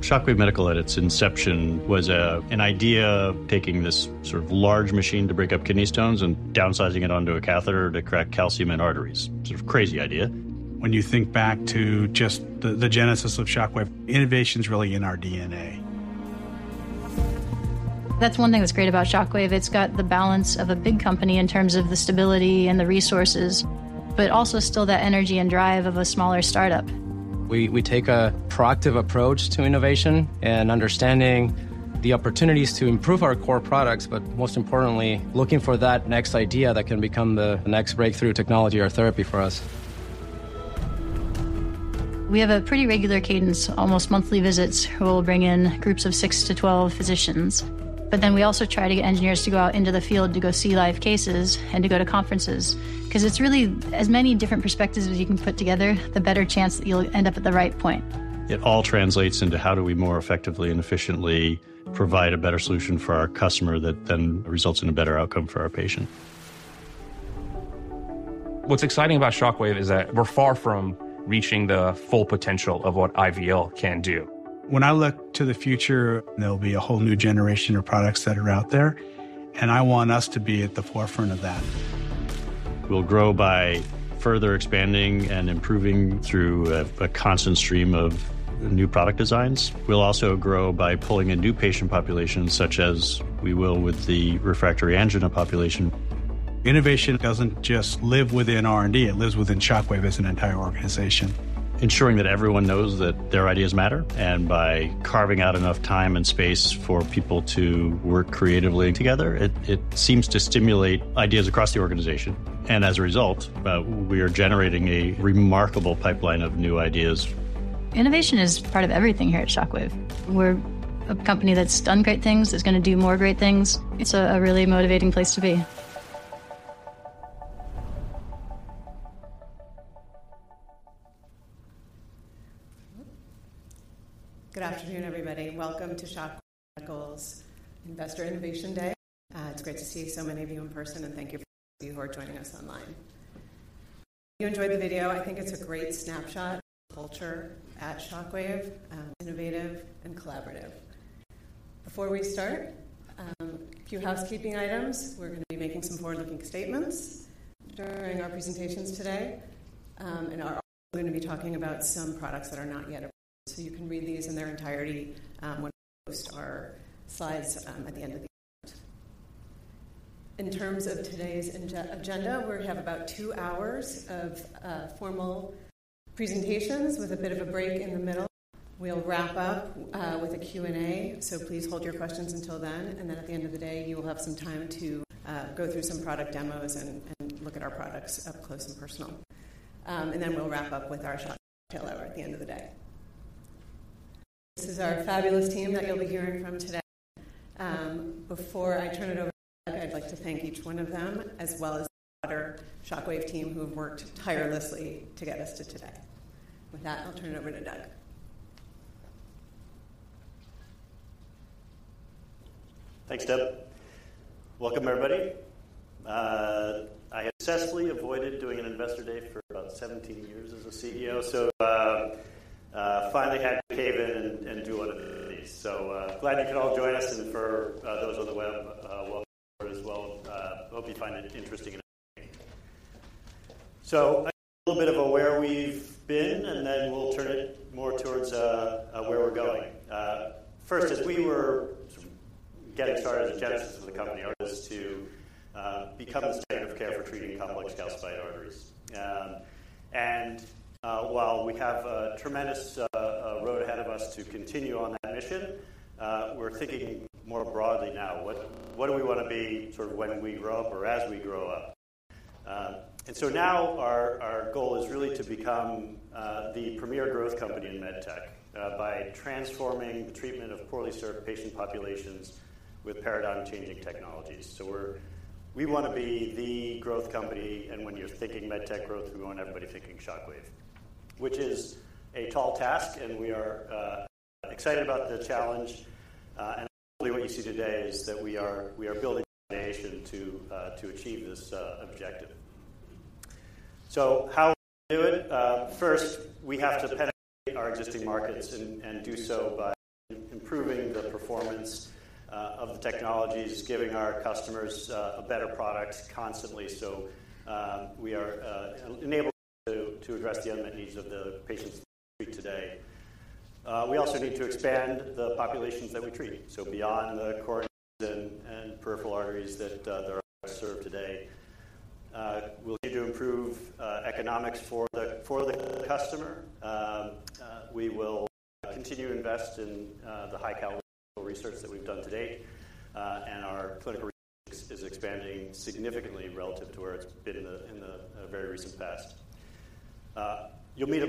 Shockwave Medical, at its inception, was an idea of taking this sort of large machine to break up kidney stones and downsizing it onto a catheter to crack calcium in arteries. Sort of crazy idea. When you think back to just the genesis of Shockwave, innovation is really in our DNA. That's one thing that's great about Shockwave. It's got the balance of a big company in terms of the stability and the resources, but also still that energy and drive of a smaller startup. We take a proactive approach to innovation and understanding the opportunities to improve our core products, but most importantly, looking for that next idea that can become the next breakthrough technology or therapy for us. We have a pretty regular cadence, almost monthly visits. We'll bring in groups of 6-12 physicians. But then we also try to get engineers to go out into the field to go see live cases and to go to conferences. Because it's really as many different perspectives as you can put together, the better chance that you'll end up at the right point. It all translates into how do we more effectively and efficiently provide a better solution for our customer that then results in a better outcome for our patient. What's exciting about Shockwave is that we're far from reaching the full potential of what IVL can do. When I look to the future, there'll be a whole new generation of products that are out there, and I want us to be at the forefront of that. We'll grow by further expanding and improving through a constant stream of new product designs. We'll also grow by pulling in new patient populations, such as we will with the refractory angina population. Innovation doesn't just live within R&D, it lives within Shockwave as an entire organization. Ensuring that everyone knows that their ideas matter, and by carving out enough time and space for people to work creatively together, it seems to stimulate ideas across the organization. As a result, we are generating a remarkable pipeline of new ideas. Innovation is part of everything here at Shockwave. We're a company that's done great things, that's gonna do more great things. It's a really motivating place to be. Good afternoon, everybody. Welcome to Shockwave Medical's Investor Innovation Day. It's great to see so many of you in person, and thank you for those of you who are joining us online. You enjoyed the video? I think it's a great snapshot of the culture at Shockwave, innovative and collaborative. Before we start, a few housekeeping items. We're gonna be making some forward-looking statements during our presentations today, and are also going to be talking about some products that are not yet available. So you can read these in their entirety, when we post our slides, at the end of the event. In terms of today's agenda, we're gonna have about two hours of formal presentations with a bit of a break in the middle. We'll wrap up with a Q&A, so please hold your questions until then, and then at the end of the day, you will have some time to go through some product demos and look at our products up close and personal. And then we'll wrap up with our Shocktail hour at the end of the day. This is our fabulous team that you'll be hearing from today. Before I turn it over to Doug, I'd like to thank each one of them, as well as the wider Shockwave team, who have worked tirelessly to get us to today. With that, I'll turn it over to Doug. Thanks, Deb. Welcome, everybody. I successfully avoided doing an investor day for about 17 years as a CEO, so finally had to cave in and do one of these. So glad you could all join us, and for those on the web, welcome as well. I hope you find it interesting and helpful. So a little bit about where we've been, and then we'll turn it more towards where we're going. First, as we were getting started, the genesis of the company was to become the standard of care for treating complex calcified arteries. And while we have a tremendous road ahead of us to continue on that mission, we're thinking more broadly now. What do we want to be sort of when we grow up or as we grow up? And so now our goal is really to become the premier growth company in medtech by transforming the treatment of poorly served patient populations with paradigm-changing technologies. So we're we wanna be the growth company, and when you're thinking medtech growth, we want everybody thinking Shockwave, which is a tall task, and we are excited about the challenge, and hopefully, what you see today is that we are building the foundation to achieve this objective. So how do we do it? First, we have to penetrate our existing markets and do so by improving the performance of the technologies, giving our customers a better product constantly. So we are enabled to address the unmet needs of the patients we treat today. We also need to expand the populations that we treat, so beyond the core and peripheral arteries that are served today. We'll need to improve economics for the customer. We will continue to invest in the high-caliber research that we've done to date, and our clinical research is expanding significantly relative to where it's been in the very recent past. You'll meet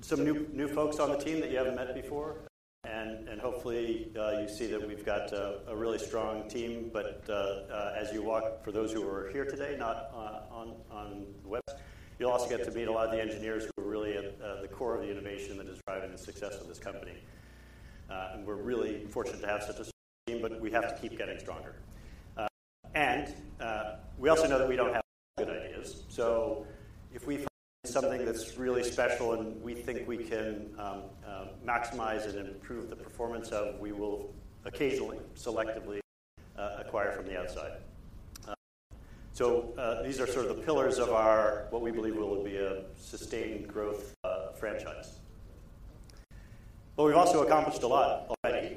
some new folks on the team that you haven't met before, and hopefully you see that we've got a really strong team. But as you walk, for those who are here today, not on the web, you'll also get to meet a lot of the engineers who are really at the core of the innovation that is driving the success of this company. And we're really fortunate to have such a strong team, but we have to keep getting stronger. And we also know that we don't have all the good ideas. So if we find something that's really special, and we think we can maximize it and improve the performance of, we will occasionally, selectively acquire from the outside. So these are sort of the pillars of our, what we believe will be a sustained growth franchise. But we've also accomplished a lot already.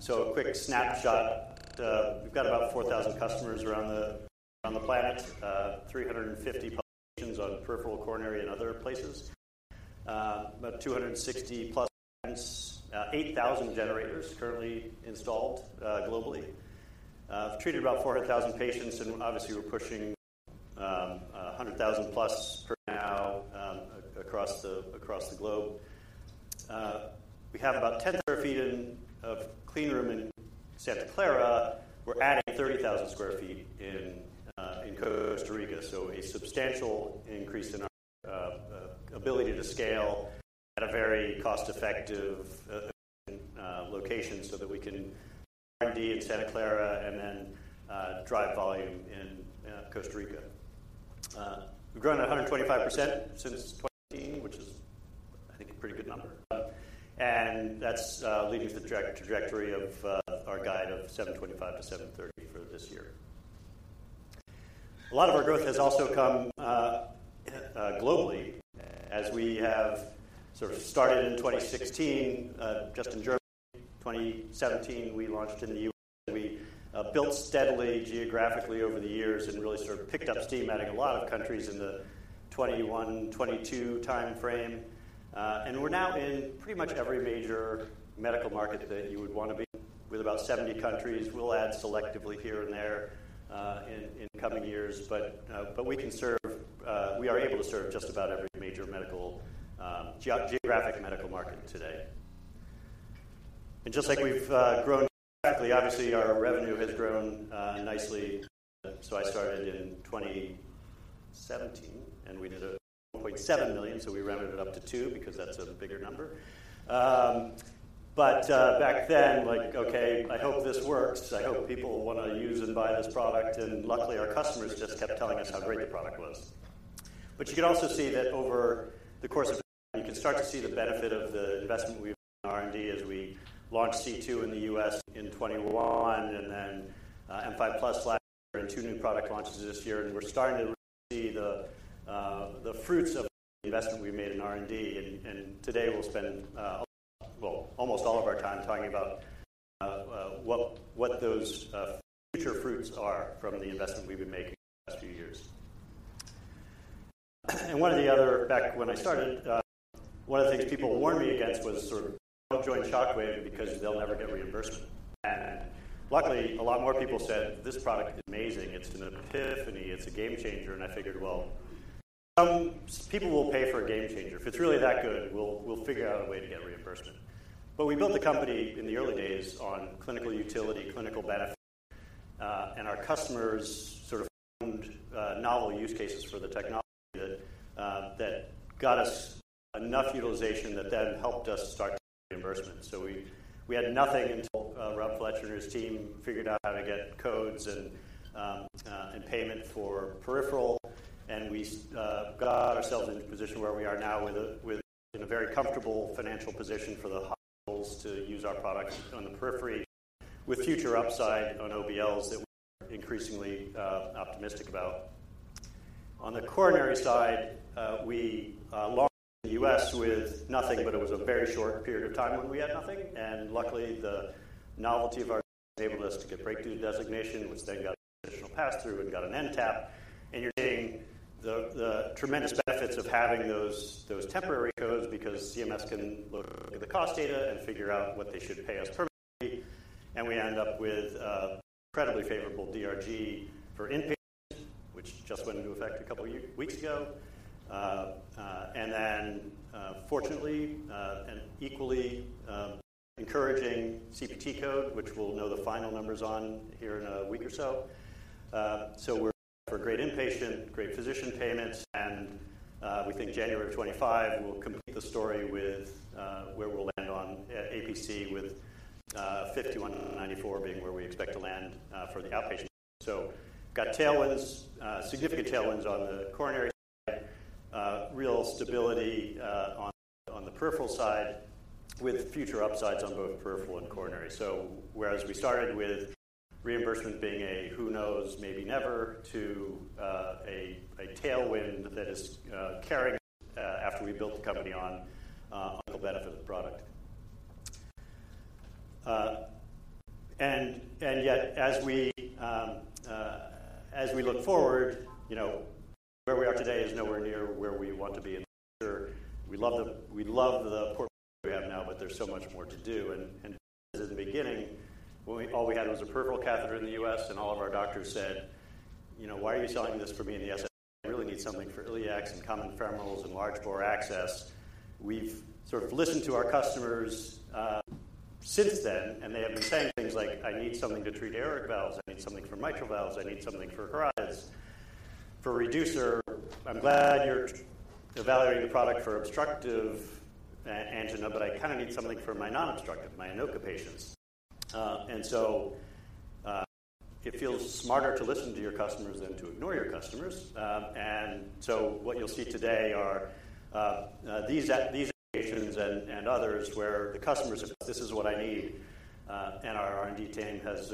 So a quick snapshot. We've got about 4,000 customers around the planet. Three hundred and fifty publications on peripheral, coronary, and other places. About 260+ events, eight thousand generators currently installed, globally. We've treated about 400,000 patients, and obviously, we're pushing a 100,000+ per annum, across the globe. We have about 10 sq ft of clean room in Santa Clara. We're adding 30,000 sq ft in Costa Rica, so a substantial increase in our ability to scale at a very cost-effective location, so that we can do R&D in Santa Clara and then drive volume in Costa Rica. We've grown 125% since 2018, which is, I think, a pretty good number. That's leading to the trajectory of our guide of $725 to 730 for this year. A lot of our growth has also come globally as we have sort of started in 2016 just in Germany. In 2017, we launched in the US We built steadily geographically over the years and really sort of picked up steam, adding a lot of countries in the 2021 to 2022 timeframe. We're now in pretty much every major medical market that you would want to be, with about 70 countries. We'll add selectively here and there in coming years. We are able to serve just about every major geographic medical market today. Just like we've grown geographically, obviously, our revenue has grown nicely. So I started in 2017, and we did $1.7 million, so we rounded it up to 2 because that's a bigger number. But back then, like, okay, I hope this works. I hope people want to use and buy this product, and luckily, our customers just kept telling us how great the product was. But you can also see that over the course of time, you can start to see the benefit of the investment we've made in R&D as we launched C2 in the US in 2021, and then M5+ last year and 2 new product launches this year, and we're starting to see the fruits of the investment we made in R&D. Today, we'll spend, well, almost all of our time talking about what those future fruits are from the investment we've been making the last few years. One of the other things—in fact, when I started, one of the things people warned me against was sort of, "Don't join Shockwave because they'll never get reimbursement." And luckily, a lot more people said, "This product is amazing. It's an epiphany, it's a game changer." And I figured, well, some people will pay for a game changer. If it's really that good, we'll figure out a way to get reimbursement. But we built the company in the early days on clinical utility, clinical benefit, and our customers sort of found novel use cases for the technology that got us enough utilization that then helped us start to get reimbursement. So we had nothing until Rob Fletcher and his team figured out how to get codes and payment for peripheral, and we got ourselves in a position where we are now within a very comfortable financial position for the hospitals to use our products on the periphery, with future upside on OBLs that we're increasingly optimistic about. On the coronary side, we launched in the US with nothing, but it was a very short period of time when we had nothing, and luckily, the novelty of our product enabled us to get breakthrough designation, which then got additional passthrough and got an NTAP. You're seeing the tremendous benefits of having those temporary codes because CMS can look at the cost data and figure out what they should pay us permanently, and we end up with incredibly favorable DRG for inpatient, which just went into effect a couple of weeks ago. And then, fortunately, and equally encouraging CPT code, which we'll know the final numbers on here in a week or so. So we're for great inpatient, great physician payments, and we think January of 2025, we'll complete the story with where we'll land on APC, with 5194 being where we expect to land for the outpatient. So we've got tailwinds, significant tailwinds on the coronary side, real stability on the peripheral side, with future upsides on both peripheral and coronary. So whereas we started with reimbursement being a who knows, maybe never, to a tailwind that is carrying us after we built the company on clinical benefit of the product. And yet, as we look forward, you know, where we are today is nowhere near where we want to be in the future. We love the, we love the portfolio we have now, but there's so much more to do. And at the beginning, when all we had was a peripheral catheter in the US, and all of our doctors said, "You know, why are you selling this for me in the SFA? I really need something for iliacs and common femorals and large bore access." We've sort of listened to our customers since then, and they have been saying things like, "I need something to treat aortic valves. I need something for mitral valves. I need something for coronaries, for Reducer. I'm glad you're evaluating the product for obstructive angina, but I kind of need something for my non-obstructive, my ANOCA patients." It feels smarter to listen to your customers than to ignore your customers. And so what you'll see today are these locations and others where the customers, this is what I need, and our R&D team has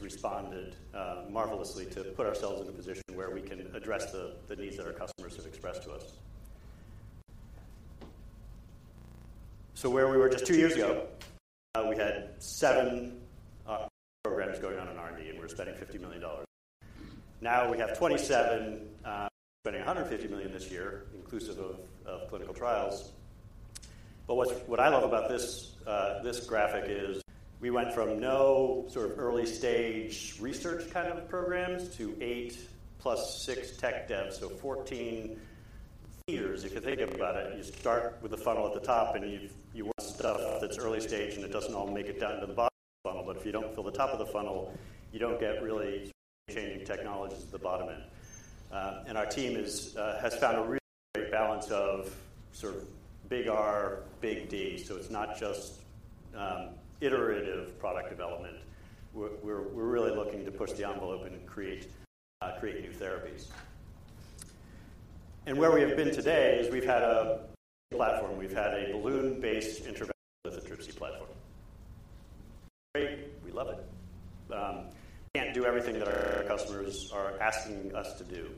responded marvelously to put ourselves in a position where we can address the needs that our customers have expressed to us. So where we were just two years ago, we had 7 programs going on in R&D, and we were spending $50 million. Now we have 27, spending $150 million this year, inclusive of, of clinical trials. But what, what I love about this, this graphic is we went from no sort of early-stage research kind of programs to 8 + 6 tech dev, so 14 years, if you think about it, you start with the funnel at the top, and you've-- you want stuff that's early stage, and it doesn't all make it down to the bottom of the funnel. But if you don't fill the top of the funnel, you don't get really changing technologies at the bottom end. And our team is, has found a really great balance of sort of big R, big D. So it's not just iterative product development. We're really looking to push the envelope and create new therapies. And where we have been today is we've had a platform. We've had a balloon-based intervention lithotripsy platform. Great, we love it. Can't do everything that our customers are asking us to do.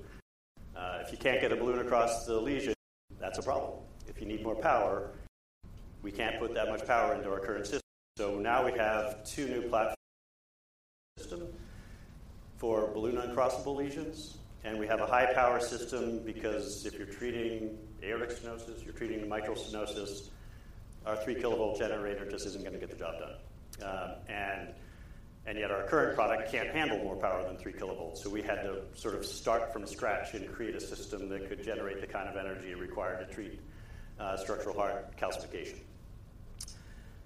If you can't get a balloon across the lesion, that's a problem. If you need more power, we can't put that much power into our current system. So now we have two new platforms: system for balloon uncrossable lesions, and we have a high-power system because if you're treating aortic stenosis, you're treating the mitral stenosis, our 3-kilovolt generator just isn't going to get the job done. And yet our current product can't handle more power than 3 kilovolts. So we had to sort of start from scratch and create a system that could generate the kind of energy required to treat structural heart calcification.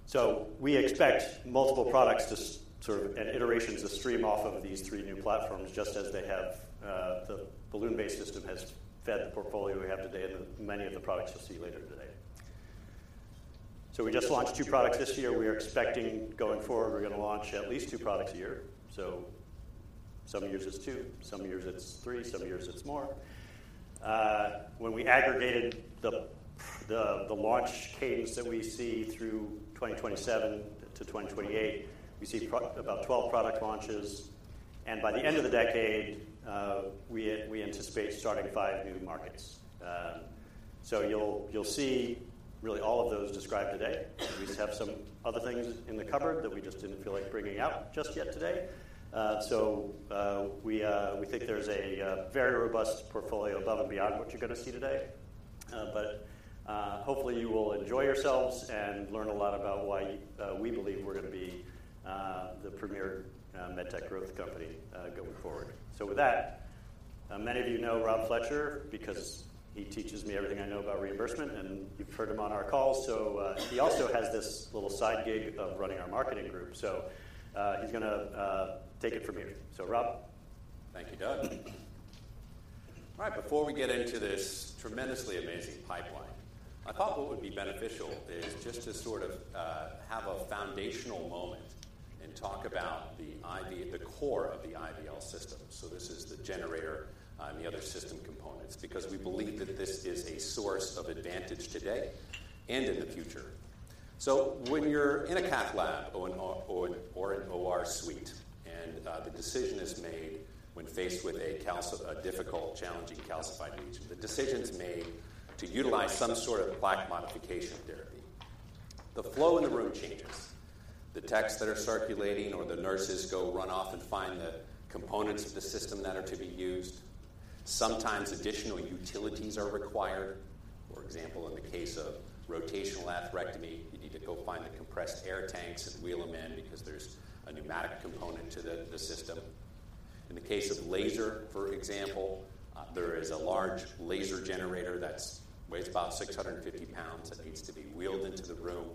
So we expect multiple products to sort of, and iterations to stream off of these three new platforms, just as they have the balloon-based system has fed the portfolio we have today and many of the products you'll see later today. So we just launched 2 products this year. We are expecting, going forward, we're going to launch at least 2 products a year. So some years it's 2, some years it's 3, some years it's more. When we aggregated the, the, the launch cadence that we see through 2027 to 2028, we see probably about 12 product launches, and by the end of the decade, we anticipate starting 5 new markets. So you'll, you'll see really all of those described today. We just have some other things in the cupboard that we just didn't feel like bringing out just yet today. So we think there's a very robust portfolio above and beyond what you're going to see today. But hopefully, you will enjoy yourselves and learn a lot about why we believe we're going to be the premier med tech growth company going forward. So with that, many of you know Rob Fletcher because he teaches me everything I know about reimbursement, and you've heard him on our calls. So he's gonna take it from here. So, Rob? Thank you, Doug. All right, before we get into this tremendously amazing pipeline, I thought what would be beneficial is just to sort of have a foundational moment and talk about the IV, the core of the IVL system. So this is the generator and the other system components, because we believe that this is a source of advantage today and in the future. So when you're in a cath lab or an OR suite, and the decision is made when faced with a difficult, challenging, calcified lesion, the decision is made to utilize some sort of plaque modification therapy. The flow in the room changes. The techs that are circulating or the nurses go run off and find the components of the system that are to be used. Sometimes additional utilities are required. For example, in the case of rotational atherectomy, you need to go find the compressed air tanks and wheel them in because there's a pneumatic component to the system. In the case of laser, for example, there is a large laser generator that weighs about 650 pounds that needs to be wheeled into the room,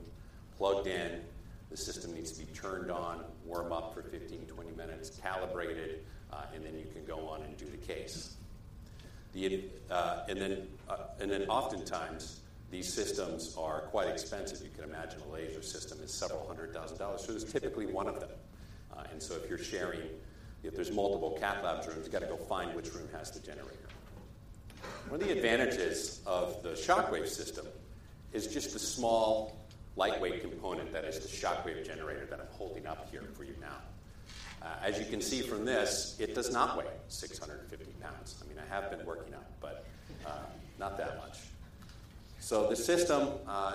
plugged in, the system needs to be turned on, warm up for 15-20 minutes, calibrated, and then you can go on and do the case. And then oftentimes, these systems are quite expensive. You can imagine a laser system is $several hundred thousand, so there's typically one of them. And so if you're sharing, if there's multiple cath lab rooms, you've got to go find which room has the generator. One of the advantages of the Shockwave system is just the small, lightweight component that is the Shockwave generator that I'm holding up here for you now. As you can see from this, it does not weigh 650 pounds. I mean, I have been working out, but not that much. So the system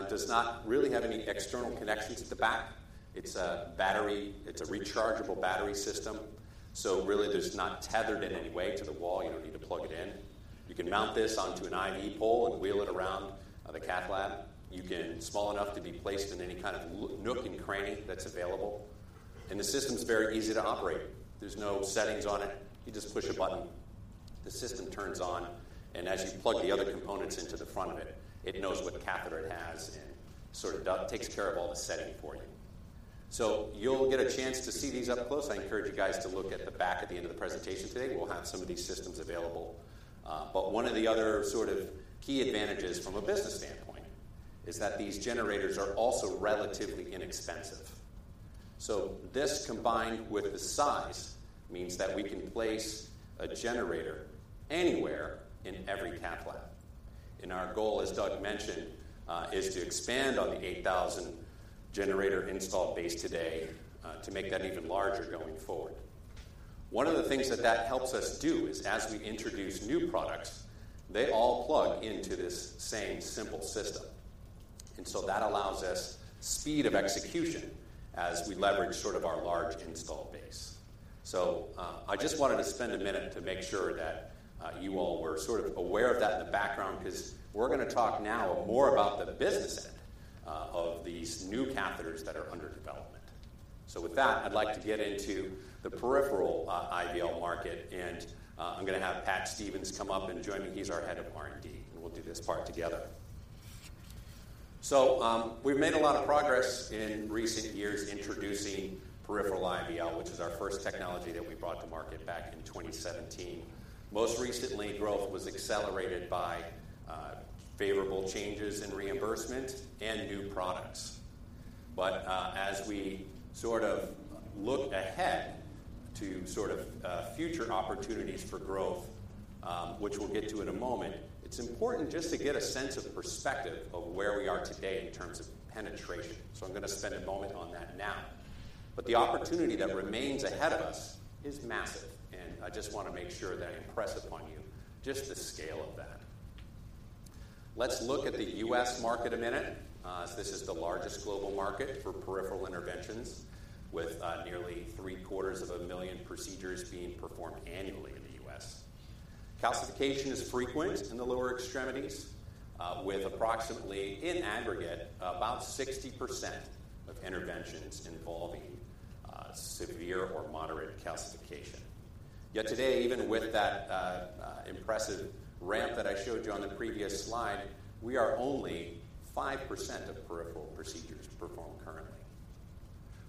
does not really have any external connections at the back. It's a battery, it's a rechargeable battery system, so really, it is not tethered in any way to the wall. You don't need to plug it in. You can mount this onto an IV pole and wheel it around the cath lab. You can small enough to be placed in any kind of little nook and cranny that's available. The system's very easy to operate. There's no settings on it. You just push a button, the system turns on, and as you plug the other components into the front of it, it knows what catheter it has and sort of does, takes care of all the setting for you. So you'll get a chance to see these up close. I encourage you guys to look at the back at the end of the presentation today. We'll have some of these systems available. But one of the other sort of key advantages from a business standpoint is that these generators are also relatively inexpensive. So this, combined with the size, means that we can place a generator anywhere in every cath lab. And our goal, as Doug mentioned, is to expand on the 8,000 generator install base today to make that even larger going forward. One of the things that helps us do is as we introduce new products, they all plug into this same simple system, and so that allows us speed of execution as we leverage sort of our large installed base. So, I just wanted to spend a minute to make sure that, you all were sort of aware of that in the background, because we're going to talk now more about the business end, of these new catheters that are under development. So with that, I'd like to get into the peripheral, IVL market, and, I'm going to have Pat Stevens come up and join me. He's our head of R&D, and we'll do this part together. So, we've made a lot of progress in recent years introducing peripheral IVL, which is our first technology that we brought to market back in 2017. Most recently, growth was accelerated by favorable changes in reimbursement and new products. But as we sort of look ahead to sort of future opportunities for growth, which we'll get to in a moment, it's important just to get a sense of perspective of where we are today in terms of penetration. So I'm going to spend a moment on that now. But the opportunity that remains ahead of us is massive, and I just want to make sure that I impress upon you just the scale of that. Let's look at the US market a minute. This is the largest global market for peripheral interventions, with nearly three-quarters of a million procedures being performed annually in the US Calcification is frequent in the lower extremities, with approximately, in aggregate, about 60% of interventions involving severe or moderate calcification. Yet today, even with that, impressive ramp that I showed you on the previous slide, we are only 5% of peripheral procedures performed currently.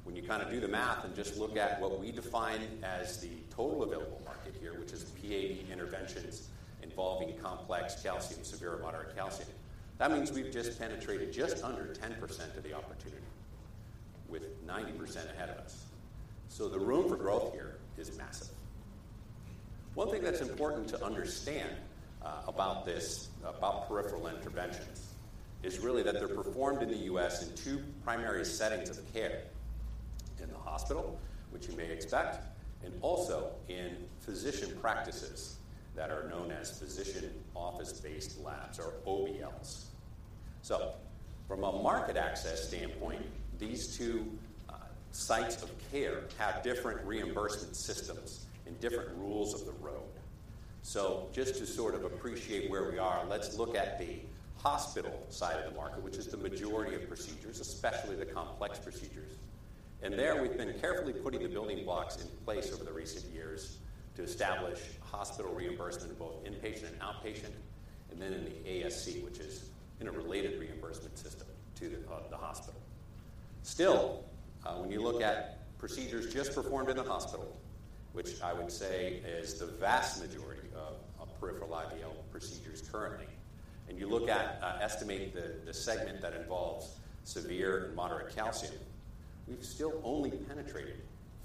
When you kind of do the math and just look at what we define as the total available market here, which is PAD interventions involving complex calcium, severe or moderate calcium, that means we've just penetrated just under 10% of the opportunity, with 90% ahead of us. So the room for growth here is massive. One thing that's important to understand, about this, about peripheral interventions, is really that they're performed in the US in two primary settings of care: in the hospital, which you may expect, and also in physician practices that are known as physician office-based labs or OBLs. So from a market access standpoint, these two sites of care have different reimbursement systems and different rules of the road. So just to sort of appreciate where we are, let's look at the hospital side of the market, which is the majority of procedures, especially the complex procedures. And there, we've been carefully putting the building blocks in place over the recent years to establish hospital reimbursement in both inpatient and outpatient, and then in the ASC, which is in a related reimbursement system to the hospital. Still, when you look at procedures just performed in the hospital, which I would say is the vast majority of peripheral IVL procedures currently, and you look at, estimate the segment that involves severe and moderate calcium, we've still only penetrated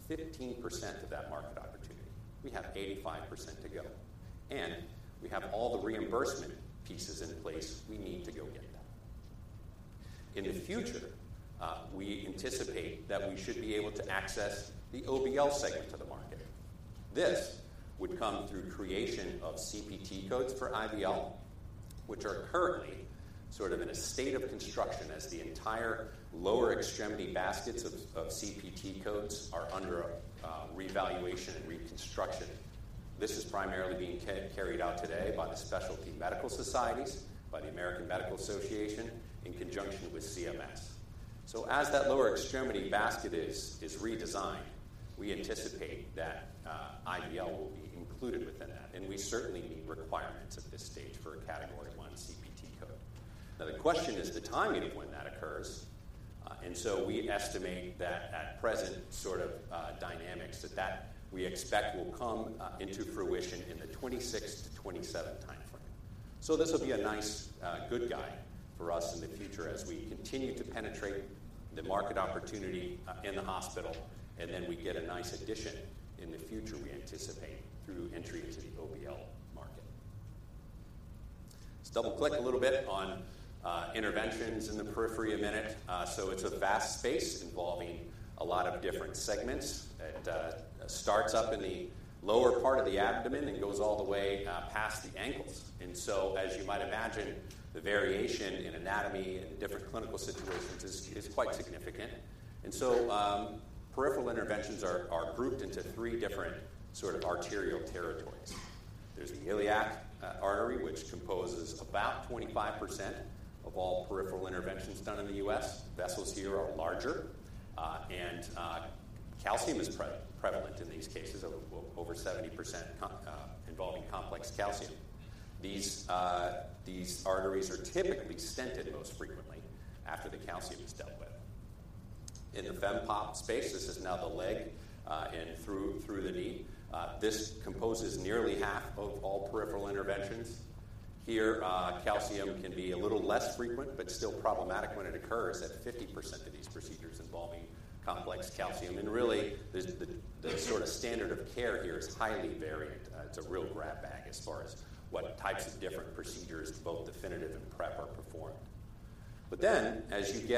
15% of that market opportunity. We have 85% to go, and we have all the reimbursement pieces in place we need to go get that. In the future, we anticipate that we should be able to access the OBL segment of the market. This would come through creation of CPT codes for IVL, which are currently sort of in a state of construction as the entire lower extremity baskets of CPT codes are under revaluation and reconstruction. This is primarily being carried out today by the specialty medical societies, by the American Medical Association, in conjunction with CMS. So as that lower extremity basket is redesigned, we anticipate that IVL will be included within that, and we certainly meet requirements at this stage for a Category One CPT code. Now, the question is the timing of when that occurs, and so we estimate that at present sort of dynamics that we expect will come into fruition in the 2026 to 2027 time frame. So this will be a nice good guide for us in the future as we continue to penetrate the market opportunity in the hospital, and then we get a nice addition in the future, we anticipate, through entry into the OBL market. Let's double-click a little bit on interventions in the periphery a minute. So it's a vast space involving a lot of different segments. It starts up in the lower part of the abdomen and goes all the way past the ankles. And so, as you might imagine, the variation in anatomy and different clinical situations is quite significant. Peripheral interventions are grouped into three different sort of arterial territories. There's the iliac artery, which composes about 25% of all peripheral interventions done in the US Vessels here are larger, and calcium is prevalent in these cases, over 70%, involving complex calcium. These arteries are typically stented most frequently after the calcium is dealt with. In the fem-pop space, this is now the leg, and through the knee. This composes nearly half of all peripheral interventions. Here, calcium can be a little less frequent, but still problematic when it occurs at 50% of these procedures involving complex calcium. Really, the sort of standard of care here is highly variant. It's a real grab bag as far as what types of different procedures, both definitive and prep, are performed. As you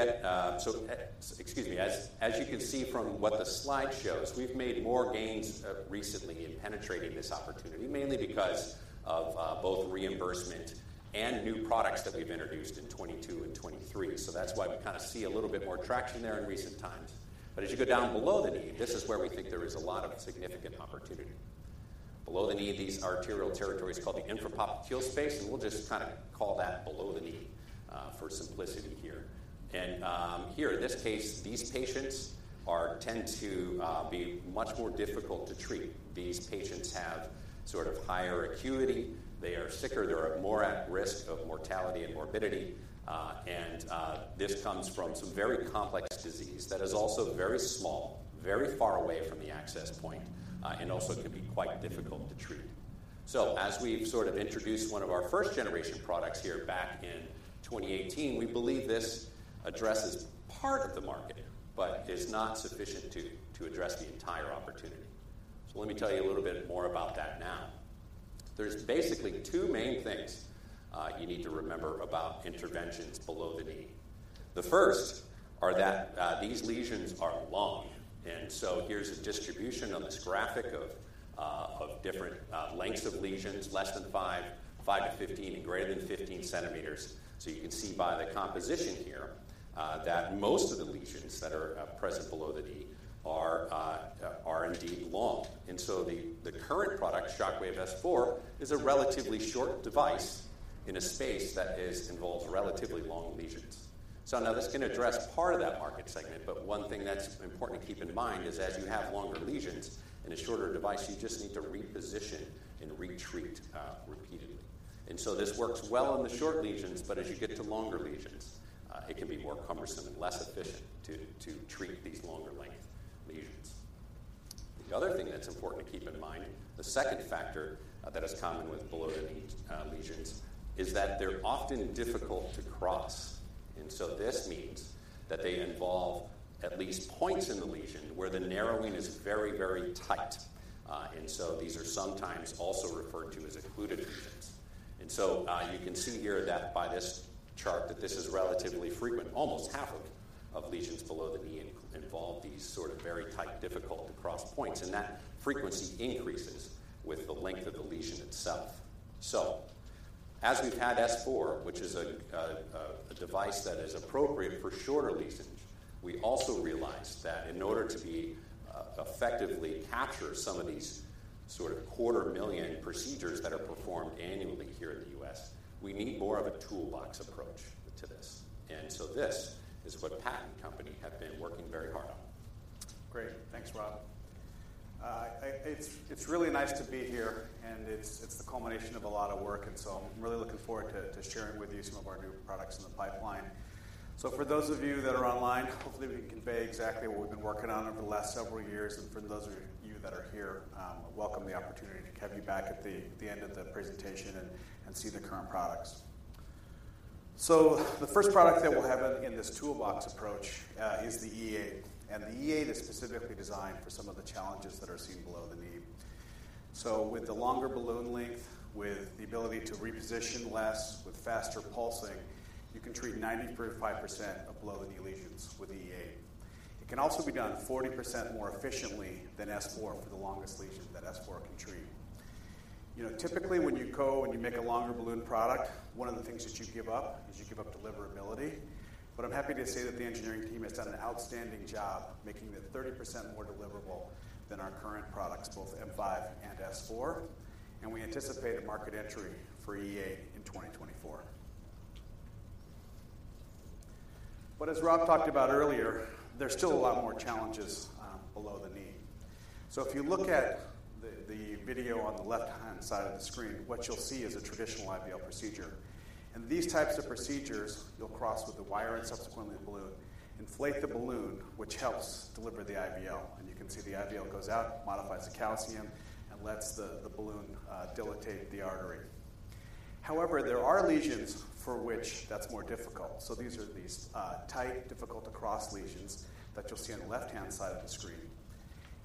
can see from what the slide shows, we've made more gains recently in penetrating this opportunity, mainly because of both reimbursement and new products that we've introduced in 2022 and 2023. So that's why we kinda see a little bit more traction there in recent times. But as you go down below the knee, this is where we think there is a lot of significant opportunity. Below the knee, these arterial territories, called the infrapopliteal space, and we'll just kinda call that below the knee for simplicity here. And here in this case, these patients tend to be much more difficult to treat. These patients have sort of higher acuity. They are sicker. They're at more risk of mortality and morbidity, this comes from some very complex disease that is also very small, very far away from the access point, and also can be quite difficult to treat. So as we've sort of introduced one of our first-generation products here back in 2018, we believe this addresses part of the market, but is not sufficient to address the entire opportunity. So let me tell you a little bit more about that now. There's basically two main things you need to remember about interventions below the knee. The first are that these lesions are long, and so here's a distribution on this graphic of different lengths of lesions, less than 5, 5-15, and greater than 15 centimeters. So you can see by the composition here that most of the lesions that are are indeed long. And so the current product, Shockwave S4, is a relatively short device in a space that involves relatively long lesions. So now this can address part of that market segment, but one thing that's important to keep in mind is as you have longer lesions in a shorter device, you just need to reposition and retreat repeatedly. And so this works well in the short lesions, but as you get to longer lesions, it can be more cumbersome and less efficient to treat these longer length lesions. The other thing that's important to keep in mind, the second factor that is common with below-the-knee lesions, is that they're often difficult to cross, and so this means that they involve at least points in the lesion where the narrowing is very, very tight. And so these are sometimes also referred to as occluded lesions. And so, you can see here that by this chart that this is relatively frequent. Almost half of lesions below the knee involve these sort of very tight, difficult-to-cross points, and that frequency increases with the length of the lesion itself. So as we've had S4, which is a device that is appropriate for shorter lesions, we also realized that in order to effectively capture some of these sort of 250,000 procedures that are performed annually here in the US, we need more of a toolbox approach to this. And so this is what Pat and company have been working very hard on. Great. Thanks, Rob. It's really nice to be here, and it's the culmination of a lot of work, and so I'm really looking forward to sharing with you some of our new products in the pipeline. So for those of you that are online, hopefully we convey exactly what we've been working on over the last several years. And for those of you that are here, welcome the opportunity to have you back at the end of the presentation and see the current products. So the first product that we'll have in this toolbox approach is the E8. And the E8 is specifically designed for some of the challenges that are seen below the knee. So with the longer balloon length, with the ability to reposition less, with faster pulsing, you can treat 95% of below-the-knee lesions with E8. It can also be done 40% more efficiently than S4 for the longest lesion that S4 can treat. You know, typically when you go and you make a longer balloon product, one of the things that you give up, is you give up deliverability. But I'm happy to say that the engineering team has done an outstanding job making it 30% more deliverable than our current products, both M5 and S4, and we anticipate a market entry for E8 in 2024. But as Rob talked about earlier, there's still a lot more challenges, below the knee. So if you look at the, the video on the left-hand side of the screen, what you'll see is a traditional IVL procedure. And these types of procedures, you'll cross with the wire and subsequently balloon, inflate the balloon, which helps deliver the IVL. You can see the IVL goes out, modifies the calcium, and lets the, the balloon dilate the artery. However, there are lesions for which that's more difficult. So these are tight, difficult-to-cross lesions that you'll see on the left-hand side of the screen.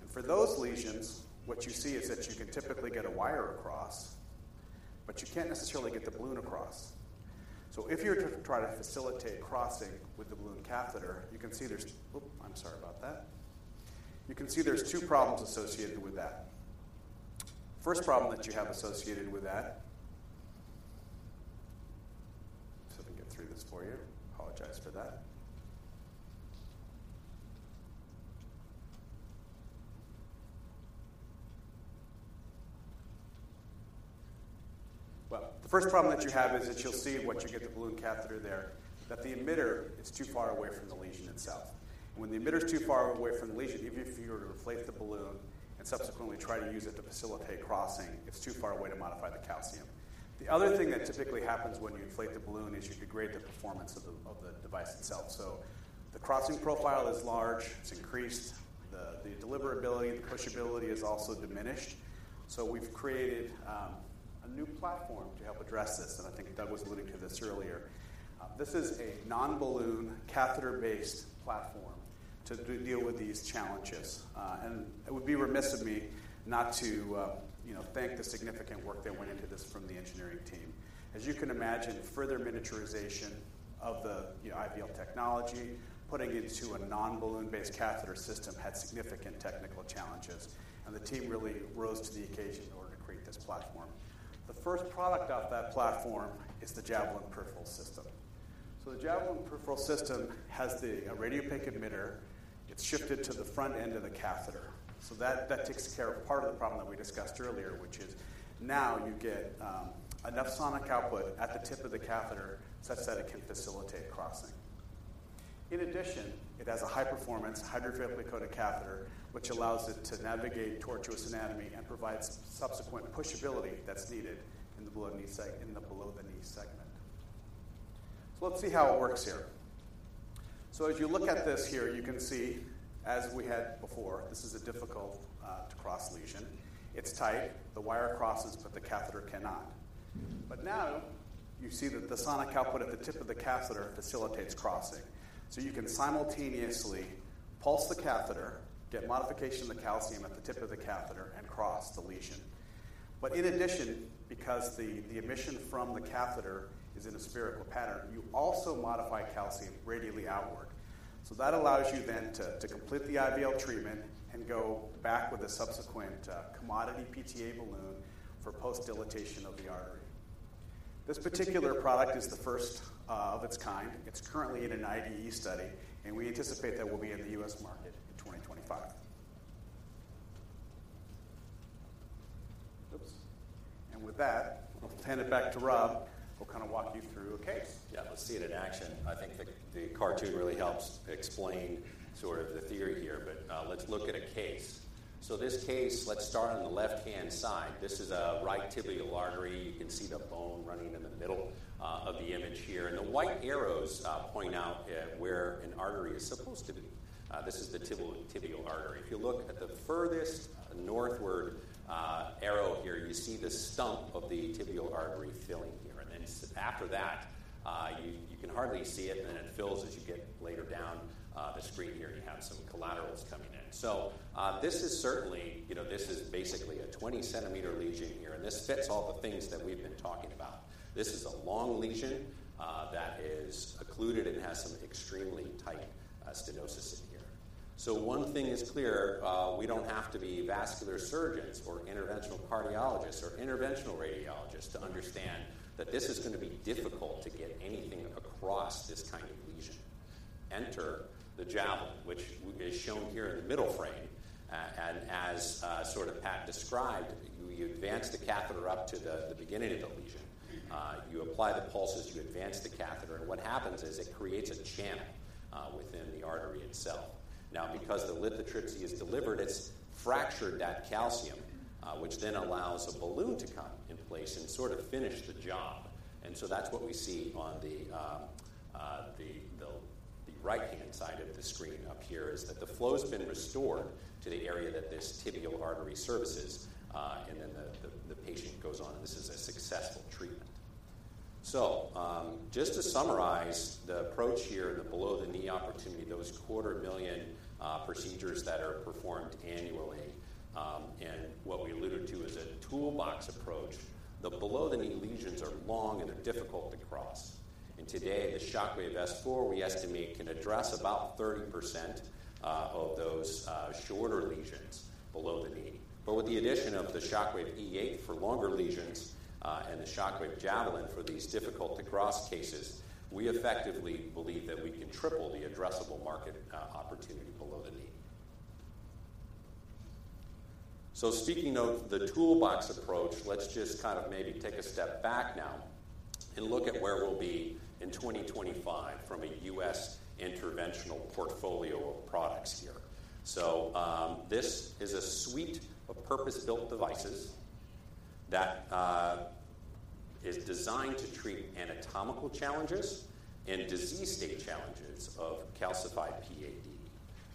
For those lesions, what you see is that you can typically get a wire across, but you can't necessarily get the balloon across. So if you're to try to facilitate crossing with the balloon catheter, you can see there's... Oop, I'm sorry about that. You can see there's two problems associated with that. First problem that you have associated with that. Let me get through this for you. I apologize for that. Well, the first problem that you have is that you'll see once you get the balloon catheter there, that the emitter is too far away from the lesion itself. When the emitter is too far away from the lesion, even if you were to inflate the balloon and subsequently try to use it to facilitate crossing, it's too far away to modify the calcium. The other thing that typically happens when you inflate the balloon is you degrade the performance of the device itself. So the crossing profile is large; it's increased. The deliverability, the pushability is also diminished. So we've created a new platform to help address this, and I think Doug was alluding to this earlier. This is a non-balloon catheter-based platform to deal with these challenges. And it would be remiss of me not to, you know, thank the significant work that went into this from the engineering team. As you can imagine, further miniaturization of the IVL technology, putting it into a non-balloon-based catheter system had significant technical challenges, and the team really rose to the occasion in order to create this platform. The first product out of that platform is the Javelin Peripheral System. So the Javelin Peripheral System has the radiopaque emitter. It's shifted to the front end of the catheter, so that takes care of part of the problem that we discussed earlier, which is now you get enough sonic output at the tip of the catheter, such that it can facilitate crossing. In addition, it has a high-performance, hydrophilically coated catheter, which allows it to navigate tortuous anatomy and provides subsequent pushability that's needed in the below-the-knee segment. So let's see how it works here. So if you look at this here, you can see, as we had before, this is a difficult to cross lesion. It's tight. The wire crosses, but the catheter cannot. But now you see that the sonic output at the tip of the catheter facilitates crossing. So you can simultaneously pulse the catheter, get modification of the calcium at the tip of the catheter, and cross the lesion. But in addition, because the emission from the catheter is in a spherical pattern, you also modify calcium radially outward. So that allows you then to complete the IVL treatment and go back with a subsequent commodity PTA balloon for post-dilatation of the artery. This particular product is the first of its kind. It's currently in an IDE study, and we anticipate that we'll be in the US market in 2025. Oops. With that, I'll hand it back to Rob, who'll kind of walk you through a case. Yeah, let's see it in action. I think the cartoon really helps explain sort of the theory here, but let's look at a case. So this case, let's start on the left-hand side. This is a right tibial artery. You can see the bone running in the middle of the image here, and the white arrows point out where an artery is supposed to be. This is the tibial artery. If you look at the furthest northward arrow here, you see the stump of the tibial artery filling here, and then after that, you can hardly see it, and then it fills as you get later down the screen here, and you have some collaterals coming in. So, this is certainly, you know, this is basically a 20-centimeter lesion here, and this fits all the things that we've been talking about. This is a long lesion that is occluded and has some extremely tight stenosis in here. So one thing is clear, we don't have to be vascular surgeons or interventional cardiologists or interventional radiologists to understand that this is going to be difficult to get anything across this kind of lesion. Enter the Javelin, which is shown here in the middle frame, and as sort of Pat described, you advance the catheter up to the beginning of the lesion. You apply the pulses, you advance the catheter, and what happens is it creates a channel within the artery itself. Now, because the lithotripsy is delivered, it's fractured that calcium, which then allows a balloon to come into place and sort of finish the job, and so that's what we see on the right-hand side of the screen up here is that the flow's been restored to the area that this tibial artery services, and then the patient goes on, and this is a successful treatment. So, just to summarize the approach here, the below-the-knee opportunity, those 250,000 procedures that are performed annually, and what we alluded to is a toolbox approach. The below-the-knee lesions are long, and they're difficult to cross. And today, the Shockwave S4, we estimate, can address about 30% of those shorter lesions below the knee. But with the addition of the Shockwave E8 for longer lesions and the Shockwave Javelin for these difficult to cross cases, we effectively believe that we can triple the addressable market opportunity below the knee. So speaking of the toolbox approach, let's just kind of maybe take a step back now and look at where we'll be in 2025 from a US interventional portfolio of products here. This is a suite of purpose-built devices that is designed to treat anatomical challenges and disease state challenges of calcified PAD.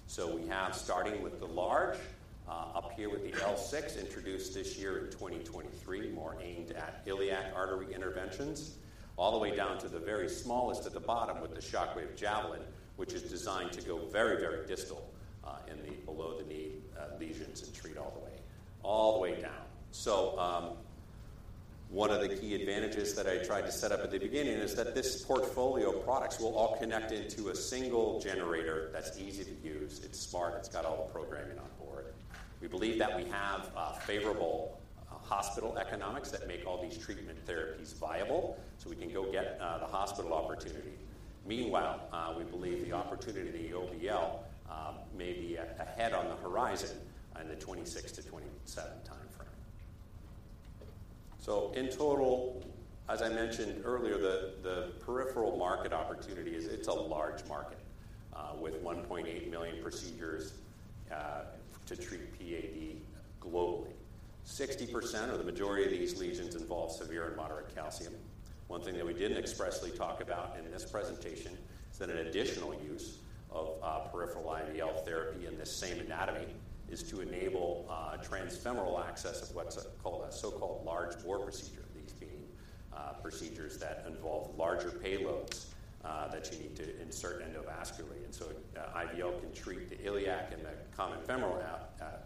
So we have, starting with the large, up here with the L6, introduced this year in 2023, more aimed at iliac artery interventions, all the way down to the very smallest at the bottom with the Shockwave Javelin, which is designed to go very, very distal, in the below-the-knee lesions and treat all the way, all the way down. So, one of the key advantages that I tried to set up at the beginning is that this portfolio of products will all connect into a single generator that's easy to use. It's smart, it's got all the programming on board. We believe that we have, favorable, hospital economics that make all these treatment therapies viable, so we can go get, the hospital opportunity. Meanwhile, we believe the opportunity in the OBL may be ahead on the horizon in the 2026-2027 timeframe. So in total, as I mentioned earlier, the peripheral market opportunity is it's a large market with 1.8 million procedures to treat PAD globally. 60% or the majority of these lesions involve severe and moderate calcium. One thing that we didn't expressly talk about in this presentation is that an additional use of peripheral IVL therapy in this same anatomy is to enable transfemoral access of what's called a so-called large bore procedure. These being procedures that involve larger payloads that you need to insert endovascularly. IVL can treat the iliac and the common femoral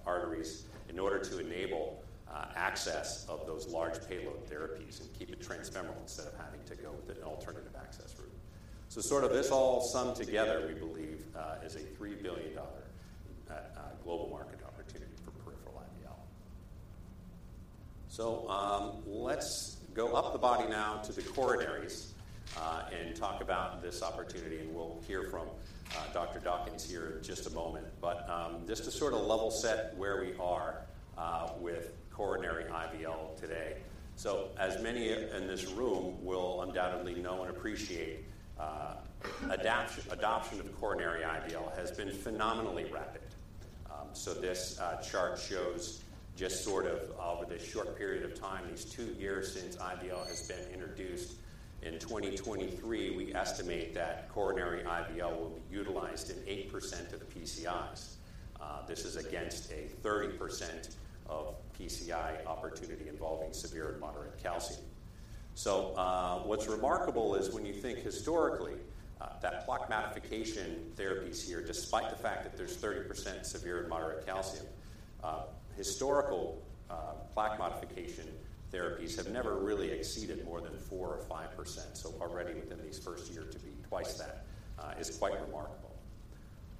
arteries in order to enable access of those large payload therapies and keep it transfemoral instead of having to go with an alternative access route. So sort of this all summed together, we believe, is a $3 billion global market opportunity for peripheral IVL. So, let's go up the body now to the coronaries, and talk about this opportunity, and we'll hear from Dr. Dawkins here in just a moment. But, just to sort of level set where we are with coronary IVL today. So as many in this room will undoubtedly know and appreciate, adoption of coronary IVL has been phenomenally rapid. So this chart shows just sort of over this short period of time, these two years since IVL has been introduced. In 2023, we estimate that coronary IVL will be utilized in 8% of PCIs. This is against a 30% of PCI opportunity involving severe and moderate calcium. So, what's remarkable is when you think historically, that plaque modification therapies here, despite the fact that there's 30% severe and moderate calcium, plaque modification therapies have never really exceeded more than 4% or 5%. So already within these first year to be twice that, is quite remarkable.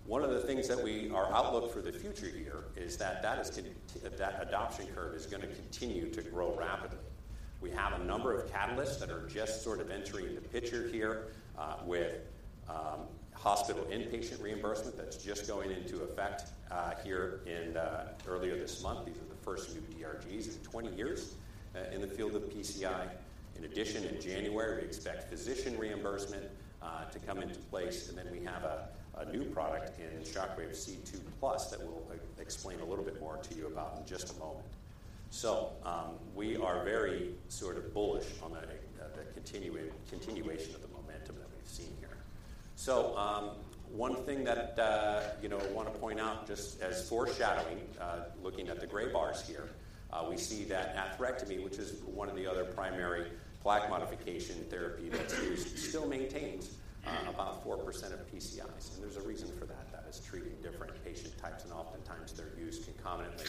One of the things that we, our outlook for the future here is that that adoption curve is going to continue to grow rapidly. We have a number of catalysts that are just sort of entering the picture here, with hospital inpatient reimbursement that's just going into effect here in earlier this month. These are the first new DRGs in 20 years in the field of PCI. In addition, in January, we expect physician reimbursement to come into place, and then we have a new product in Shockwave C2+ that we'll explain a little bit more to you about in just a moment. So, we are very sort of bullish on that, that continuing continuation of the momentum that we've seen here. So, one thing that, you know, I want to point out just as foreshadowing, looking at the gray bars here, we see that atherectomy, which is one of the other primary plaque modification therapy that's used, still maintains about 4% of PCIs, and there's a reason for that. That is treating different patient types, and oftentimes they're used concomitantly.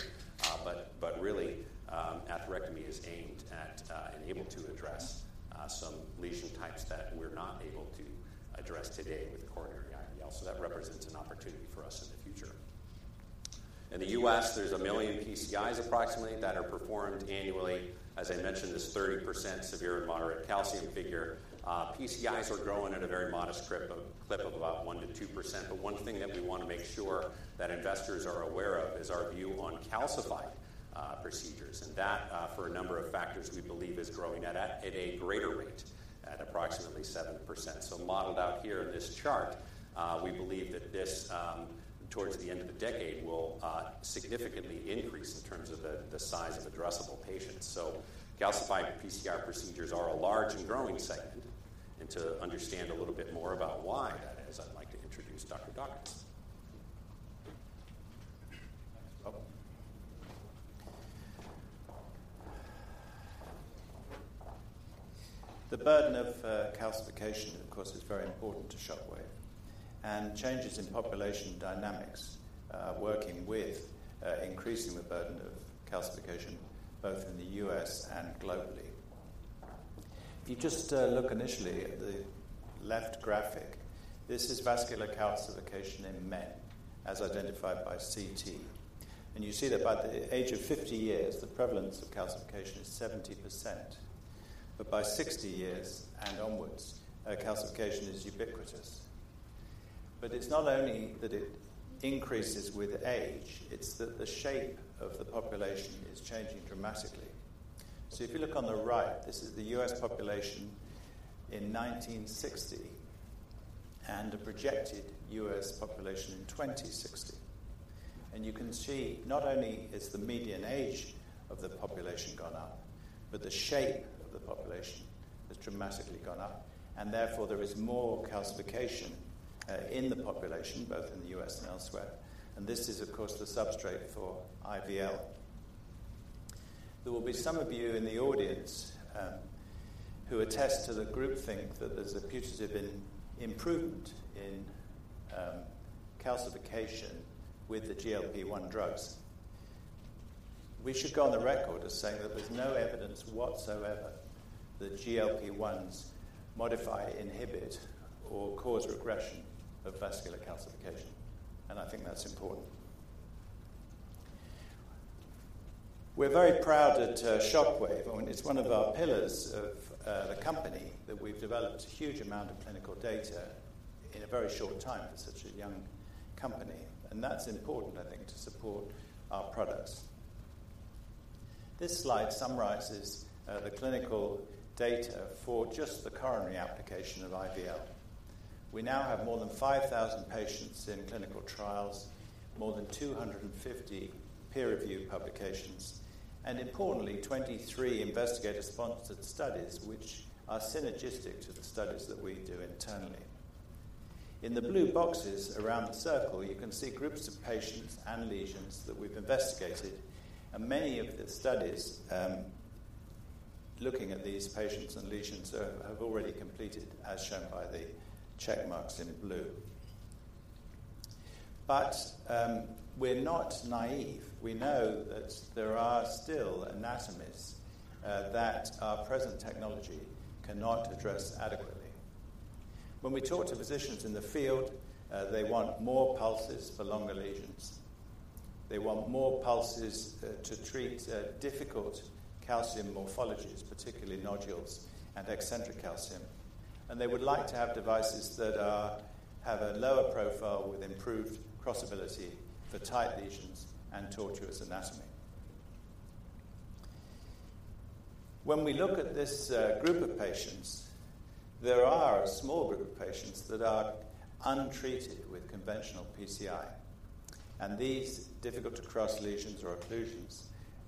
But really, atherectomy is aimed at and able to address some lesion types that we're not able to address today with coronary IVL. So that represents an opportunity for us in the future. In the US, there's 1 million PCIs approximately that are performed annually. As I mentioned, this 30% severe and moderate calcium figure. PCIs are growing at a very modest clip of about 1% to 2%. But one thing that we want to make sure that investors are aware of is our view on calcified procedures. And that, for a number of factors, we believe is growing at a greater rate at approximately 7%. So modeled out here in this chart, we believe that this, towards the end of the decade, will significantly increase in terms of the size of addressable patients. So calcified PCI procedures are a large and growing segment, and to understand a little bit more about why that is, I'd like to introduce Dr. Dawkins. Oh. The burden of calcification, of course, is very important to Shockwave, and changes in population dynamics are working with increasing the burden of calcification both in the US and globally. If you just look initially at the left graphic, this is vascular calcification in men as identified by CT, and you see that by the age of 50 years, the prevalence of calcification is 70%, but by 60 years and onwards, calcification is ubiquitous. But it's not only that it increases with age, it's that the shape of the population is changing dramatically. So if you look on the right, this is the US population in 1960 and the projected US population in 2060. You can see not only is the median age of the population gone up, but the shape of the population has dramatically gone up, and therefore, there is more calcification in the population, both in the US and elsewhere, and this is, of course, the substrate for IVL. There will be some of you in the audience who attest to the group think that there's a putative improvement in calcification with the GLP-1 drugs. We should go on the record as saying that there's no evidence whatsoever that GLP-1s modify, inhibit, or cause regression of vascular calcification, and I think that's important. We're very proud at Shockwave. I mean, it's one of our pillars of the company that we've developed a huge amount of clinical data in a very short time for such a young company, and that's important, I think, to support our products. This slide summarizes the clinical data for just the coronary application of IVL. We now have more than 5,000 patients in clinical trials, more than 250 peer-reviewed publications, and importantly, 23 investigator-sponsored studies, which are synergistic to the studies that we do internally. In the blue boxes around the circle, you can see groups of patients and lesions that we've investigated, and many of the studies looking at these patients and lesions have already completed, as shown by the check marks in blue. But we're not naive. We know that there are still anatomies that our present technology cannot address adequately. When we talk to physicians in the field, they want more pulses for longer lesions. They want more pulses to treat difficult calcium morphologies, particularly nodules and eccentric calcium. And they would like to have devices that have a lower profile with improved crossability for tight lesions and tortuous anatomy. When we look at this group of patients, there are a small group of patients that are untreated with conventional PCI, and these difficult-to-cross lesions or occlusions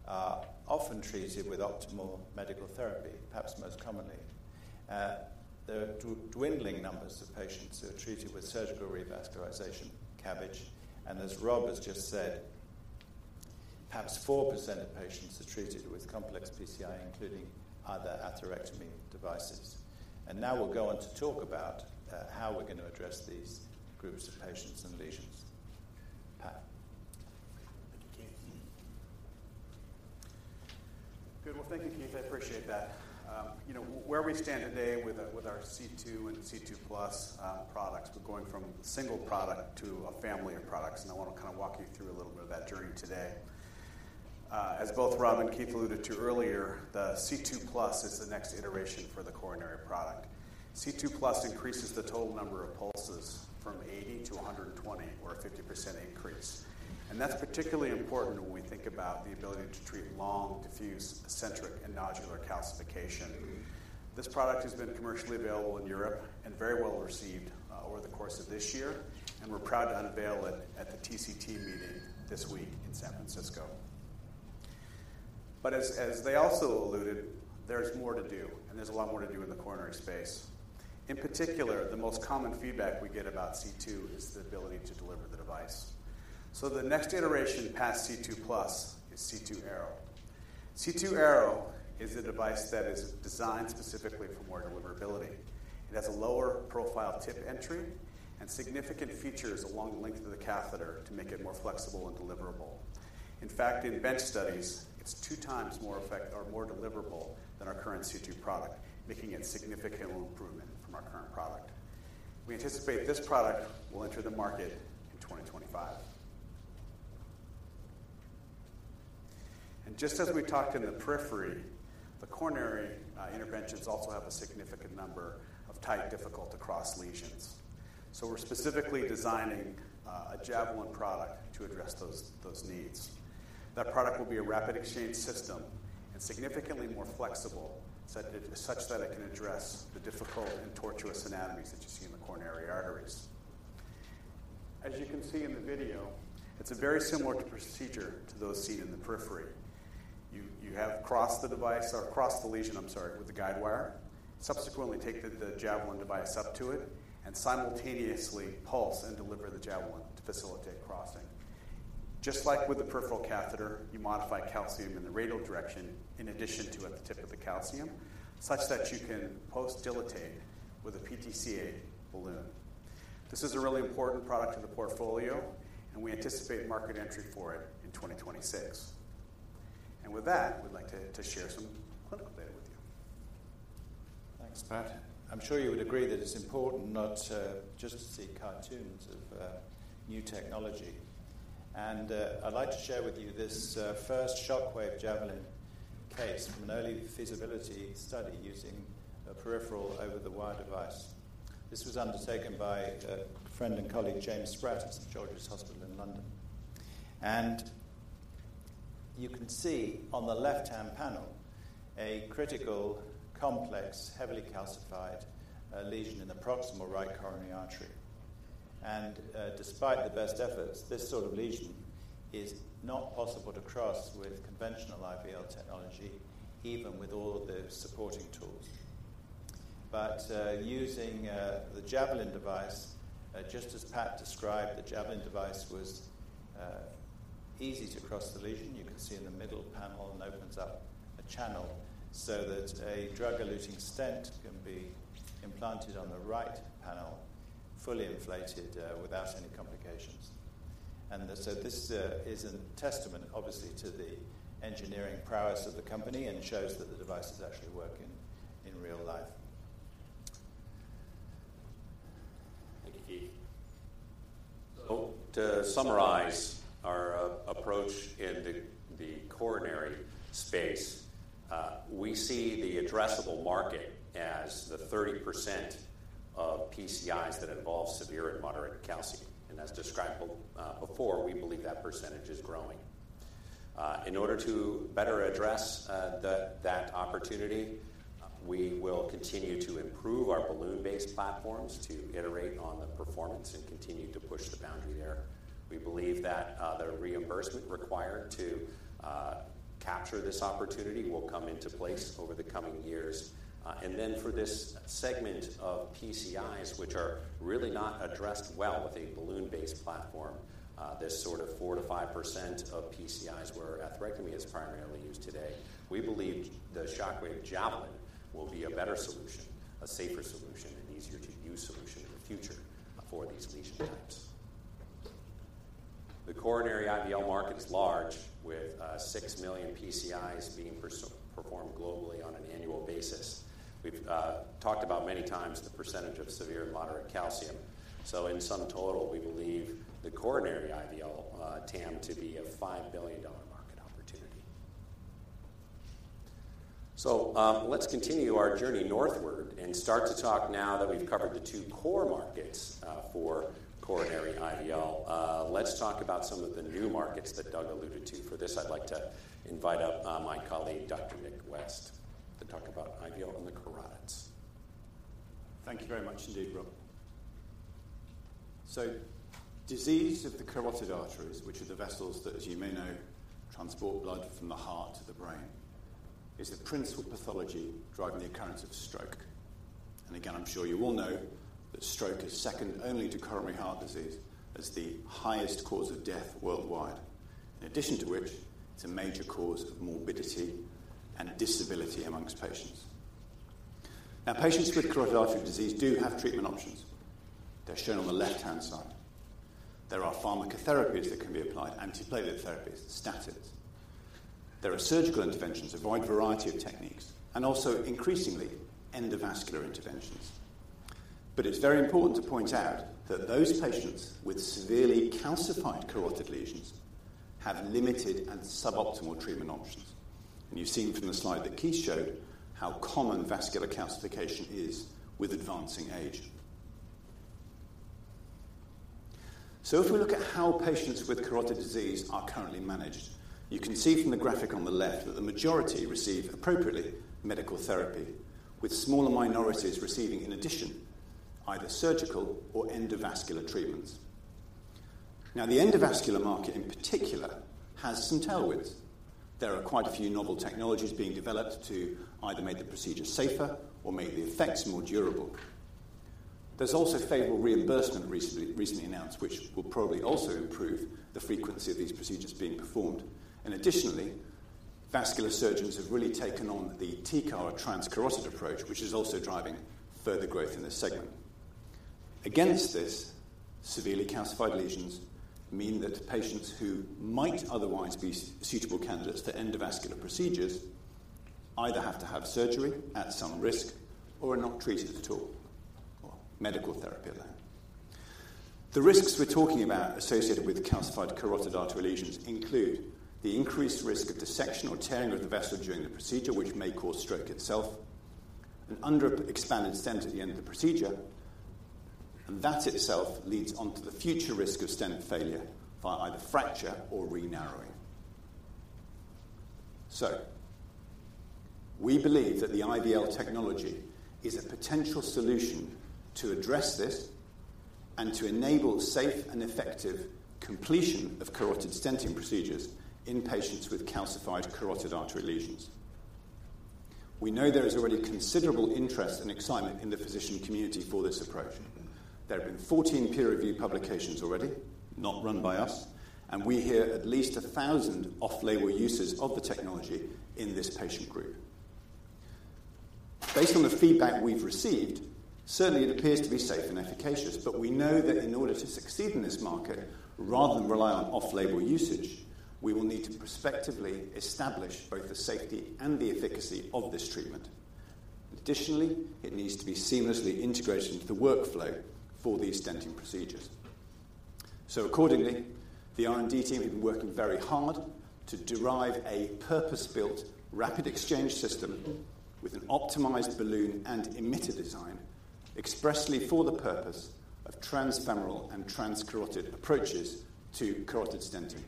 are often treated with optimal medical therapy, perhaps most commonly. There are dwindling numbers of patients who are treated with surgical revascularization, CABG. And as Rob has just said, perhaps 4% of patients are treated with complex PCI, including other atherectomy devices. And now we'll go on to talk about how we're going to address these groups of patients and lesions. Pat? Thank you, Keith. Good. Well, thank you, Keith. I appreciate that. You know, where we stand today with our, with our C2 and C2+ products, we're going from a single product to a family of products, and I want to kind of walk you through a little bit of that journey today. As both Rob and Keith alluded to earlier, the C2+ is the next iteration for the coronary product. C2+ increases the total number of pulses from 80 to 120 or a 50% increase. And that's particularly important when we think about the ability to treat long, diffuse, eccentric, and nodular calcification. This product has been commercially available in Europe and very well-received over the course of this year, and we're proud to unveil it at the TCT meeting this week in San Francisco. But as they also alluded, there's more to do, and there's a lot more to do in the coronary space. In particular, the most common feedback we get about C2 is the ability to deliver the device. So the next iteration past C2+ is C2 Arrow. C2 Arrow is a device that is designed specifically for more deliverability. It has a lower profile tip entry and significant features along the length of the catheter to make it more flexible and deliverable. In fact, in bench studies, it's 2 times more deliverable than our current C2 product, making it a significant improvement from our current product. We anticipate this product will enter the market in 2025. And just as we talked in the periphery, the coronary interventions also have a significant number of tight, difficult-to-cross lesions. So we're specifically designing a Javelin product to address those needs. That product will be a rapid exchange system and significantly more flexible, such that it can address the difficult and tortuous anatomies that you see in the coronary arteries. As you can see in the video, it's a very similar procedure to those seen in the periphery. You have crossed the device or crossed the lesion, I'm sorry, with the guide wire. Subsequently, take the Javelin device up to it and simultaneously pulse and deliver the Javelin to facilitate crossing. Just like with the peripheral catheter, you modify calcium in the radial direction in addition to at the tip of the calcium, such that you can post-dilatate with a PTCA balloon. This is a really important product in the portfolio, and we anticipate market entry for it in 2026. With that, we'd like to share some clinical data with you. Thanks, Pat. I'm sure you would agree that it's important not to just see cartoons of new technology. I'd like to share with you this first Shockwave Javelin case from an early feasibility study using a peripheral over-the-wire device. This was undertaken by a friend and colleague, James Spratt, at St George's Hospital in London. You can see on the left-hand panel a critical, complex, heavily calcified lesion in the proximal right coronary artery. Despite the best efforts, this sort of lesion is not possible to cross with conventional IVL technology, even with all of the supporting tools. But using the Javelin device, just as Pat described, the Javelin device was easy to cross the lesion. You can see in the middle panel, and opens up a channel so that a drug-eluting stent can be implanted on the right panel, fully inflated, without any complications. And so this is a testament obviously to the engineering prowess of the company and shows that the device is actually working in real life.... Thank you, Keith. So to summarize our approach in the coronary space we see the addressable market as the 30% of PCIs that involve severe and moderate calcium, and as described, well, before, we believe that percentage is growing. In order to better address that opportunity, we will continue to improve our balloon-based platforms to iterate on the performance and continue to push the boundary there. We believe that the reimbursement required to capture this opportunity will come into place over the coming years. And then for this segment of PCIs, which are really not addressed well with a balloon-based platform, this sort of 4% to 5% of PCIs where atherectomy is primarily used today, we believe the Shockwave Javelin will be a better solution, a safer solution, and easier to use solution in the future for these lesion types. The coronary IVL market is large, with 6 million PCIs being performed globally on an annual basis. We've talked about many times the percentage of severe and moderate calcium, so in sum total, we believe the coronary IVL TAM to be a $5 billion market opportunity. So, let's continue our journey northward and start to talk now that we've covered the two core markets for coronary IVL. Let's talk about some of the new markets that Doug alluded to. For this, I'd like to invite up my colleague, Dr. Nick West, to talk about IVL in the carotids. Thank you very much indeed, Rob. Disease of the carotid arteries, which are the vessels that, as you may know, transport blood from the heart to the brain, is a principal pathology driving the occurrence of stroke. Again, I'm sure you all know that stroke is second only to coronary heart disease as the highest cause of death worldwide. In addition to which, it's a major cause of morbidity and disability among patients. Now, patients with carotid artery disease do have treatment options. They're shown on the left-hand side. There are pharmacotherapies that can be applied, antiplatelet therapies, statins. There are surgical interventions, a wide variety of techniques, and also increasingly, endovascular interventions. But it's very important to point out that those patients with severely calcified carotid lesions have limited and suboptimal treatment options. You've seen from the slide that Keith showed, how common vascular calcification is with advancing age. If we look at how patients with carotid disease are currently managed, you can see from the graphic on the left that the majority receive, appropriately, medical therapy, with smaller minorities receiving, in addition, either surgical or endovascular treatments. Now, the endovascular market, in particular, has some tailwinds. There are quite a few novel technologies being developed to either make the procedure safer or make the effects more durable. There's also favorable reimbursement recently, recently announced, which will probably also improve the frequency of these procedures being performed. Additionally, vascular surgeons have really taken on the TCAR, transcarotid approach, which is also driving further growth in this segment. Against this, severely calcified lesions mean that patients who might otherwise be suitable candidates for endovascular procedures either have to have surgery at some risk or are not treated at all, or medical therapy alone. The risks we're talking about associated with calcified carotid artery lesions include the increased risk of dissection or tearing of the vessel during the procedure, which may cause stroke itself, an underexpanded stent at the end of the procedure, and that itself leads on to the future risk of stent failure via either fracture or re-narrowing. So we believe that the IVL technology is a potential solution to address this and to enable safe and effective completion of carotid stenting procedures in patients with calcified carotid artery lesions. We know there is already considerable interest and excitement in the physician community for this approach. There have been 14 peer-reviewed publications already, not run by us, and we hear at least 1,000 off-label uses of the technology in this patient group. Based on the feedback we've received, certainly it appears to be safe and efficacious, but we know that in order to succeed in this market, rather than rely on off-label usage, we will need to prospectively establish both the safety and the efficacy of this treatment. Additionally, it needs to be seamlessly integrated into the workflow for these stenting procedures. So accordingly, the R&D team have been working very hard to derive a purpose-built, rapid exchange system with an optimized balloon and emitter design, expressly for the purpose of transfemoral and transcarotid approaches to carotid stenting.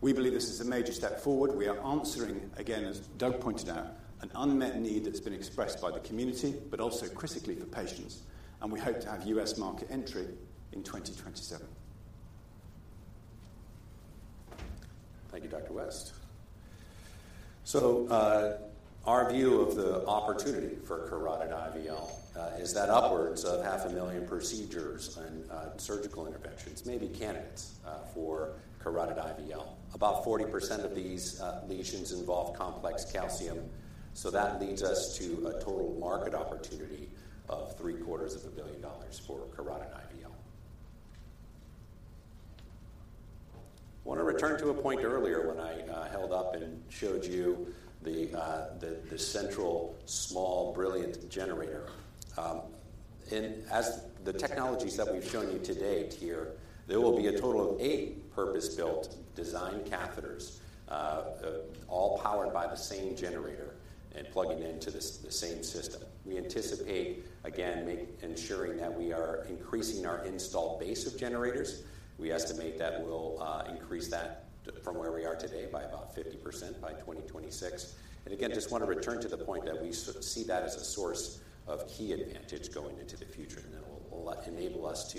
We believe this is a major step forward. We are answering, again, as Doug pointed out, an unmet need that's been expressed by the community, but also critically for patients, and we hope to have US market entry in 2027. Thank you, Dr. West. So, our view of the opportunity for carotid IVL is that upwards of 500,000 procedures and surgical interventions may be candidates for carotid IVL. About 40% of these lesions involve complex calcium, so that leads us to a total market opportunity of $750 million for carotid IVL. I want to return to a point earlier when I held up and showed you the central small, brilliant generator. And as the technologies that we've shown you today, here, there will be a total of eight purpose-built design catheters, all powered by the same generator and plugging into the same system. We anticipate, again, ensuring that we are increasing our installed base of generators. We estimate that we'll increase that from where we are today by about 50% by 2026. Again, just want to return to the point that we sort of see that as a source of key advantage going into the future, and that will enable us to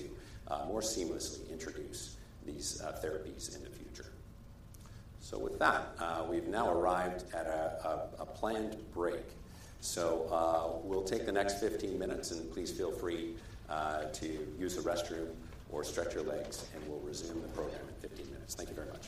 more seamlessly introduce these therapies in the future. So with that, we've now arrived at a planned break. So we'll take the next 15 minutes, and please feel free to use the restroom or stretch your legs, and we'll resume the program in 15 minutes. Thank you very much. ...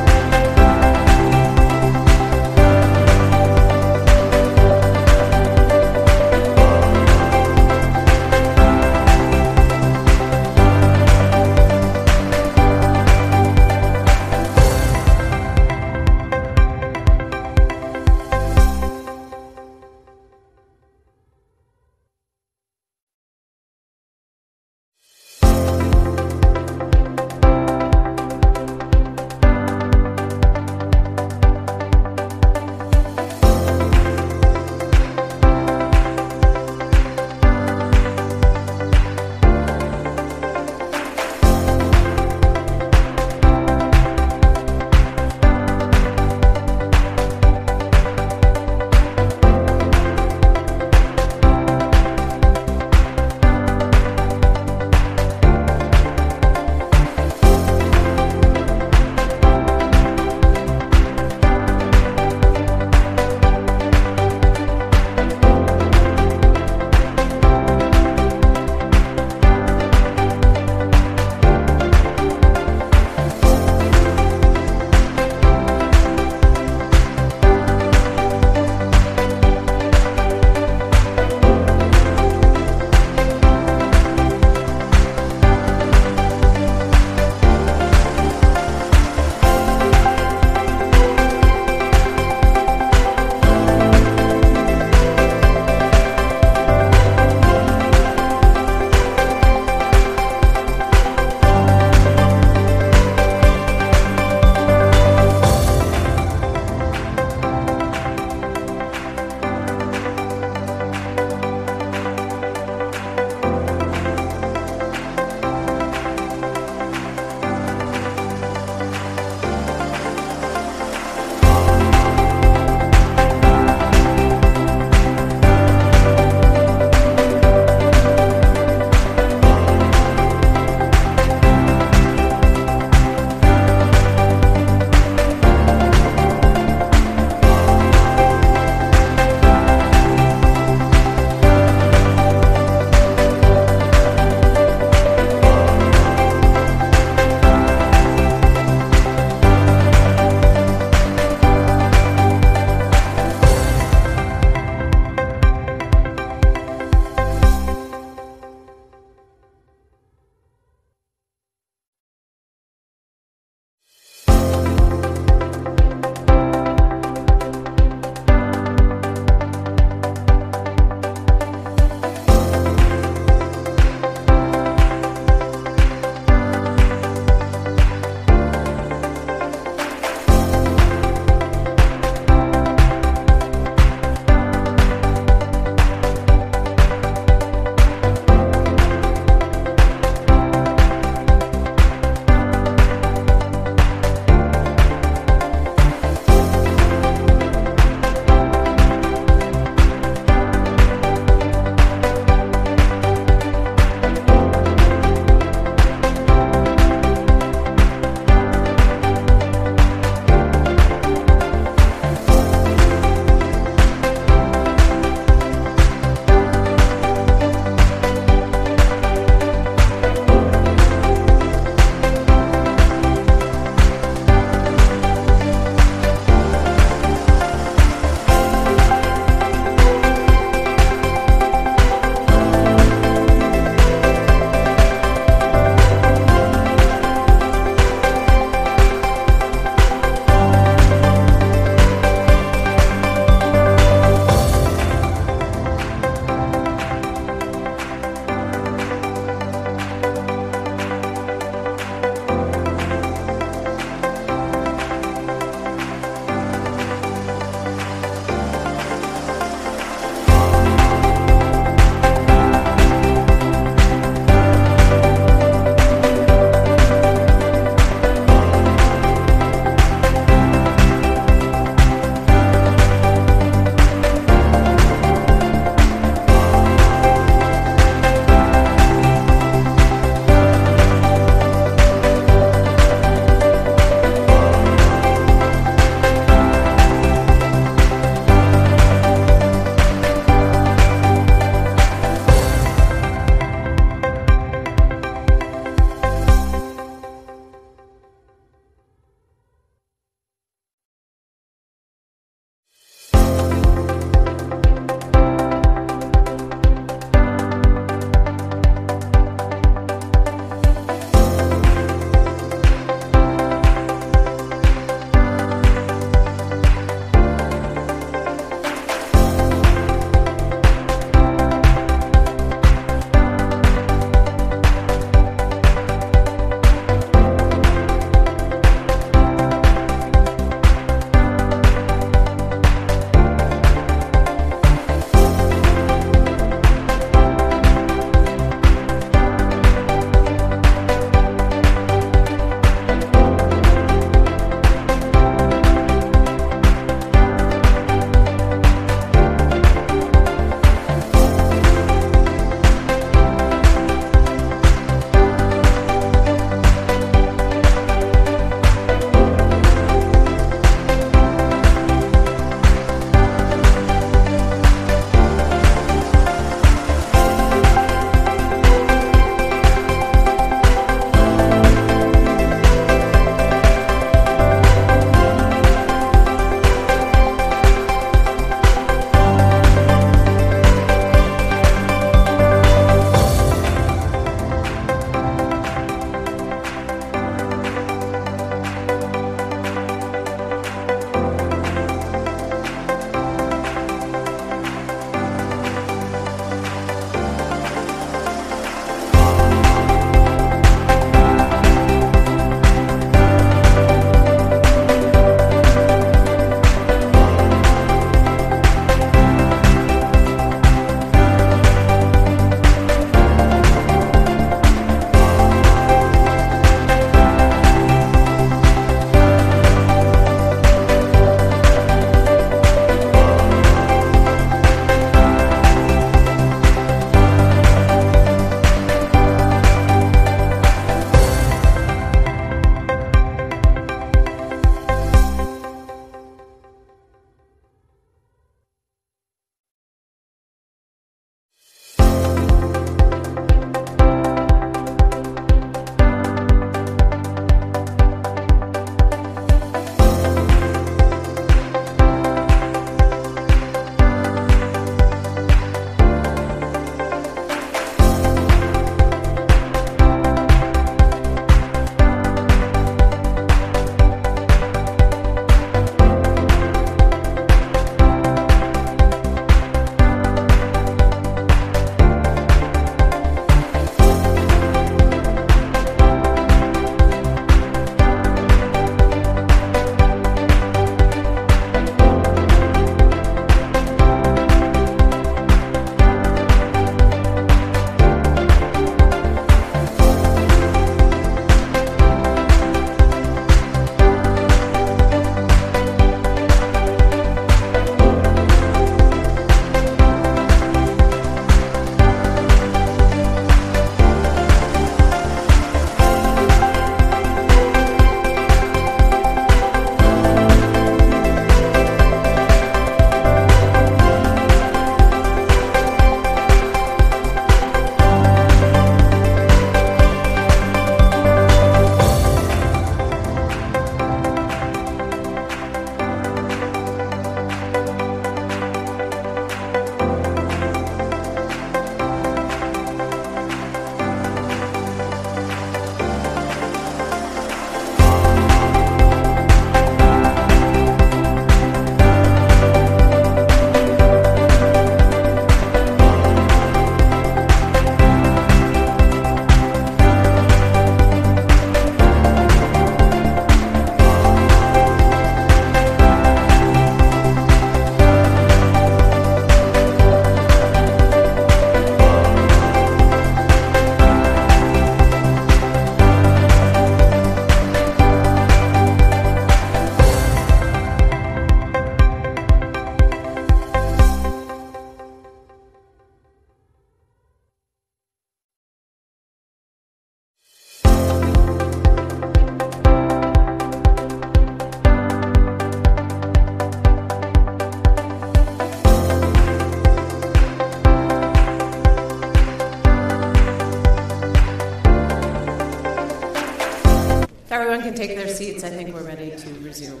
If everyone can take their seats, I think we're ready to resume.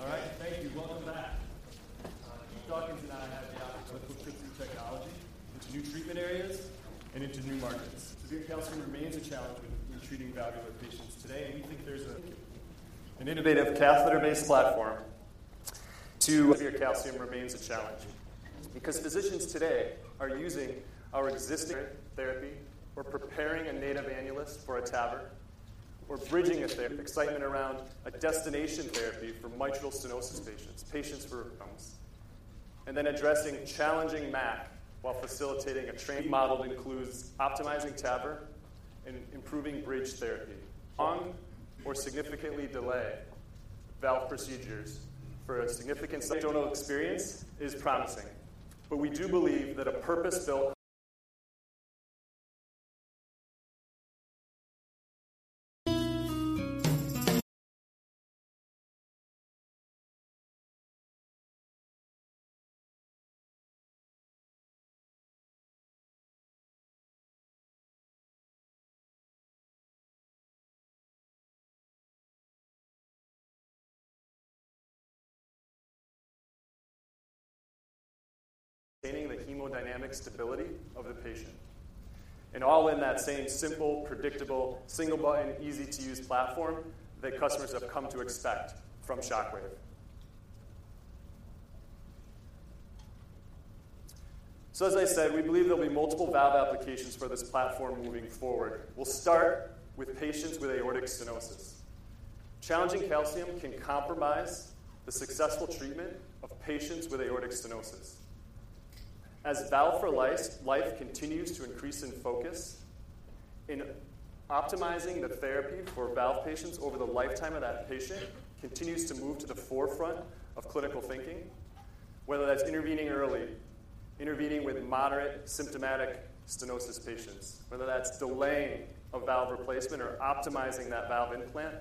All right, thank you. Welcome back. Keith Dawkins and I have the opportunity- through technology, into new treatment areas, and into new markets. Severe calcium remains a challenge in treating valvular patients today, and we think there's a- an innovative catheter-based platform to severe calcium remains a challenge. Because physicians today are using our existing therapy or preparing a native annulus for a TAVR or bridging a therapy. Excitement around a destination therapy for mitral stenosis patients, patients for pumps, and then addressing challenging MAC while facilitating a trained model that includes optimizing TAVR and improving bridge therapy. Or significantly delay valve procedures for a significant SAVR experience is promising. But we do believe that a purpose-built maintaining the hemodynamic stability of the patient, and all in that same simple, predictable, single-button, easy-to-use platform that customers have come to expect from Shockwave. So as I said, we believe there'll be multiple valve applications for this platform moving forward. We'll start with patients with aortic stenosis. Challenging calcium can compromise the successful treatment of patients with aortic stenosis. As valve-for-life, life continues to increase in focus, in optimizing the therapy for valve patients over the lifetime of that patient continues to move to the forefront of clinical thinking. Whether that's intervening early, intervening with moderate symptomatic stenosis patients, whether that's delaying a valve replacement or optimizing that valve implant,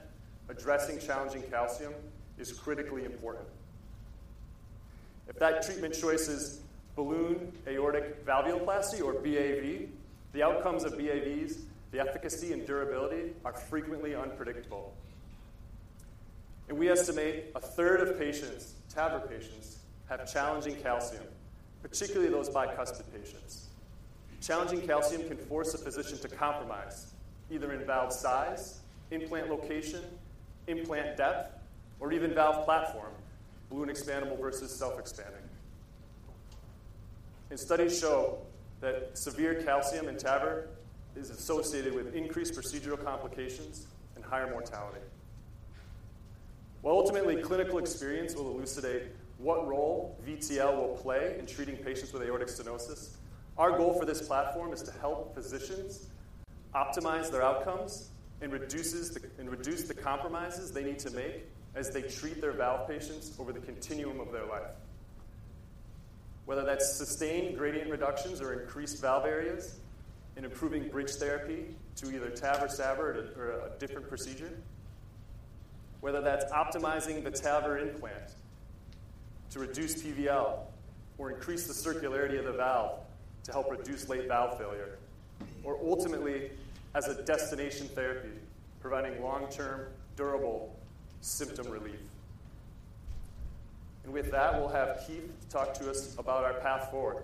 addressing challenging calcium is critically important. If that treatment choice is balloon aortic valvuloplasty or BAV, the outcomes of BAVs, the efficacy and durability are frequently unpredictable. And we estimate a third of patients, TAVR patients, have challenging calcium, particularly those bicuspid patients. Challenging calcium can force a physician to compromise either in valve size, implant location, implant depth, or even valve platform, balloon expandable versus self-expanding. And studies show that severe calcium in TAVR is associated with increased procedural complications and higher mortality. While ultimately, clinical experience will elucidate what role IVL will play in treating patients with aortic stenosis, our goal for this platform is to help physicians optimize their outcomes and reduce the compromises they need to make as they treat their valve patients over the continuum of their life. Whether that's sustained gradient reductions or increased valve areas in improving bridge therapy to either TAVR, SAVR, or for a different procedure, whether that's optimizing the TAVR implant to reduce IVL or increase the circularity of the valve to help reduce late valve failure, or ultimately as a destination therapy, providing long-term, durable symptom relief. And with that, we'll have Keith talk to us about our path forward.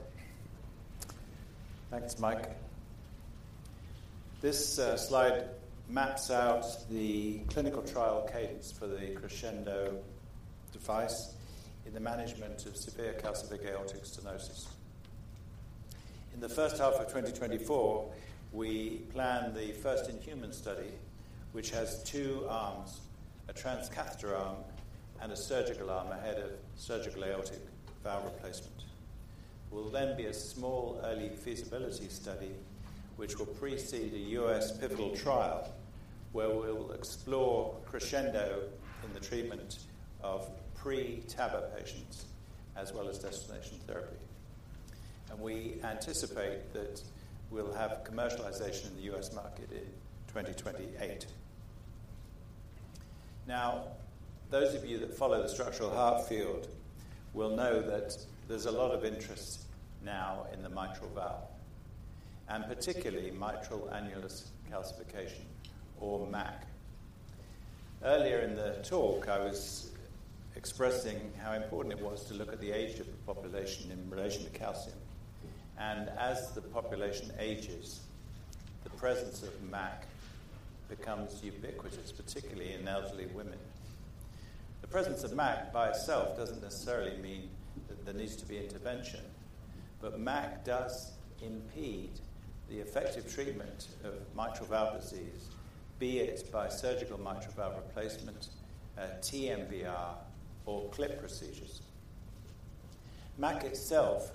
Thanks, Mike. This slide maps out the clinical trial cadence for the Crescendo device in the management of severe calcified Aortic Stenosis. In the first half of 2024, we plan the first-in-human study, which has two arms, a transcatheter arm and a surgical arm ahead of Surgical Aortic Valve Replacement, will then be a small early feasibility study, which will precede a US pivotal trial, where we will explore Crescendo in the treatment of pre-TAVR patients as well as destination therapy. We anticipate that we'll have commercialization in the US market in 2028. Now, those of you that follow the structural heart field will know that there's a lot of interest now in the mitral valve, and particularly Mitral Annular Calcification or MAC. Earlier in the talk, I was expressing how important it was to look at the age of the population in relation to calcium. As the population ages, the presence of MAC becomes ubiquitous, particularly in elderly women. The presence of MAC by itself doesn't necessarily mean that there needs to be intervention, but MAC does impede the effective treatment of mitral valve disease, be it by surgical mitral valve replacement, TMVR or clip procedures. MAC itself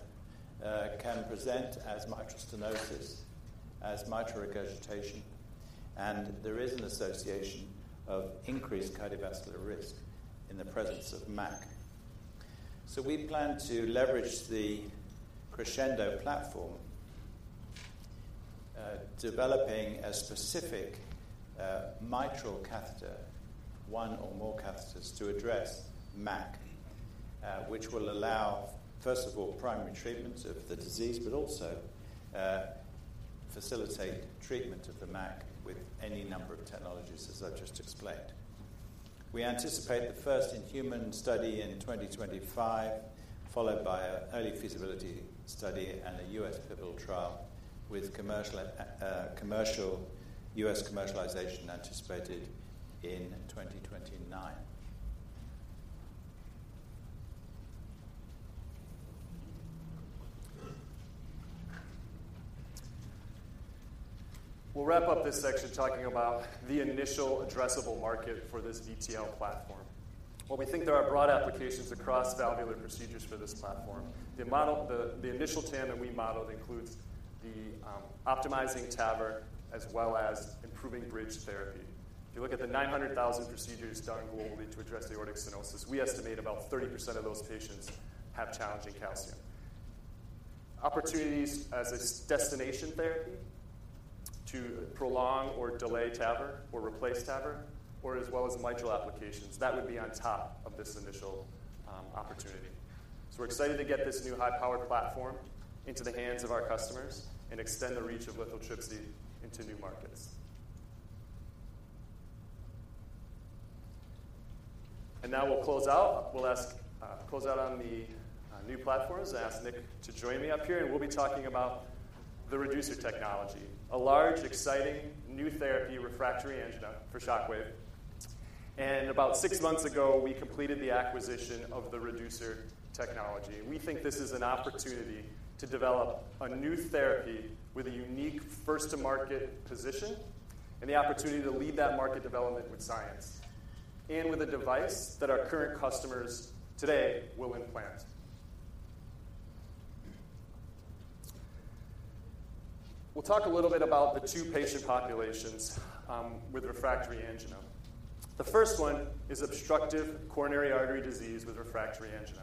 can present as mitral stenosis, as mitral regurgitation, and there is an association of increased cardiovascular risk in the presence of MAC. We plan to leverage the Crescendo platform, developing a specific mitral catheter, one or more catheters, to address MAC, which will allow, first of all, primary treatment of the disease, but also, facilitate treatment of the MAC with any number of technologies as I've just explained. We anticipate the first-in-human study in 2025, followed by an early feasibility study and a US pivotal trial with commercial US commercialization anticipated in 2029. We'll wrap up this section talking about the initial addressable market for this IVL platform. While we think there are broad applications across valvular procedures for this platform, the model, the initial TAM that we modeled includes optimizing TAVR, as well as improving bridge therapy. If you look at the 900,000 procedures done globally to address aortic stenosis, we estimate about 30% of those patients have challenging calcium. Opportunities as a destination therapy to prolong or delay TAVR or replace TAVR, as well as mitral applications, that would be on top of this initial opportunity. So we're excited to get this new high-powered platform into the hands of our customers and extend the reach of lithotripsy into new markets. Now we'll close out. We'll ask close out on the new platforms and ask Nick to join me up here, and we'll be talking about the reducer technology, a large, exciting new therapy, refractory angina for Shockwave. About six months ago, we completed the acquisition of the reducer technology. We think this is an opportunity to develop a new therapy with a unique first-to-market position and the opportunity to lead that market development with science and with a device that our current customers today will implant. We'll talk a little bit about the two patient populations with refractory angina. The first one is obstructive coronary artery disease with refractory angina.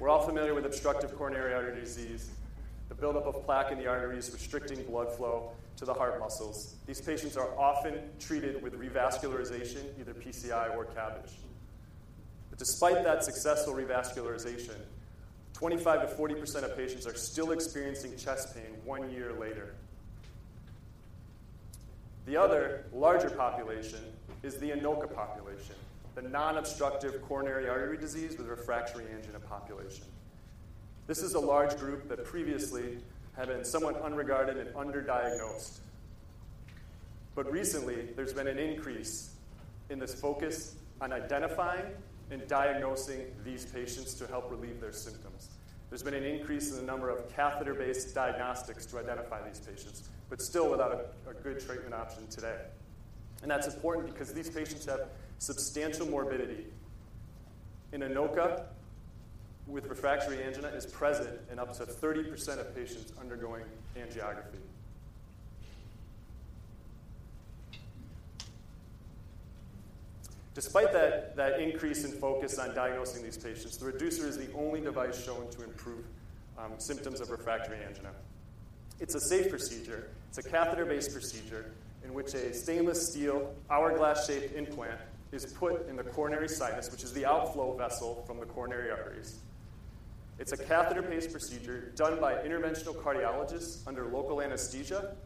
We're all familiar with obstructive coronary artery disease, the buildup of plaque in the arteries restricting blood flow to the heart muscles. These patients are often treated with revascularization, either PCI or CABG. But despite that successful revascularization, 25% to 40% of patients are still experiencing chest pain one year later. The other larger population is the ANOCA population, the non-obstructive coronary artery disease with refractory angina population. This is a large group that previously had been somewhat unregarded and underdiagnosed. But recently, there's been an increase in this focus on identifying and diagnosing these patients to help relieve their symptoms. There's been an increase in the number of catheter-based diagnostics to identify these patients, but still without a good treatment option today. And that's important because these patients have substantial morbidity, and ANOCA with refractory angina is present in up to 30% of patients undergoing angiography. Despite that increase in focus on diagnosing these patients, the reducer is the only device shown to improve symptoms of refractory angina. It's a safe procedure. It's a catheter-based procedure in which a stainless steel, hourglass-shaped implant is put in the coronary sinus, which is the outflow vessel from the coronary arteries. It's a catheter-based procedure done by interventional cardiologists under local anesthesia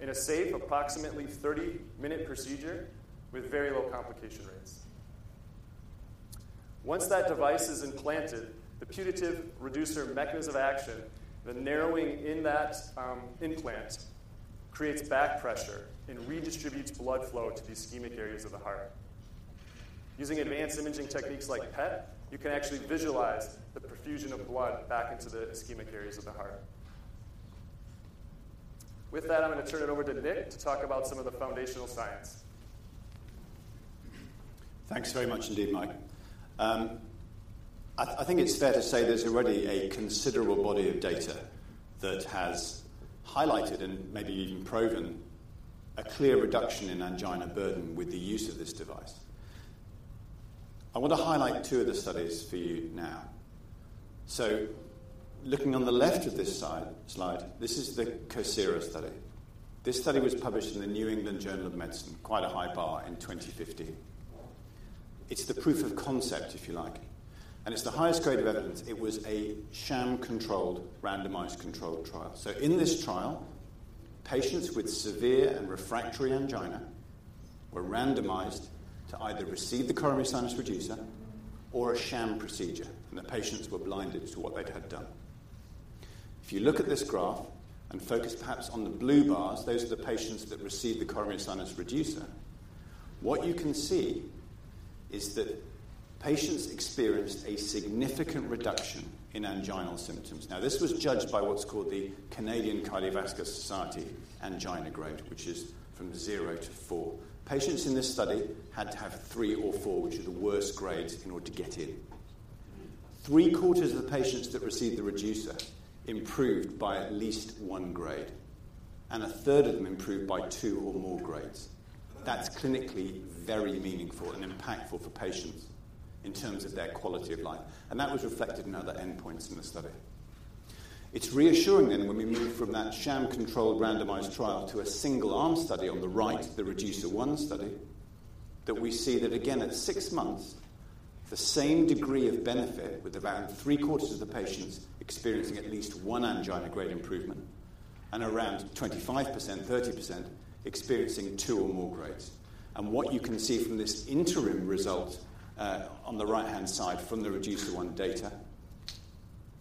in a safe, approximately 30-minute procedure with very low complication rates. Once that device is implanted, the putative reducer mechanism of action, the narrowing in that implant, creates back pressure and redistributes blood flow to the ischemic areas of the heart. Using advanced imaging techniques like PET, you can actually visualize the perfusion of blood back into the ischemic areas of the heart. With that, I'm going to turn it over to Nick to talk about some of the foundational science. Thanks very much indeed, Mike. I think it's fair to say there's already a considerable body of data that has highlighted and maybe even proven a clear reduction in angina burden with the use of this device. I want to highlight two of the studies for you now. So looking on the left of this slide, this is the COSIRA study. This study was published in the New England Journal of Medicine, quite a high bar in 2015. It's the proof of concept, if you like, and it's the highest grade of evidence. It was a sham-controlled, randomized controlled trial. So in this trial, patients with severe and refractory angina were randomized to either receive the coronary sinus reducer or a sham procedure, and the patients were blinded to what they'd had done. If you look at this graph and focus perhaps on the blue bars, those are the patients that received the Coronary Sinus Reducer. What you can see is that patients experienced a significant reduction in anginal symptoms. Now, this was judged by what's called the Canadian Cardiovascular Society Angina Grade, which is from 0 to 4. Patients in this study had to have 3 or 4, which are the worst grades, in order to get in. 3/4 of the patients that received the reducer improved by at least 1 grade, and 1/3 of them improved by 2 or more grades. That's clinically very meaningful and impactful for patients in terms of their quality of life, and that was reflected in other endpoints in the study. It's reassuring then, when we move from that sham-controlled randomized trial to a single-arm study on the right, the Reducer-I Study, that we see that again at 6 months, the same degree of benefit, with around three-quarters of the patients experiencing at least one angina grade improvement and around 25%, 30% experiencing two or more grades. And what you can see from this interim result on the right-hand side, from the Reducer-I data,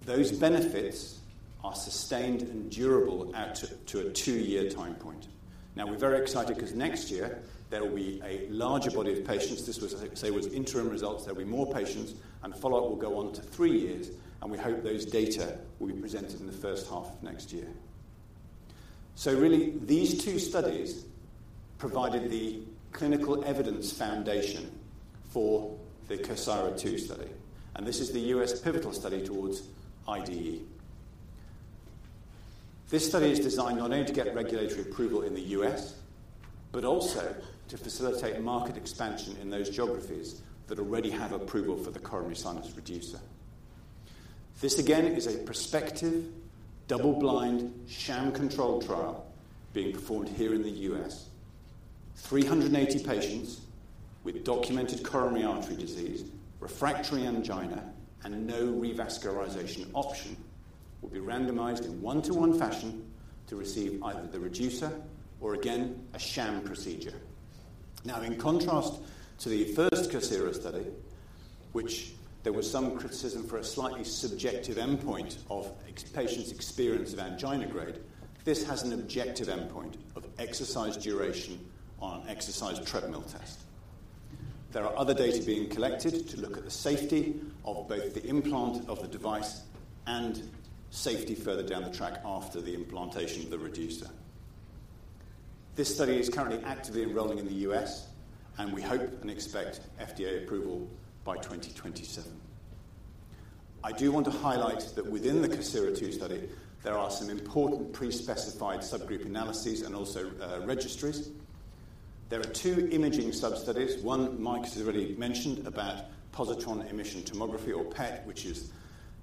those benefits are sustained and durable out to a 2-year time point. Now, we're very excited because next year there will be a larger body of patients. This was interim results. There'll be more patients, and follow-up will go on to 3 years, and we hope those data will be presented in the first half of next year. So really, these two studies-... provided the clinical evidence foundation for the COSIRA-II study, and this is the US pivotal study towards IDE. This study is designed not only to get regulatory approval in the US, but also to facilitate market expansion in those geographies that already have approval for the coronary sinus reducer. This, again, is a prospective, double-blind, sham-controlled trial being performed here in the US. 380 patients with documented coronary artery disease, refractory angina, and no revascularization option will be randomized in 1:1 fashion to receive either the reducer or, again, a sham procedure. Now, in contrast to the first COSIRA study, which there was some criticism for a slightly subjective endpoint of patients' experience of angina grade, this has an objective endpoint of exercise duration on an exercise treadmill test. There are other data being collected to look at the safety of both the implant of the device and safety further down the track after the implantation of the reducer. This study is currently actively enrolling in the US, and we hope and expect FDA approval by 2027. I do want to highlight that within the COSIRA-II study, there are some important pre-specified subgroup analyses and also registries. There are two imaging substudies. One, Mike has already mentioned about positron emission tomography or PET, which is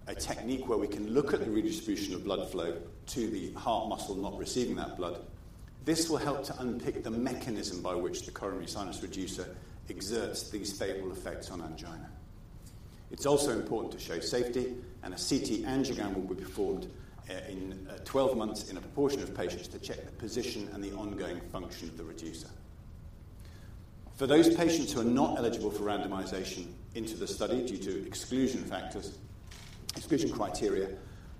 a technique where we can look at the redistribution of blood flow to the heart muscle not receiving that blood. This will help to unpick the mechanism by which the coronary sinus reducer exerts these favorable effects on angina. It's also important to show safety, and a CT angiogram will be performed in 12 months in a proportion of patients to check the position and the ongoing function of the reducer. For those patients who are not eligible for randomization into the study due to exclusion factors, exclusion criteria,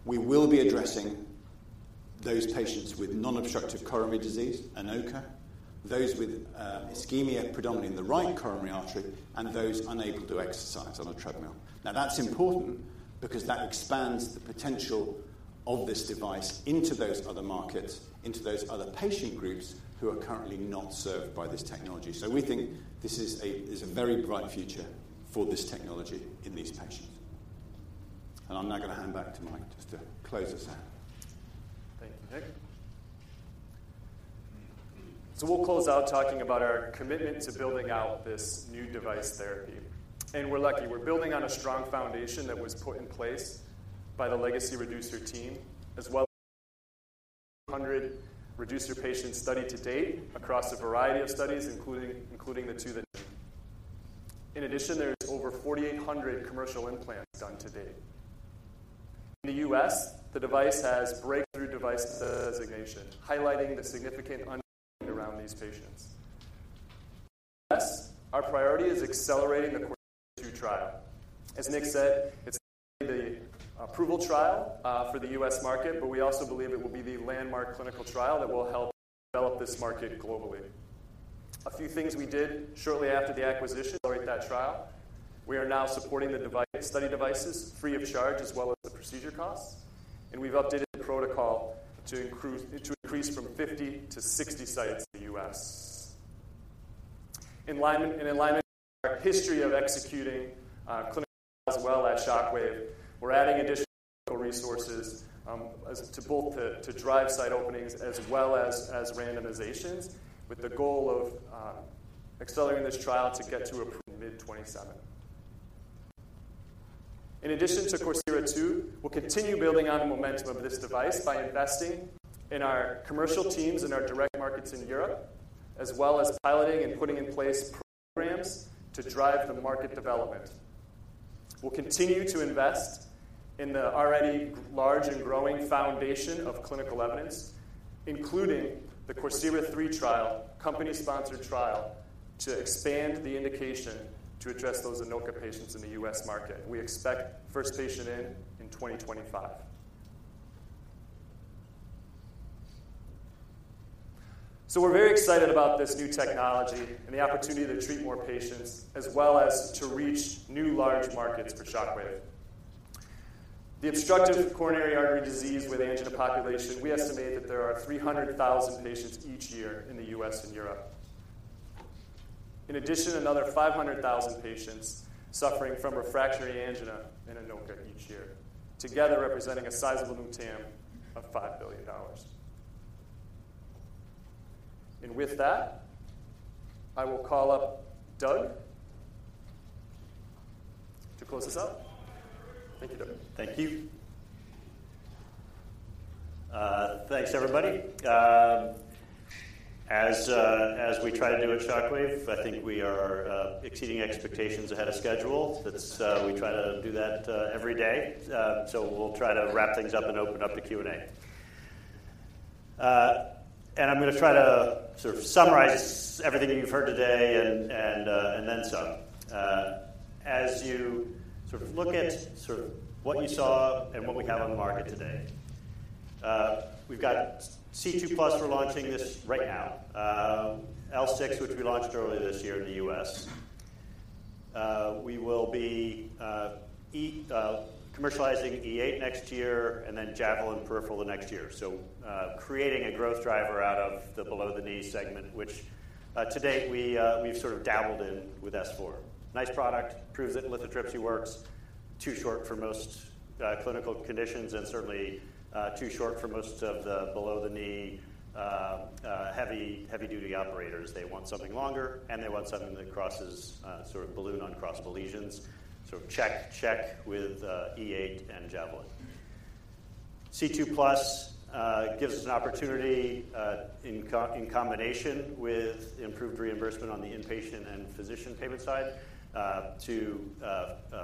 we will be addressing those patients with non-obstructive coronary disease, ANOCA, those with ischemia predominantly in the right coronary artery, and those unable to exercise on a treadmill. Now, that's important because that expands the potential of this device into those other markets, into those other patient groups who are currently not served by this technology. So we think this is a, is a very bright future for this technology in these patients. And I'm now going to hand back to Mike just to close this out. Thank you, Nick. So we'll close out talking about our commitment to building out this new device therapy. We're lucky, we're building on a strong foundation that was put in place by the legacy Reducer team, as well as 100 Reducer patients studied to date across a variety of studies, including the two that... In addition, there is over 4,800 commercial implants done to date. In the US, the device has Breakthrough Device Designation, highlighting the significant unmet need around these patients. Our priority is accelerating the COSIRA-II trial. As Nick said, it's the approval trial for the US market, but we also believe it will be the landmark clinical trial that will help develop this market globally. A few things we did shortly after the acquisition to accelerate that trial. We are now supporting the device, study devices free of charge, as well as the procedure costs, and we've updated the protocol to increase from 50 to 60 sites in the US. In alignment with our history of executing clinical trials well at Shockwave, we're adding additional resources as well as to both drive site openings as well as randomizations, with the goal of accelerating this trial to get to approval mid-2027. In addition to COSIRA-II, we'll continue building on the momentum of this device by investing in our commercial teams and our direct markets in Europe, as well as piloting and putting in place programs to drive the market development. We'll continue to invest in the already large and growing foundation of clinical evidence, including the COSIRA-III trial, company-sponsored trial, to expand the indication to address those ANOCA patients in the US market. We expect first patient in 2025. So we're very excited about this new technology and the opportunity to treat more patients, as well as to reach new large markets for Shockwave. The obstructive coronary artery disease with angina population, we estimate that there are 300,000 patients each year in the US and Europe. In addition, another 500,000 patients suffering from refractory angina and ANOCA each year, together representing a sizable TAM of $5 billion. And with that, I will call up Doug to close this out. Thank you, Doug. Thank you. Thanks, everybody. As we try to do at Shockwave, I think we are exceeding expectations ahead of schedule. That's what we try to do every day. We'll try to wrap things up and open up the Q&A. I'm going to try to sort of summarize everything that you've heard today and then some. As you sort of look at what you saw and what we have on the market today, we've got C2+; we're launching this right now, L6, which we launched earlier this year in the US We will be commercializing E8 next year and then Javelin peripheral the next year. So, creating a growth driver out of the below-the-knee segment, which, to date, we, we've sort of dabbled in with S4. Nice product, proves that lithotripsy works, too short for most clinical conditions and certainly too short for most of the below-the-knee heavy, heavy-duty operators. They want something longer, and they want something that crosses sort of balloon uncrossable lesions. Sort of check, check with E8 and Javelin. C2+ gives us an opportunity in combination with improved reimbursement on the inpatient and physician payment side to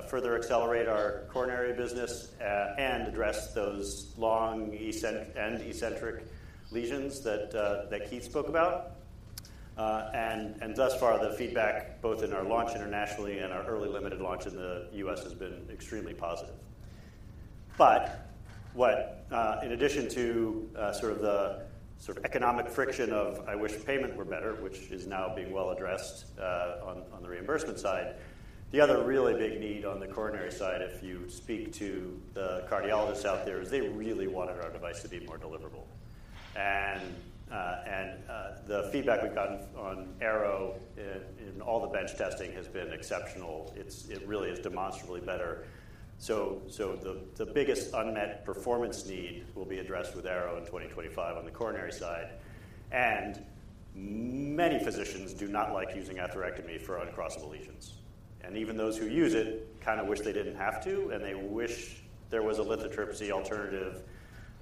further accelerate our coronary business and address those long and eccentric lesions that that Keith spoke about. And thus far, the feedback, both in our launch internationally and our early limited launch in the US, has been extremely positive. But what, in addition to, sort of the sort of economic friction of I wish payment were better, which is now being well addressed, on, on the reimbursement side, the other really big need on the coronary side, if you speak to the cardiologists out there, is they really wanted our device to be more deliverable. And, and, the feedback we've gotten on Arrow in, in all the bench testing has been exceptional. It really is demonstrably better. So, the biggest unmet performance need will be addressed with Arrow in 2025 on the coronary side. Many physicians do not like using atherectomy for uncrossable lesions, and even those who use it kind of wish they didn't have to, and they wish there was a lithotripsy alternative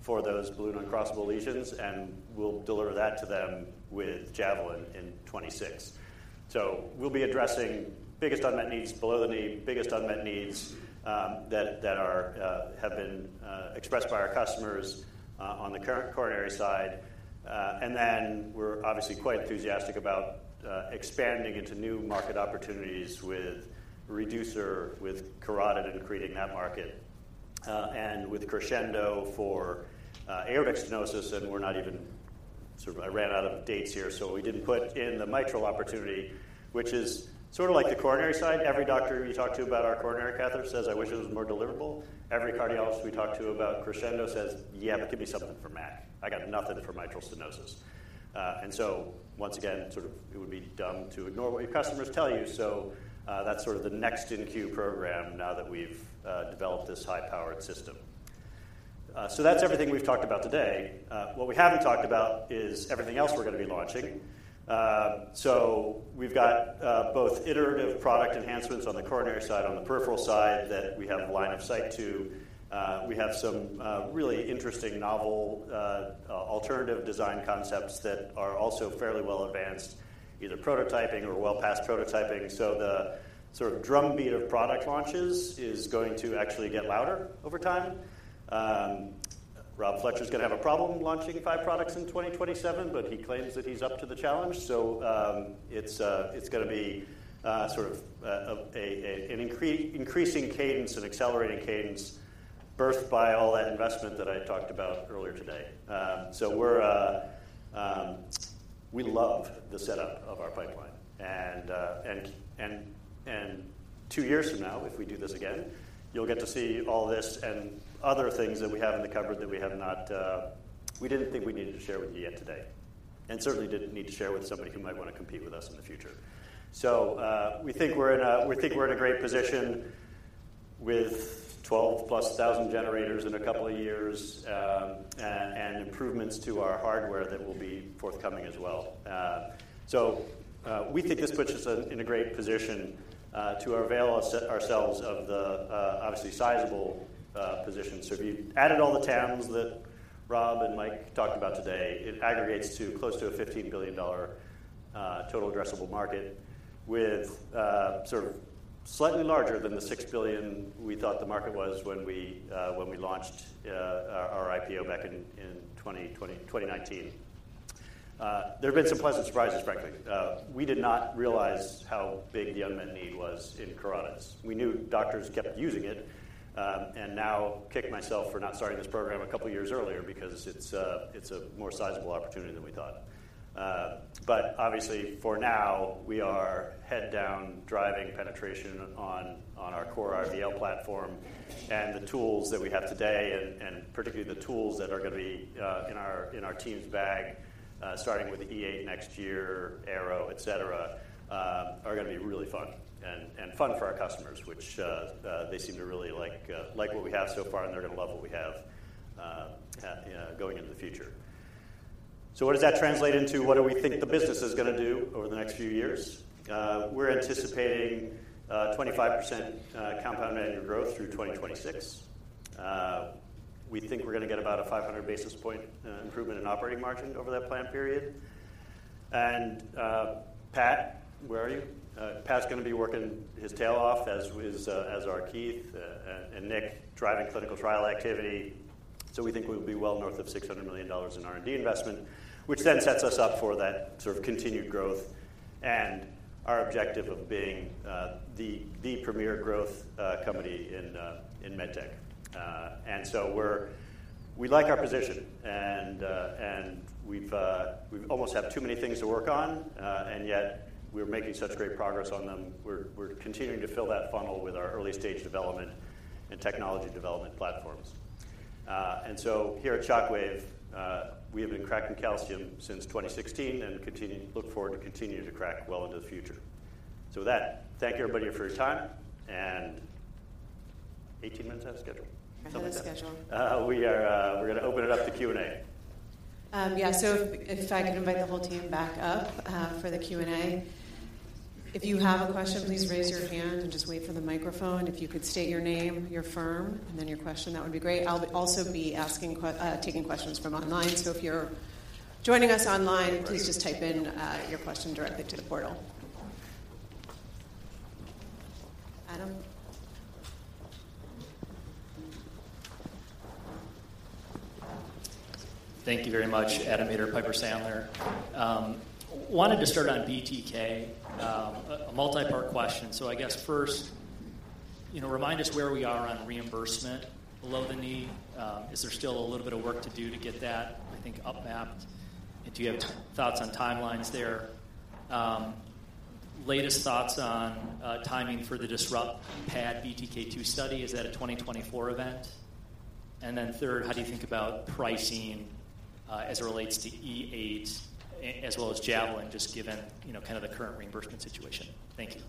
for those balloon uncrossable lesions, and we'll deliver that to them with Javelin in 2026. We'll be addressing biggest unmet needs below the knee, biggest unmet needs that have been expressed by our customers on the coronary side. We're obviously quite enthusiastic about expanding into new market opportunities with Reducer, with carotid and creating that market, and with Crescendo for aortic stenosis, and we're not even... Sort of I ran out of dates here, so we didn't put in the mitral opportunity, which is sort of like the coronary side. Every doctor you talk to about our coronary catheter says, "I wish it was more deliverable." Every cardiologist we talk to about Crescendo says, "Yeah, but give me something for MAC. I got nothing for mitral stenosis." And so once again, sort of it would be dumb to ignore what your customers tell you. So, that's sort of the next in queue program now that we've developed this high-powered system. So that's everything we've talked about today. What we haven't talked about is everything else we're gonna be launching. So we've got both iterative product enhancements on the coronary side, on the peripheral side, that we have line of sight to. We have some really interesting novel alternative design concepts that are also fairly well advanced, either prototyping or well past prototyping. The sort of drumbeat of product launches is going to actually get louder over time. Rob Fletcher's gonna have a problem launching 5 products in 2027, but he claims that he's up to the challenge. It's gonna be sort of an increasing cadence, an accelerating cadence birthed by all that investment that I talked about earlier today. We're, we love the setup of our pipeline. And two years from now, if we do this again, you'll get to see all this and other things that we have in the cupboard that we have not, we didn't think we needed to share with you yet today, and certainly didn't need to share with somebody who might want to compete with us in the future. So, we think we're in a great position with 12+ thousand generators in a couple of years, and improvements to our hardware that will be forthcoming as well. So, we think this puts us in a great position to avail ourselves of the obviously sizable position. So if you added all the TAMs that Rob and Mike talked about today, it aggregates to close to a $15 billion total addressable market, sort of slightly larger than the $6 billion we thought the market was when we launched our IPO back in 2019. There have been some pleasant surprises, frankly. We did not realize how big the unmet need was in carotids. We knew doctors kept using it, and now kick myself for not starting this program a couple of years earlier because it's a, it's a more sizable opportunity than we thought. But obviously, for now, we are heads down, driving penetration on our core IVL platform and the tools that we have today, and particularly the tools that are gonna be in our team's bag, starting with E8 next year, Arrow, et cetera, are gonna be really fun, and fun for our customers, which they seem to really like. Like what we have so far, and they're gonna love what we have going into the future. So what does that translate into? What do we think the business is gonna do over the next few years? We're anticipating 25% compound annual growth through 2026. We think we're gonna get about a 500 basis point improvement in operating margin over that plan period. And Pat, where are you? Pat's gonna be working his tail off, as is, as are Keith and Nick, driving clinical trial activity. So we think we'll be well north of $600 million in R&D investment, which then sets us up for that sort of continued growth and our objective of being the premier growth company in med tech. And so we're... We like our position, and we've we almost have too many things to work on, and yet we're making such great progress on them. We're continuing to fill that funnel with our early-stage development and technology development platforms. And so here at Shockwave, we have been cracking calcium since 2016 and continue to look forward to continuing to crack well into the future. With that, thank you, everybody, for your time and 18 minutes ahead of schedule. Ahead of schedule. We are, we're going to open it up to Q&A. Yeah. So if I could invite the whole team back up for the Q&A. If you have a question, please raise your hand and just wait for the microphone. If you could state your name, your firm, and then your question, that would be great. I'll also be taking questions from online. So if you're joining us online, please just type in your question directly to the portal. Adam? Thank you very much. Adam Maeder, Piper Sandler. Wanted to start on BTK, a multi-part question. So I guess first, you know, remind us where we are on reimbursement below the knee. Is there still a little bit of work to do to get that, I think, mapped? And do you have thoughts on timelines there? Latest thoughts on timing for the DISRUPT PAD BTK II study, is that a 2024 event? And then third, how do you think about pricing as it relates to E8 as well as Javelin, just given, you know, kind of the current reimbursement situation? Thank you.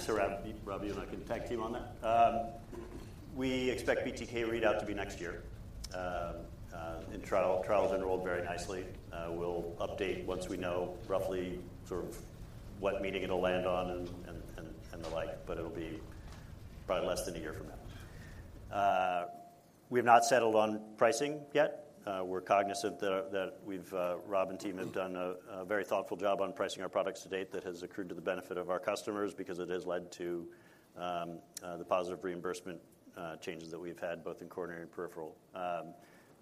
So Rob, Rob, you and I can tag team on that. We expect BTK readout to be next year, in trial. Trial's enrolled very nicely. We'll update once we know roughly sort of what meeting it'll land on and the like, but it'll be probably less than a year from now. We have not settled on pricing yet. We're cognizant that we've, Rob and team have done a very thoughtful job on pricing our products to date that has accrued to the benefit of our customers because it has led to the positive reimbursement changes that we've had both in coronary and peripheral.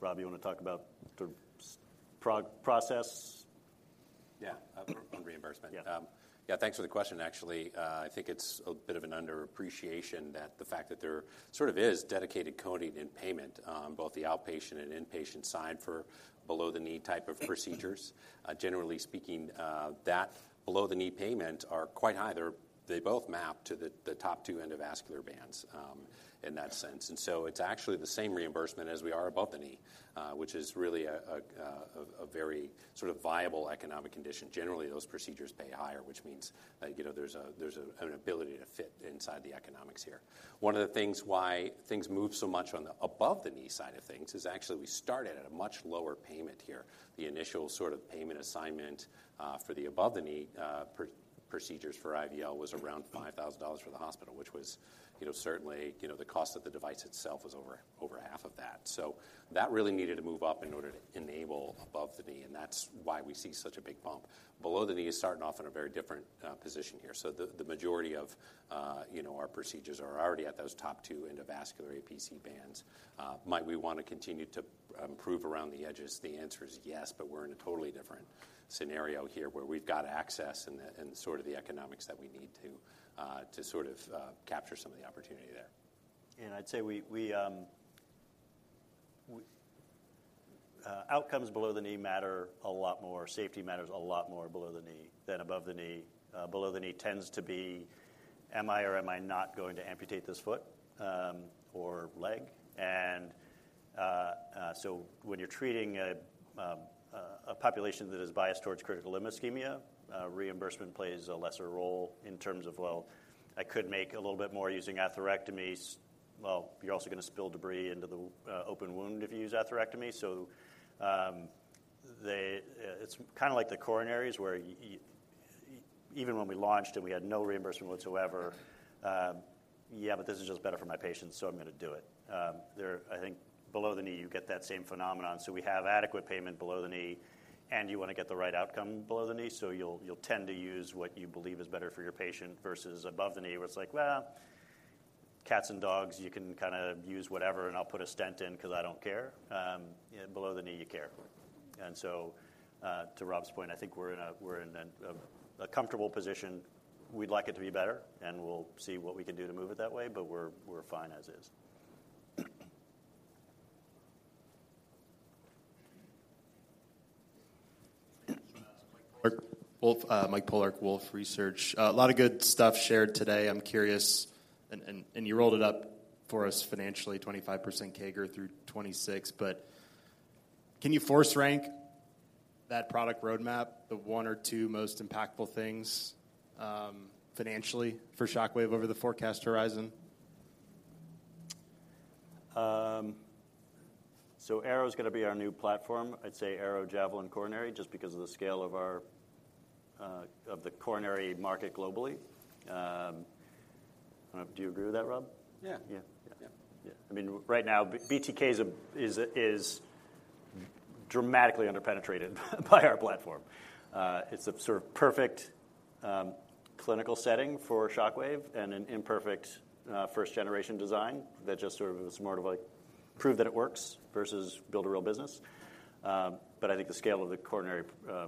Rob, you want to talk about the process? Yeah, on reimbursement. Yeah. Yeah, thanks for the question, actually. I think it's a bit of an underappreciation that the fact that there sort of is dedicated coding in payment on both the outpatient and inpatient side for below-the-knee type of procedures. Generally speaking, that below-the-knee payment are quite high. They both map to the top two endovascular bands in that sense. And so it's actually the same reimbursement as we are above-the-knee, which is really a very sort of viable economic condition. Generally, those procedures pay higher, which means, you know, there's an ability to fit inside the economics here. One of the things why things move so much on the above-the-knee side of things is actually, we started at a much lower payment here. The initial sort of payment assignment for the above-the-knee procedures for IVL was around $5,000 for the hospital, which was, you know, certainly... You know, the cost of the device itself was over half of that. So that really needed to move up in order to enable above the knee, and that's why we see such a big bump. Below the knee is starting off in a very different position here. So the majority of, you know, our procedures are already at those top two endovascular APC bands. Might we want to continue to improve around the edges? The answer is yes, but we're in a totally different scenario here, where we've got access and the economics that we need to capture some of the opportunity there. I'd say we outcomes below the knee matter a lot more, safety matters a lot more below the knee than above the knee. Below the knee tends to be, "Am I or am I not going to amputate this foot or leg?" And so when you're treating a population that is biased towards critical limb ischemia, reimbursement plays a lesser role in terms of, "Well, I could make a little bit more using atherectomies." Well, you're also going to spill debris into the open wound if you use atherectomy. So, they... It's kind of like the coronaries, where even when we launched and we had no reimbursement whatsoever, "Yeah, but this is just better for my patients, so I'm going to do it." I think below the knee, you get that same phenomenon. So we have adequate payment below the knee, and you want to get the right outcome below the knee, so you'll tend to use what you believe is better for your patient versus above the knee, where it's like, "Well, cats and dogs, you can kind of use whatever, and I'll put a stent in because I don't care." Below the knee, you care. To Rob's point, I think we're in a comfortable position. We'd like it to be better, and we'll see what we can do to move it that way, but we're fine as is. Mike Polark, Mike Polark, Wolfe Research. A lot of good stuff shared today. I'm curious, and you rolled it up for us financially, 25% CAGR through 2026, but can you force rank that product roadmap, the one or two most impactful things, financially for Shockwave over the forecast horizon? So Arrow is going to be our new platform. I'd say Arrow, Javelin, Coronary, just because of the scale of our, of the coronary market globally. Do you agree with that, Rob? Yeah. Yeah. Yeah. Yeah. I mean, right now, BTK is a dramatically underpenetrated by our platform. It's a sort of perfect clinical setting for Shockwave and an imperfect first-generation design that just sort of is more to, like, prove that it works versus build a real business. But I think the scale of the coronary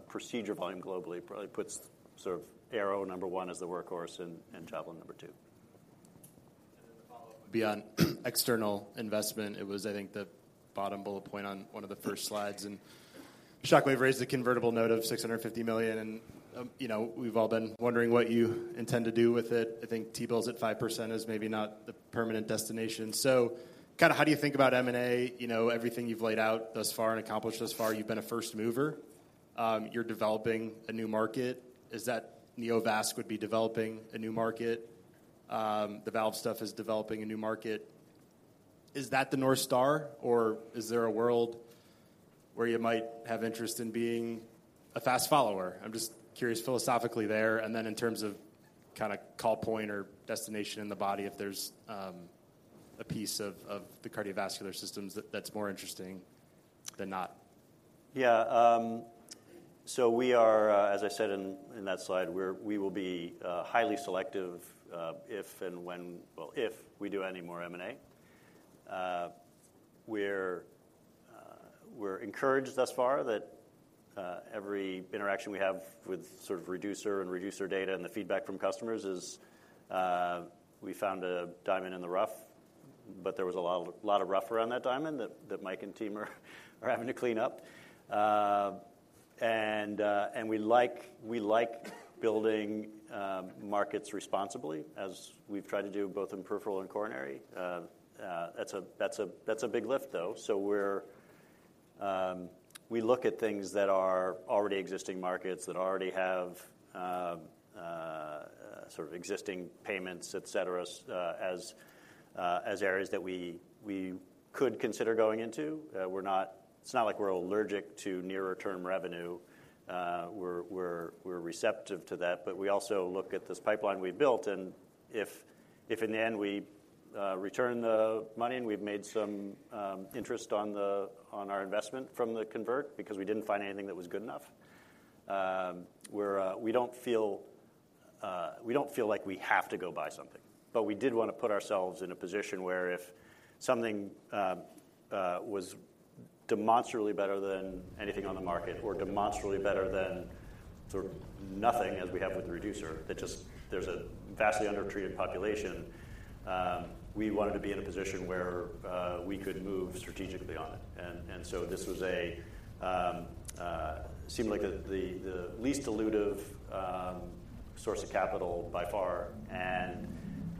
procedure volume globally probably puts sort of Arrow number one as the workhorse and Javelin number two.... Beyond external investment, it was, I think, the bottom bullet point on one of the first slides. Shockwave raised a convertible note of $650 million, and, you know, we've all been wondering what you intend to do with it. I think T-bills at 5% is maybe not the permanent destination. So kinda how do you think about M&A? You know, everything you've laid out thus far and accomplished thus far, you've been a first mover. You're developing a new market. Is that Neovasc would be developing a new market? The valve stuff is developing a new market. Is that the North Star, or is there a world where you might have interest in being a fast follower? I'm just curious philosophically there, and then in terms of kinda call point or destination in the body, if there's a piece of the cardiovascular systems that's more interesting than not. Yeah, so we are, as I said in that slide, we will be highly selective if and when... well, if we do any more M&A. We're encouraged thus far that every interaction we have with sort of Reducer and Reducer data and the feedback from customers is, we found a diamond in the rough, but there was a lot of rough around that diamond that Mike and team are having to clean up. And we like building markets responsibly, as we've tried to do both in peripheral and coronary. That's a big lift, though. So we're, we look at things that are already existing markets, that already have, sort of existing payments, et cetera, as, as areas that we, we could consider going into. We're not- it's not like we're allergic to nearer-term revenue. We're, we're, we're receptive to that, but we also look at this pipeline we built, and if, if in the end we, return the money and we've made some, interest on the- on our investment from the convert because we didn't find anything that was good enough, we're, we don't feel, we don't feel like we have to go buy something. But we did want to put ourselves in a position where if something was demonstrably better than anything on the market or demonstrably better than sort of nothing, as we have with the reducer, that just there's a vastly undertreated population, we wanted to be in a position where we could move strategically on it. And so this seemed like the least dilutive source of capital by far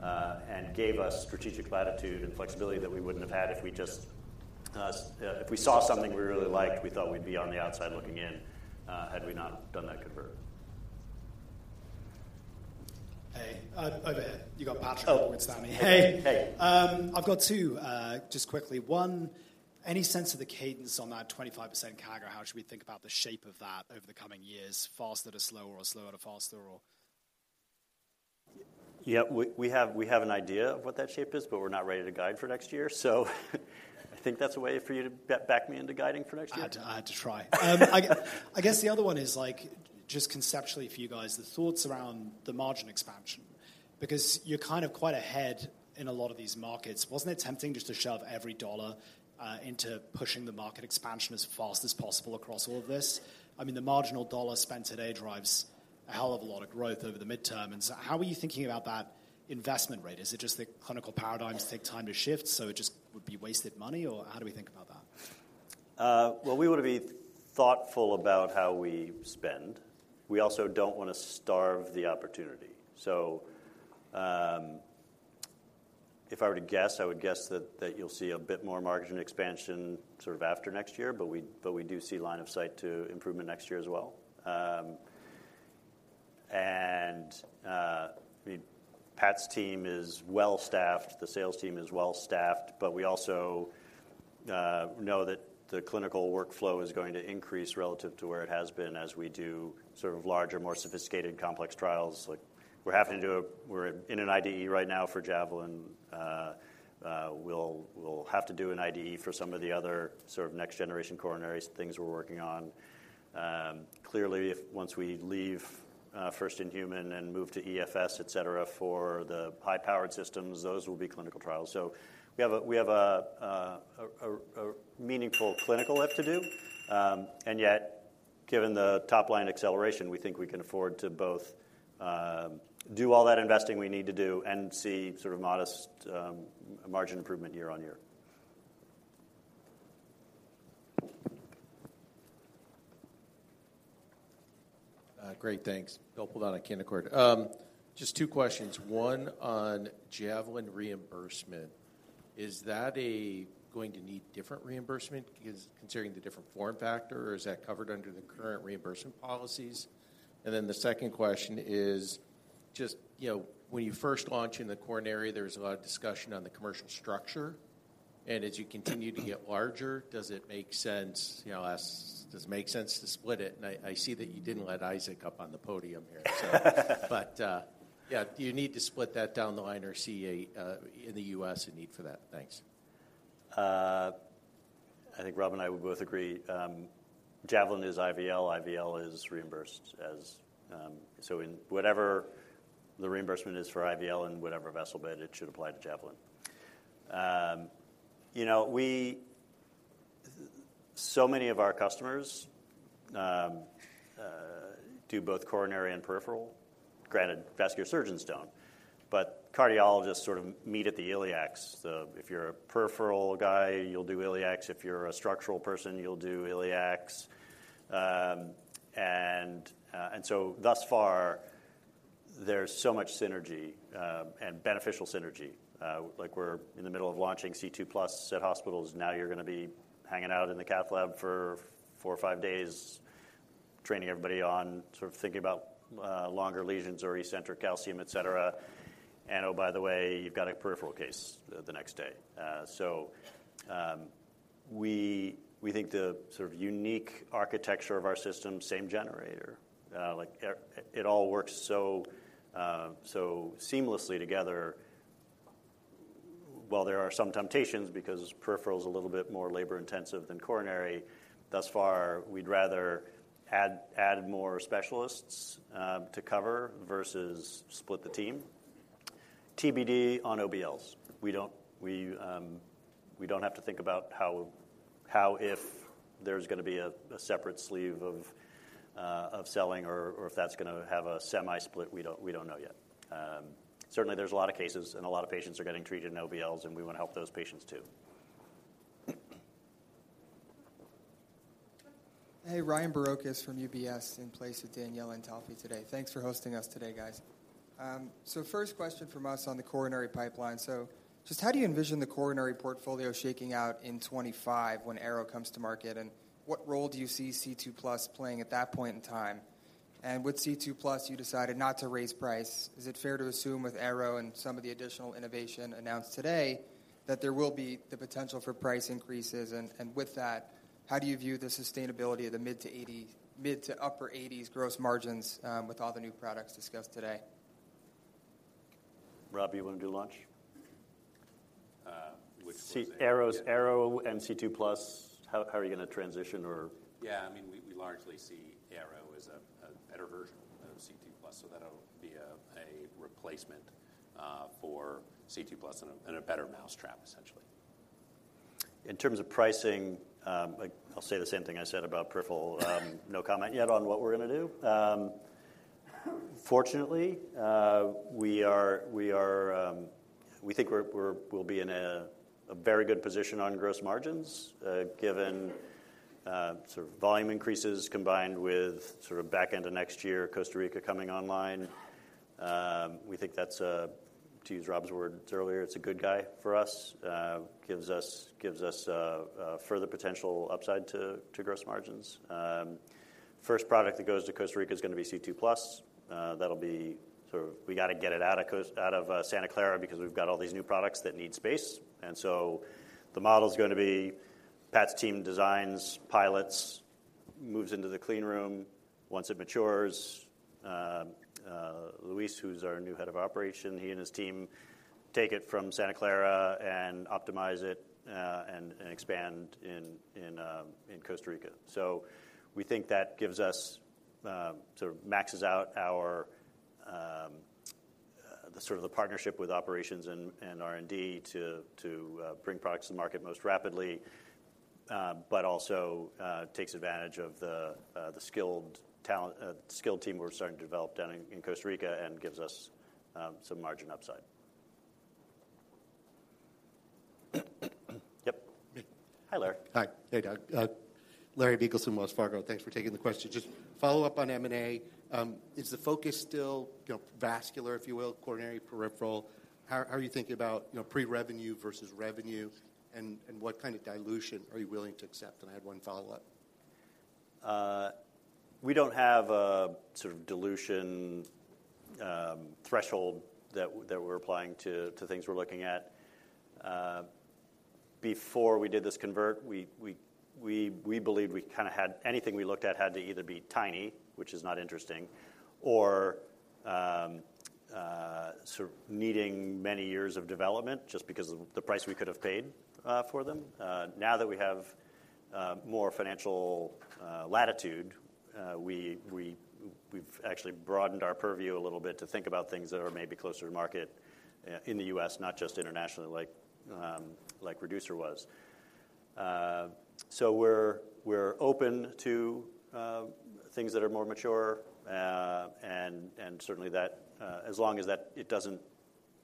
and gave us strategic latitude and flexibility that we wouldn't have had if we just. If we saw something we really liked, we thought we'd be on the outside looking in, had we not done that convert. Hey, over here. You got Patrick forward standing. Oh! Hey. Hey. I've got two, just quickly. One, any sense of the cadence on that 25% CAGR? How should we think about the shape of that over the coming years, faster to slower or slower to faster or? Yeah, we have an idea of what that shape is, but we're not ready to guide for next year. So I think that's a way for you to back me into guiding for next year. I had to, I had to try. I guess the other one is, like, just conceptually for you guys, the thoughts around the margin expansion, because you're kind of quite ahead in a lot of these markets. Wasn't it tempting just to shove every dollar into pushing the market expansion as fast as possible across all of this? I mean, the marginal dollar spent today drives a hell of a lot of growth over the midterm. And so how are you thinking about that investment rate? Is it just the clinical paradigms take time to shift, so it just would be wasted money, or how do we think about that? Well, we want to be thoughtful about how we spend. We also don't want to starve the opportunity. So, if I were to guess, I would guess that you'll see a bit more margin expansion sort of after next year, but we do see line of sight to improvement next year as well. And, I mean, Pat's team is well-staffed, the sales team is well-staffed, but we also know that the clinical workflow is going to increase relative to where it has been as we do sort of larger, more sophisticated, complex trials. Like, we're in an IDE right now for Javelin. We'll have to do an IDE for some of the other sort of next-generation coronaries things we're working on. Clearly, if once we leave first in human and move to EFS, et cetera, for the high-powered systems, those will be clinical trials. So we have a meaningful clinical lift to do. And yet, given the top-line acceleration, we think we can afford to both do all that investing we need to do and see sort of modest margin improvement year on year. Great, thanks. Oh, hold on, I can't record. Just two questions. One on Javelin reimbursement. Is that going to need different reimbursement because considering the different form factor, or is that covered under the current reimbursement policies? The second question is just, you know, when you first launched in the coronary, there was a lot of discussion on the commercial structure, and as you continue to get larger, does it make sense, you know, does it make sense to split it? I see that you didn't let Isaac up on the podium here, so. Yeah, do you need to split that down the line or see a, in the US, a need for that? Thanks. I think Rob and I would both agree, Javelin is IVL. IVL is reimbursed as. So in whatever the reimbursement is for IVL and whatever vessel bed, it should apply to Javelin. You know, so many of our customers do both coronary and peripheral. Granted, vascular surgeons don't, but cardiologists sort of meet at the iliacs. So if you're a peripheral guy, you'll do iliacs. If you're a structural person, you'll do iliacs. And so thus far, there's so much synergy, and beneficial synergy. Like, we're in the middle of launching C2+ at hospitals. Now, you're gonna be hanging out in the cath lab for four or five days, training everybody on sort of thinking about longer lesions or eccentric calcium, et cetera. And oh, by the way, you've got a peripheral case the next day. So, we think the sort of unique architecture of our system, same generator, like, it all works so seamlessly together. While there are some temptations because peripheral is a little bit more labor intensive than coronary, thus far, we'd rather add more specialists to cover versus split the team. TBD on OBLs. We don't. We don't have to think about how if there's gonna be a separate sleeve of selling or if that's gonna have a semi-split, we don't know yet. Certainly, there's a lot of cases and a lot of patients are getting treated in OBLs, and we wanna help those patients, too. Hey, Ryan Barokas from UBS, in place of Danielle Antalffy today. Thanks for hosting us today, guys. So first question from us on the coronary pipeline. So just how do you envision the coronary portfolio shaking out in 25 when Arrow comes to market? And what role do you see C2+ playing at that point in time? And with C2+, you decided not to raise price. Is it fair to assume with Arrow and some of the additional innovation announced today, that there will be the potential for price increases? And with that, how do you view the sustainability of the mid- to upper-80s gross margins, with all the new products discussed today? Rob, you want to do launch? Which one- Arrow's, Arrow and C2+, how, how are you gonna transition or? Yeah, I mean, we largely see Arrow as a better version of C2+, so that'll be a replacement for C2+ and a better mousetrap, essentially. In terms of pricing, like, I'll say the same thing I said about peripheral. No comment yet on what we're gonna do. Fortunately, we think we'll be in a very good position on gross margins, given sort of volume increases, combined with sort of back end of next year, Costa Rica coming online. We think that's, to use Rob's words earlier, it's a good guy for us, gives us further potential upside to gross margins. First product that goes to Costa Rica is gonna be C2+. That'll be sort of... We got to get it out of Santa Clara because we've got all these new products that need space. The model is gonna be Pat's team designs, pilots, moves into the clean room. Once it matures, Luis, who's our new head of operations, he and his team take it from Santa Clara and optimize it, and expand in Costa Rica. So we think that gives us sort of maxes out our the sort of the partnership with operations and R&D to bring products to market most rapidly, but also takes advantage of the skilled talent, skilled team we're starting to develop down in Costa Rica and gives us some margin upside. Yep. Hi, Larry. Hi. Hey, Doug. Larry Biegelsen from Wells Fargo. Thanks for taking the question. Just follow up on M&A. Is the focus still, you know, vascular, if you will, coronary, peripheral? How are you thinking about, you know, pre-revenue versus revenue, and what kind of dilution are you willing to accept? And I had one follow-up. We don't have a sort of dilution threshold that we're applying to things we're looking at. Before we did this convert, we believed we kind of had anything we looked at had to either be tiny, which is not interesting, or sort of needing many years of development just because of the price we could have paid for them. Now that we have more financial latitude, we've actually broadened our purview a little bit to think about things that are maybe closer to market in the US, not just internationally, like Reducer was. So we're open to things that are more mature and certainly that as long as that it doesn't...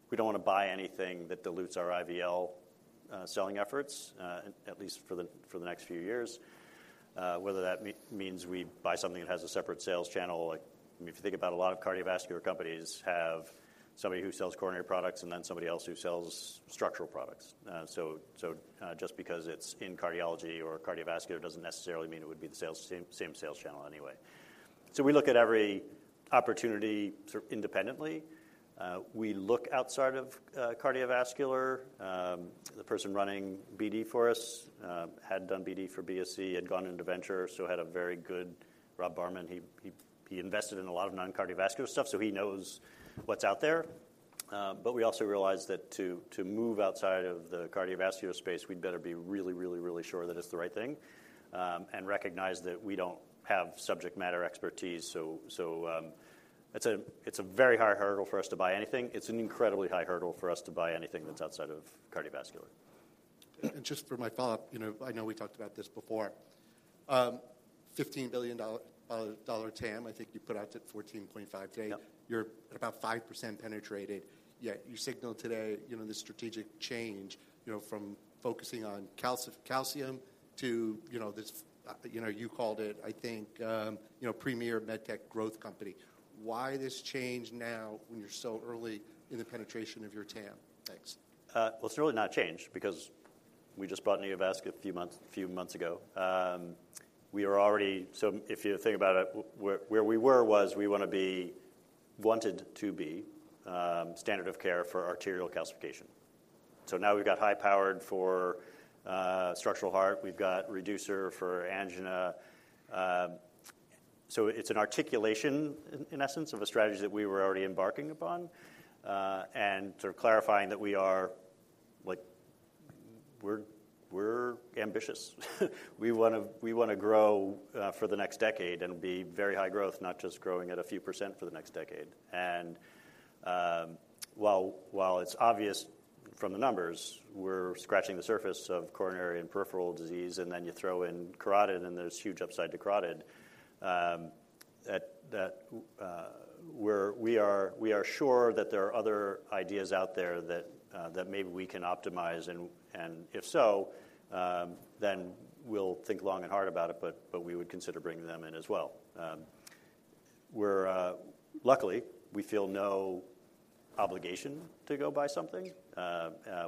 We don't want to buy anything that dilutes our IVL selling efforts, at least for the next few years. Whether that means we buy something that has a separate sales channel, like, if you think about a lot of cardiovascular companies have somebody who sells coronary products and then somebody else who sells structural products. So, so, just because it's in cardiology or cardiovascular doesn't necessarily mean it would be the same sales channel anyway. So we look at every opportunity sort of independently. We look outside of cardiovascular. The person running BD for us had done BD for BSC and gone into venture, so had a very good... Rob Berman, he invested in a lot of non-cardiovascular stuff, so he knows what's out there. But we also realized that to move outside of the cardiovascular space, we'd better be really, really, really sure that it's the right thing, and recognize that we don't have subject matter expertise. So, it's a very high hurdle for us to buy anything. It's an incredibly high hurdle for us to buy anything that's outside of cardiovascular.... Just for my follow-up, you know, I know we talked about this before. $15 billion-dollar TAM, I think you put out at $14.5 billion today. Yeah. You're about 5% penetrated, yet you signaled today, you know, the strategic change, you know, from focusing on calcium to, you know, this, you know, you called it, I think, you know, premier med tech growth company. Why this change now when you're so early in the penetration of your TAM? Thanks. Well, it's really not a change because we just bought Neovasc a few months ago. We are already. So if you think about it, where we were, we wanted to be standard of care for arterial calcification. So now we've got high-powered for structural heart, we've got reducer for angina. So it's an articulation, in essence, of a strategy that we were already embarking upon, and sort of clarifying that we are, like, we're ambitious. We wanna, we wanna grow for the next decade and be very high growth, not just growing at a few percent for the next decade. And while it's obvious from the numbers, we're scratching the surface of coronary and peripheral disease, and then you throw in carotid, and there's huge upside to carotid. We are sure that there are other ideas out there that maybe we can optimize, and if so, then we'll think long and hard about it, but we would consider bringing them in as well. Luckily, we feel no obligation to go buy something.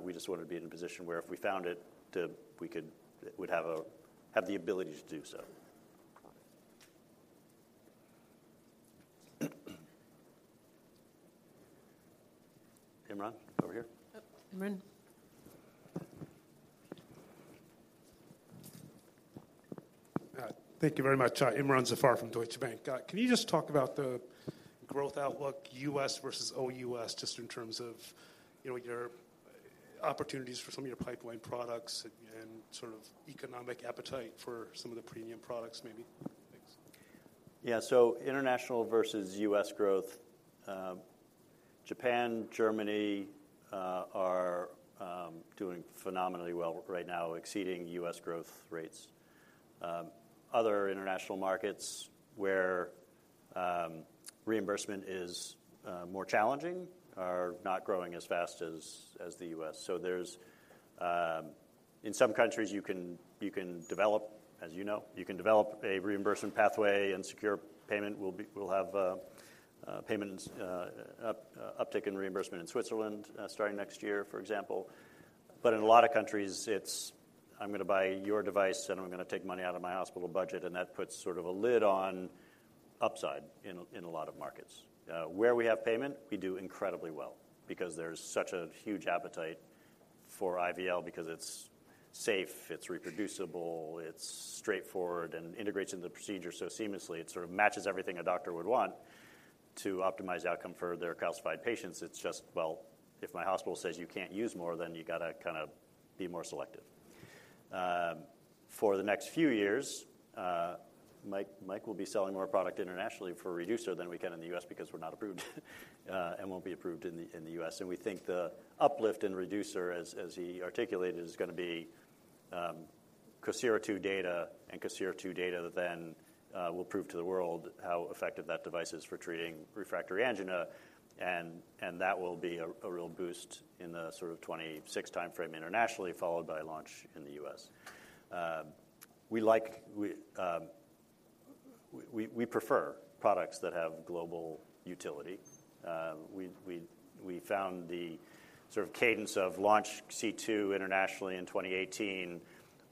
We just wanted to be in a position where if we found it, we could, we'd have the ability to do so. Imran, over here. Oh, Imran. Thank you very much. Imran Zafar from Deutsche Bank. Can you just talk about the growth outlook, US versus O.U.S., just in terms of, you know, your opportunities for some of your pipeline products and sort of economic appetite for some of the premium products, maybe? Thanks. Yeah. So international versus US growth, Japan, Germany, are doing phenomenally well right now, exceeding US growth rates. Other international markets where reimbursement is more challenging are not growing as fast as the US So there's... In some countries, you can develop, as you know, you can develop a reimbursement pathway and secure payment. We'll have payment uptick in reimbursement in Switzerland starting next year, for example. But in a lot of countries, it's, "I'm gonna buy your device, and I'm gonna take money out of my hospital budget," and that puts sort of a lid on upside in a lot of markets. Where we have payment, we do incredibly well because there's such a huge appetite for IVL because it's safe, it's reproducible, it's straightforward, and integrates into the procedure so seamlessly. It sort of matches everything a doctor would want to optimize outcome for their calcified patients. It's just, well, if my hospital says you can't use more, then you gotta kinda be more selective. For the next few years, Mike, Mike will be selling more product internationally for Reducer than we can in the US because we're not approved, and won't be approved in the US We think the uplift in Reducer, as he articulated, is gonna be COSIRA-II data, and COSIRA-II data then will prove to the world how effective that device is for treating refractory angina, and that will be a real boost in the sort of 2026 timeframe internationally, followed by launch in the US We prefer products that have global utility. We found the sort of cadence of launch C2 internationally in 2018,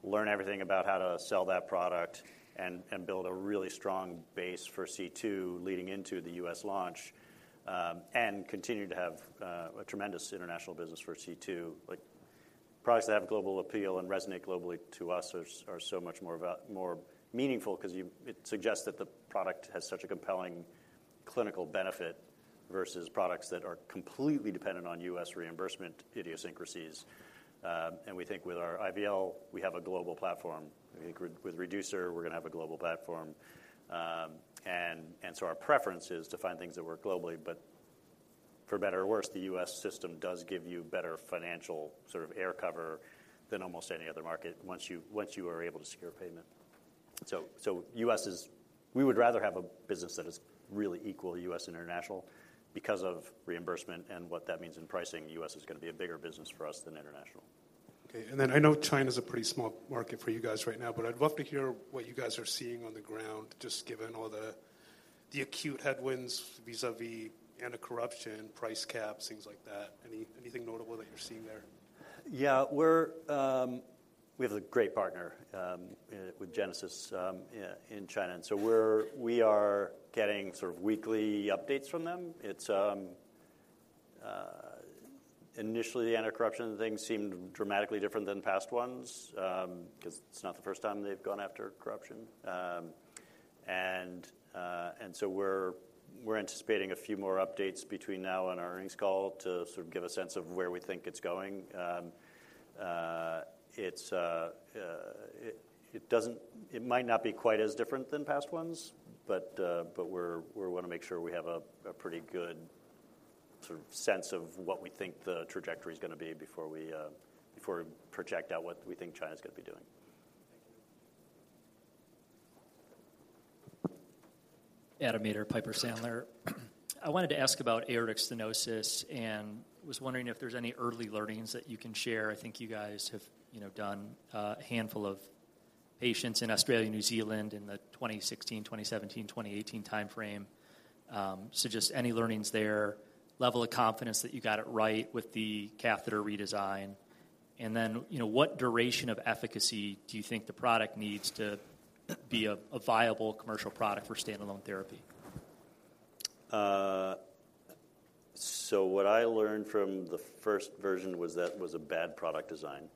learn everything about how to sell that product and build a really strong base for C2 leading into the US launch, and continue to have a tremendous international business for C2. Like, products that have global appeal and resonate globally to us are so much more meaningful 'cause it suggests that the product has such a compelling clinical benefit versus products that are completely dependent on US reimbursement idiosyncrasies. And we think with our IVL, we have a global platform. We think with Reducer, we're gonna have a global platform. So our preference is to find things that work globally, but for better or worse, the US system does give you better financial, sort of air cover than almost any other market once you are able to secure payment. So US is... We would rather have a business that is really equal US and international. Because of reimbursement and what that means in pricing, US is gonna be a bigger business for us than international. Okay. Then I know China's a pretty small market for you guys right now, but I'd love to hear what you guys are seeing on the ground, just given all the acute headwinds vis-à-vis anti-corruption, price caps, things like that. Anything notable that you're seeing there? Yeah. We have a great partner with Genesis in China, and we are getting sort of weekly updates from them. Initially, the anti-corruption thing seemed dramatically different than past ones, 'cause it's not the first time they've gone after corruption. We are anticipating a few more updates between now and our earnings call to sort of give a sense of where we think it's going. It doesn't— it might not be quite as different than past ones, but we want to make sure we have a pretty good sort of sense of what we think the trajectory is going to be before we project out what we think China is going to be doing. Adam Maeder, Piper Sandler. I wanted to ask about aortic stenosis, and was wondering if there's any early learnings that you can share. I think you guys have, you know, done a handful of patients in Australia and New Zealand in the 2016, 2017, 2018 timeframe. You know, just any learnings there, level of confidence that you got it right with the catheter redesign, and then, you know, what duration of efficacy do you think the product needs to be a viable commercial product for standalone therapy? So what I learned from the first version was that was a bad product design.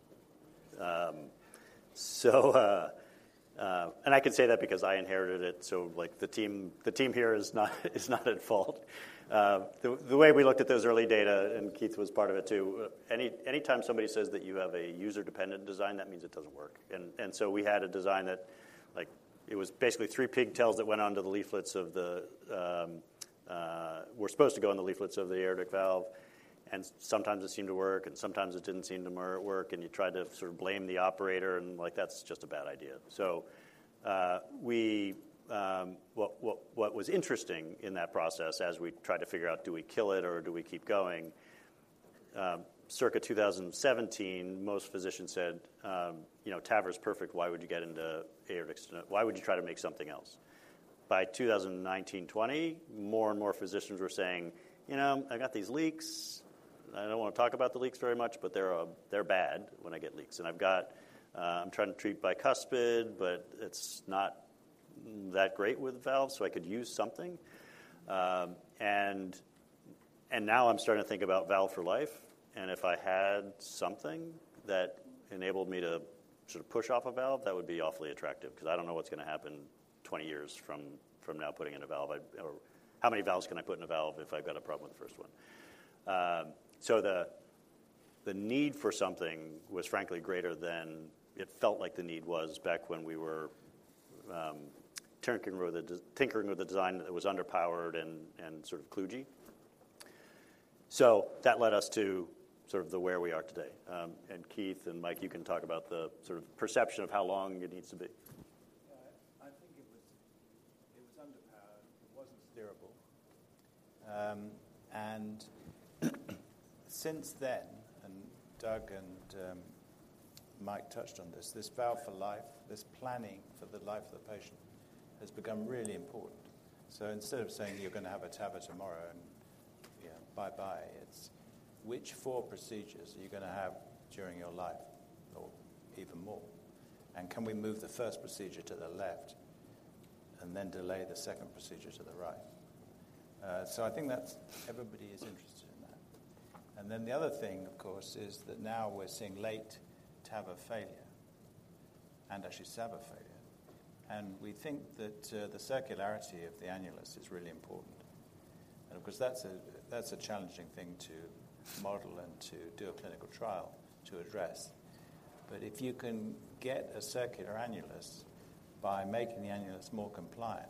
I can say that because I inherited it, so, like, the team, the team here is not, is not at fault. The way we looked at those early data, and Keith was part of it, too, anytime somebody says that you have a user-dependent design, that means it doesn't work. We had a design that, like, it was basically three pigtails that were supposed to go on the leaflets of the aortic valve, and sometimes it seemed to work, and sometimes it didn't seem to work, and you try to sort of blame the operator, and, like, that's just a bad idea. So, what was interesting in that process as we tried to figure out, do we kill it or do we keep going? Circa 2017, most physicians said, "You know, TAVR is perfect. Why would you get into Aortic Stenosis? Why would you try to make something else?" By 2019, 2020, more and more physicians were saying, "You know, I've got these leaks. I don't want to talk about the leaks very much, but they're bad when I get leaks. And I've got... I'm trying to treat bicuspid, but it's not that great with the valve, so I could use something. And now I'm starting to think about valve for life, and if I had something that enabled me to sort of push off a valve, that would be awfully attractive, because I don't know what's going to happen 20 years from now, putting in a valve. Or how many valves can I put in a valve if I've got a problem with the first one? So the need for something was frankly greater than it felt like the need was back when we were tinkering with the design that was underpowered and sort of kludgy. So that led us to sort of where we are today. And Keith and Mike, you can talk about the sort of perception of how long it needs to be. I think it was, it was underpowered, it wasn't steerable. And since then, and Doug and, Mike touched on this, this valve for life, this planning for the life of the patient has become really important. So instead of saying you're going to have a TAVR tomorrow, and, you know, bye-bye, it's which four procedures are you going to have during your life or even more? And can we move the first procedure to the left and then delay the second procedure to the right? So I think that's—everybody is interested in that. And then the other thing, of course, is that now we're seeing late TAVR failure and actually SAVR failure, and we think that, the circularity of the annulus is really important. And of course, that's a, that's a challenging thing to model and to do a clinical trial to address. But if you can get a circular annulus by making the annulus more compliant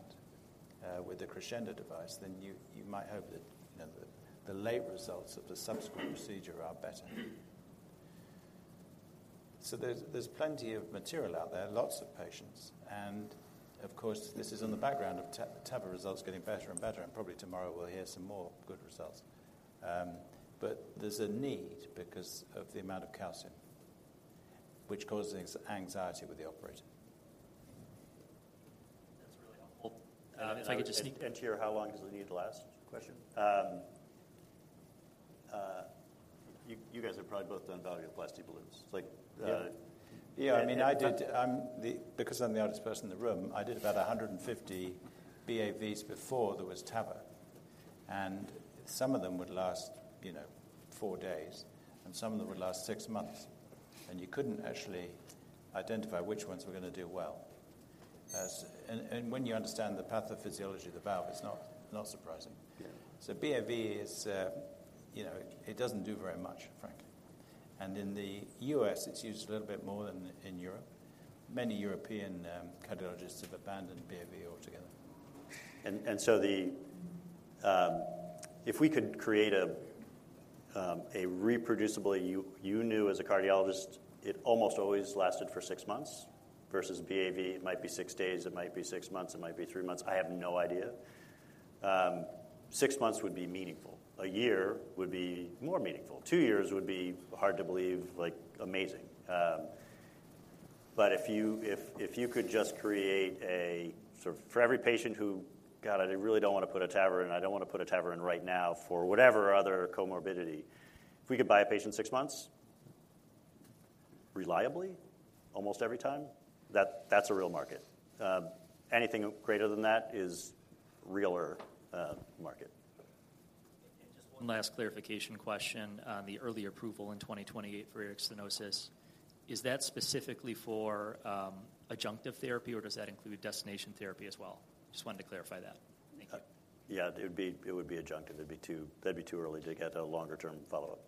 with the Crescendo device, then you might hope that, you know, the late results of the subsequent procedure are better. So there's plenty of material out there, lots of patients, and of course, this is on the background of TAVR, TAVR results getting better and better, and probably tomorrow we'll hear some more good results. But there's a need because of the amount of calcium, which causes anxiety with the operator. That's really helpful. If I could just- To your how long does the need last question, you guys have probably both done valvuloplasty balloons. Like, Yeah. I mean, because I'm the oldest person in the room, I did about 150 BAVs before there was TAVR, and some of them would last, you know, four days, and some of them would last six months, and you couldn't actually identify which ones were going to do well. And when you understand the pathophysiology of the valve, it's not surprising. Yeah. BAV is, you know, it doesn't do very much, frankly. In the US, it's used a little bit more than in Europe. Many European cardiologists have abandoned BAV altogether. If we could create a reproducibly, you knew as a cardiologist, it almost always lasted for 6 months versus BAV, it might be 6 days, it might be 6 months, it might be 3 months, I have no idea. Six months would be meaningful. A year would be more meaningful. 2 years would be hard to believe, like, amazing. But if you, if, if you could just create a sort of for every patient who, "God, I really don't want to put a TAVR in, I don't want to put a TAVR in right now" for whatever other comorbidity, if we could buy a patient 6 months reliably, almost every time, that, that's a real market. Anything greater than that is realer market. Just one last clarification question on the early approval in 2028 for aortic stenosis. Is that specifically for adjunctive therapy, or does that include destination therapy as well? Just wanted to clarify that. Thank you. Yeah, it would be, it would be adjunctive. It'd be too, that'd be too early to get a longer-term follow-up....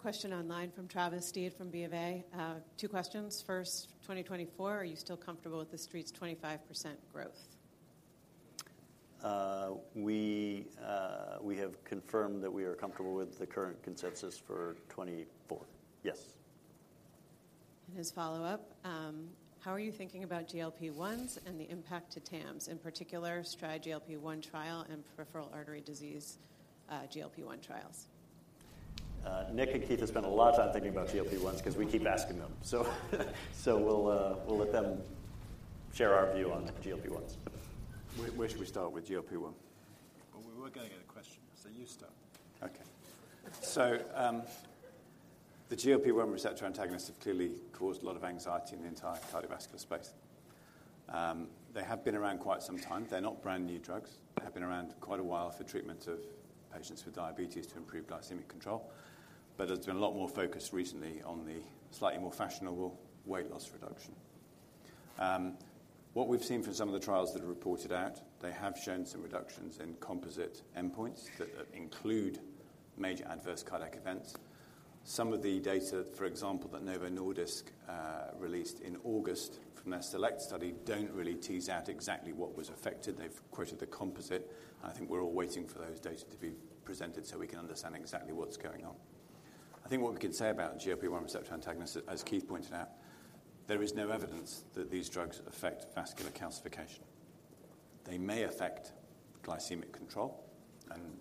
Question online from Travis Steed from B of A. Two questions. First, 2024, are you still comfortable with the Street's 25% growth? We have confirmed that we are comfortable with the current consensus for 2024. Yes. His follow-up: How are you thinking about GLP-1s and the impact to TAMS, in particular, STRIDE GLP-1 trial and peripheral artery disease, GLP-1 trials? Nick and Keith have spent a lot of time thinking about GLP-1s. We do. because we keep asking them. So, we'll let them share our view on GLP-1s. Where, where should we start with GLP-1? Well, we were getting in a question, so you start. Okay. So, the GLP-1 receptor antagonists have clearly caused a lot of anxiety in the entire cardiovascular space. They have been around quite some time. They're not brand-new drugs. They have been around quite a while for treatment of patients with diabetes to improve glycemic control, but there's been a lot more focus recently on the slightly more fashionable weight loss reduction. What we've seen from some of the trials that are reported out, they have shown some reductions in composite endpoints that include major adverse cardiac events. Some of the data, for example, that Novo Nordisk released in August from their SELECT study, don't really tease out exactly what was affected. They've quoted the composite, and I think we're all waiting for those data to be presented so we can understand exactly what's going on. I think what we can say about GLP-1 receptor antagonists, as Keith pointed out, there is no evidence that these drugs affect vascular calcification. They may affect glycemic control, and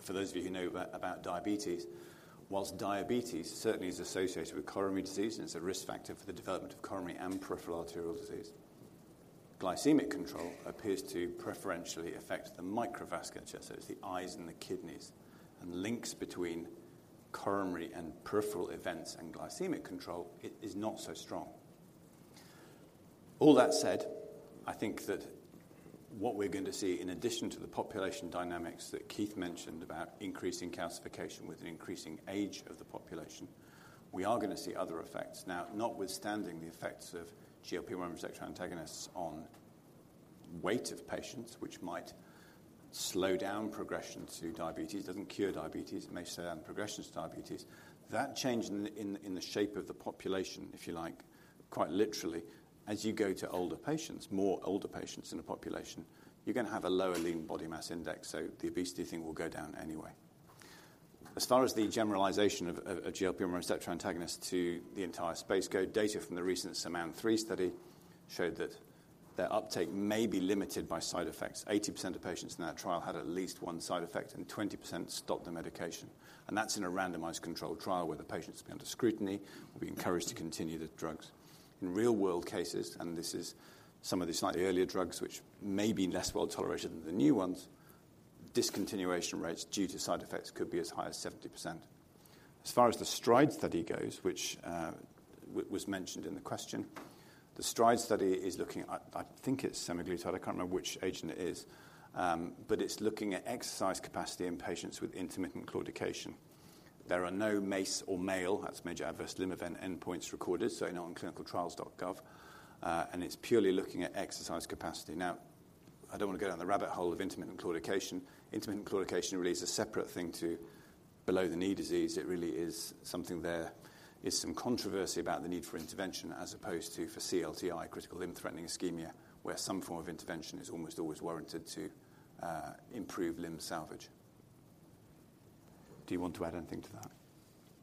for those of you who know about diabetes, whilst diabetes certainly is associated with coronary disease and it's a risk factor for the development of coronary and peripheral arterial disease, glycemic control appears to preferentially affect the microvasculature, so it's the eyes and the kidneys. And links between coronary and peripheral events and glycemic control is not so strong. All that said, I think that what we're going to see in addition to the population dynamics that Keith mentioned about increasing calcification with an increasing age of the population, we are going to see other effects. Now, notwithstanding the effects of GLP-1 receptor antagonists on weight of patients, which might slow down progression to diabetes, doesn't cure diabetes, it may slow down progression to diabetes. That change in the shape of the population, if you like, quite literally, as you go to older patients, more older patients in a population, you're going to have a lower lean body mass index, so the obesity thing will go down anyway. As far as the generalization of a GLP-1 receptor antagonist to the entire space, but data from the recent SELECT study showed that their uptake may be limited by side effects. 80% of patients in that trial had at least one side effect, and 20% stopped the medication, and that's in a randomized controlled trial where the patients are under scrutiny, will be encouraged to continue the drugs. In real-world cases, and this is some of the slightly earlier drugs, which may be less well tolerated than the new ones, discontinuation rates due to side effects could be as high as 70%. As far as the STRIDE study goes, which was mentioned in the question, the STRIDE study is looking at, I think it's Semaglutide. I can't remember which agent it is. But it's looking at exercise capacity in patients with intermittent claudication. There are no MACE or MAL, that's Major Adverse Limb Event, endpoints recorded, so not on ClinicalTrials.gov, and it's purely looking at exercise capacity. Now, I don't want to go down the rabbit hole of intermittent claudication. Intermittent claudication really is a separate thing to below-the-knee disease. It really is something. There is some controversy about the need for intervention, as opposed to for CLTI, critical limb-threatening ischemia, where some form of intervention is almost always warranted to improve limb salvage. Do you want to add anything to that?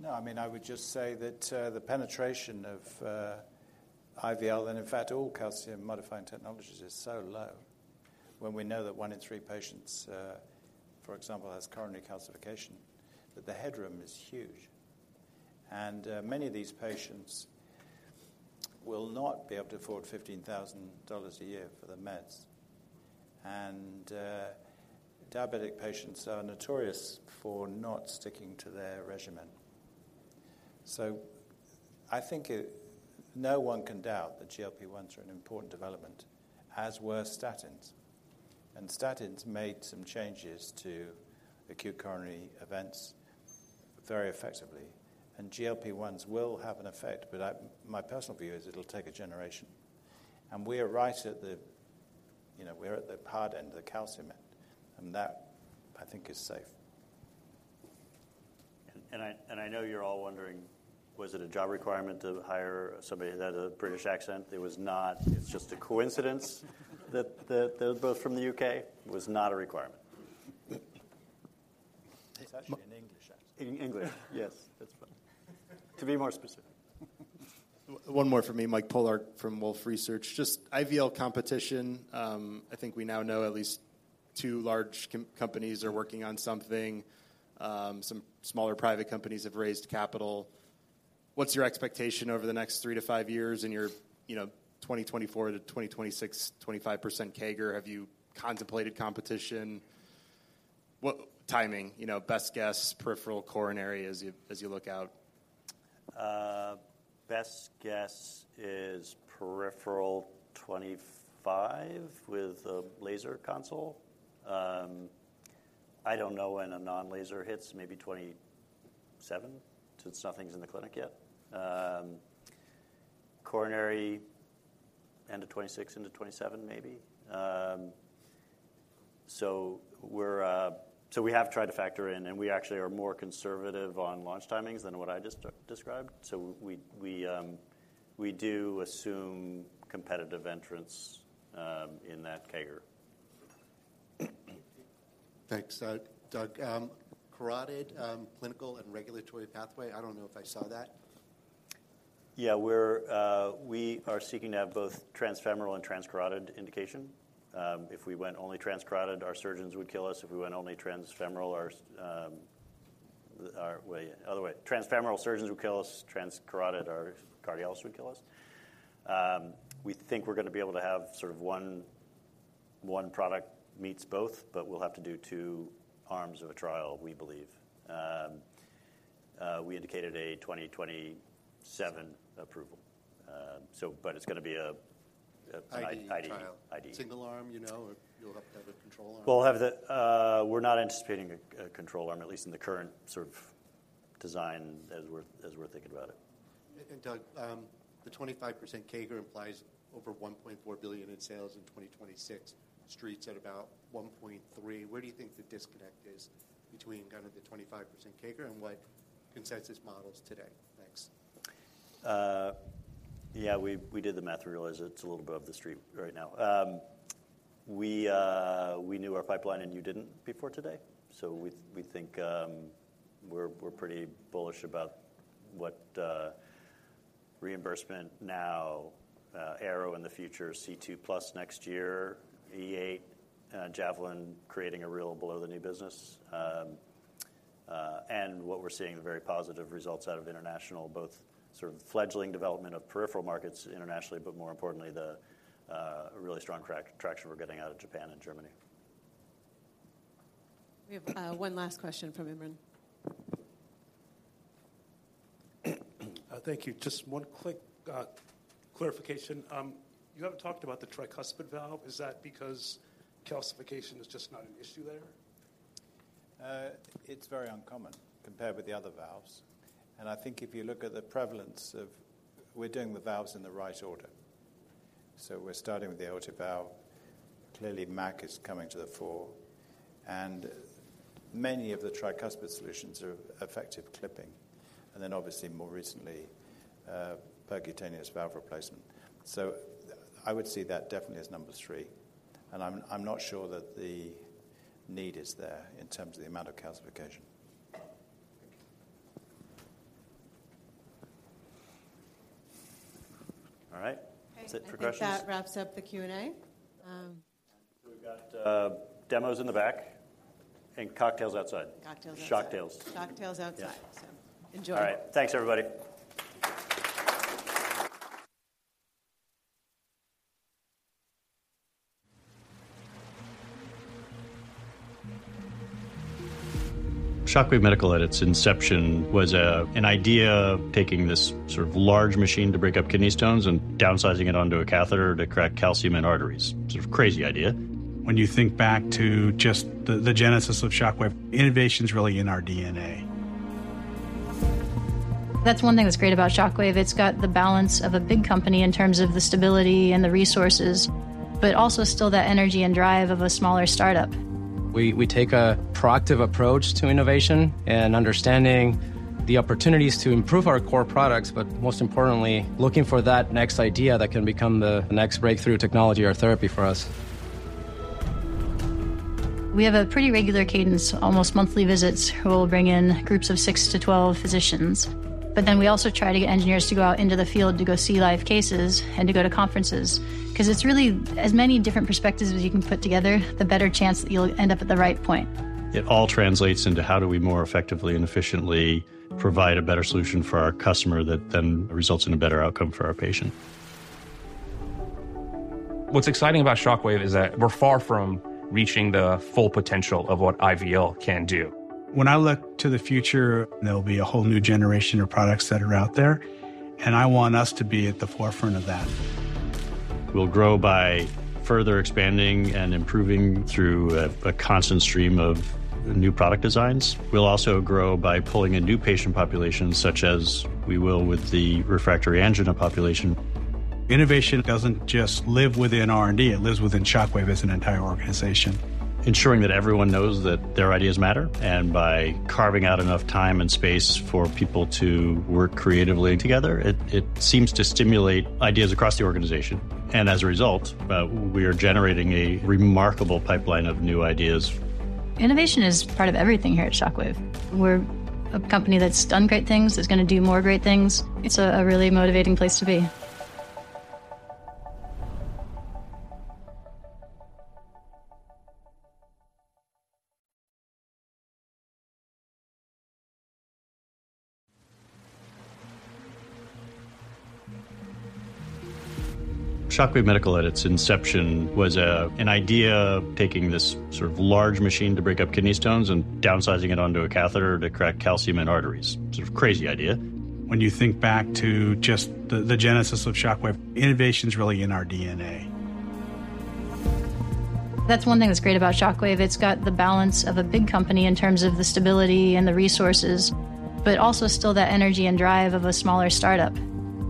No, I mean, I would just say that, the penetration of, IVL and in fact, all calcium-modifying technologies is so low when we know that one in three patients, for example, has coronary calcification, that the headroom is huge. And, many of these patients will not be able to afford $15,000 a year for the meds. And, diabetic patients are notorious for not sticking to their regimen. So I think it... no one can doubt that GLP-1s are an important development, as were statins, and statins made some changes to acute coronary events very effectively. And GLP-1s will have an effect, but I... my personal view is it'll take a generation. And we are right at the, you know, we're at the hard end of the calcium end, and that, I think, is safe. And I know you're all wondering, was it a job requirement to hire somebody that had a British accent? It was not. It's just a coincidence that they're both from the UK. It was not a requirement. It's actually an English accent. In England. Yes, that's right. To be more specific. One more from me, Mike Polark from Wolfe Research. Just IVL competition, I think we now know at least two large companies are working on something. Some smaller private companies have raised capital. What's your expectation over the next three to five years in your, you know, 2024 to 2026, 25% CAGR? Have you contemplated competition? What timing, you know, best guess, peripheral coronary as you, as you look out? Best guess is peripheral 25 with a laser console. I don't know when a non-laser hits, maybe 27, since nothing's in the clinic yet. Coronary, end of 26 into 27, maybe. So we're, so we have tried to factor in, and we actually are more conservative on launch timings than what I just described. So we, we, we do assume competitive entrants, in that CAGR. Thanks, Doug. Carotid clinical and regulatory pathway, I don't know if I saw that. Yeah, we're, we are seeking to have both transfemoral and transcarotid indication. If we went only transcarotid, our surgeons would kill us. If we went only transfemoral, our other way, transfemoral surgeons would kill us, transcarotid, our cardiologists would kill us. We think we're gonna be able to have sort of one product meets both, but we'll have to do two arms of a trial, we believe. We indicated a 2027 approval. So but it's gonna be a, a- ID trial. ID, ID. Single arm, you know, or you'll have to have a control arm? We're not anticipating a control arm, at least in the current sort of design as we're thinking about it. Doug, the 25% CAGR implies over $1.4 billion in sales in 2026. Street's at about $1.3 billion. Where do you think the disconnect is between kind of the 25% CAGR and what consensus models today? Thanks. Yeah, we did the math. We realize it's a little above the street right now. We knew our pipeline, and you didn't before today, so we think we're pretty bullish about what reimbursement now, Arrow in the future, C2+ next year, E8, Javelin creating a real below-the-knee business. And what we're seeing, the very positive results out of international, both sort of fledgling development of peripheral markets internationally, but more importantly, the really strong traction we're getting out of Japan and Germany. We have one last question from Imran. Thank you. Just one quick clarification. You haven't talked about the tricuspid valve. Is that because calcification is just not an issue there? It's very uncommon compared with the other valves, and I think if you look at the prevalence of... We're doing the valves in the right order. So we're starting with the aortic valve. Clearly, MAC is coming to the fore, and many of the tricuspid solutions are effective clipping, and then obviously more recently, percutaneous valve replacement. So I would see that definitely as number three, and I'm not sure that the need is there in terms of the amount of calcification. Thank you. All right. Is it for questions? I think that wraps up the Q&A. We've got demos in the back and cocktails outside. Cocktails outside. Shocktails. Cocktails outside. Yeah. So enjoy. All right. Thanks, everybody. Shockwave Medical, at its inception, was an idea, taking this sort of large machine to break up kidney stones and downsizing it onto a catheter to crack calcium in arteries. Sort of crazy idea. When you think back to just the genesis of Shockwave, innovation's really in our DNA. That's one thing that's great about Shockwave. It's got the balance of a big company in terms of the stability and the resources, but also still that energy and drive of a smaller startup. We take a proactive approach to innovation and understanding the opportunities to improve our core products, but most importantly, looking for that next idea that can become the next breakthrough technology or therapy for us. We have a pretty regular cadence, almost monthly visits. We'll bring in groups of 6-12 physicians, but then we also try to get engineers to go out into the field to go see live cases and to go to conferences. 'Cause it's really as many different perspectives as you can put together, the better chance that you'll end up at the right point. It all translates into: How do we more effectively and efficiently provide a better solution for our customer that then results in a better outcome for our patient? What's exciting about Shockwave is that we're far from reaching the full potential of what IVL can do. When I look to the future, there'll be a whole new generation of products that are out there, and I want us to be at the forefront of that. We'll grow by further expanding and improving through a constant stream of new product designs. We'll also grow by pulling in new patient populations, such as we will with the refractory angina population. Innovation doesn't just live within R&D, it lives within Shockwave as an entire organization. Ensuring that everyone knows that their ideas matter, and by carving out enough time and space for people to work creatively together, it seems to stimulate ideas across the organization, and as a result, we are generating a remarkable pipeline of new ideas. Innovation is part of everything here at Shockwave. We're a company that's done great things, that's gonna do more great things. It's a really motivating place to be. Shockwave Medical, at its inception, was an idea, taking this sort of large machine to break up kidney stones and downsizing it onto a catheter to crack calcium in arteries. Sort of crazy idea. When you think back to just the genesis of Shockwave, innovation's really in our DNA. That's one thing that's great about Shockwave. It's got the balance of a big company in terms of the stability and the resources, but also still that energy and drive of a smaller startup. ...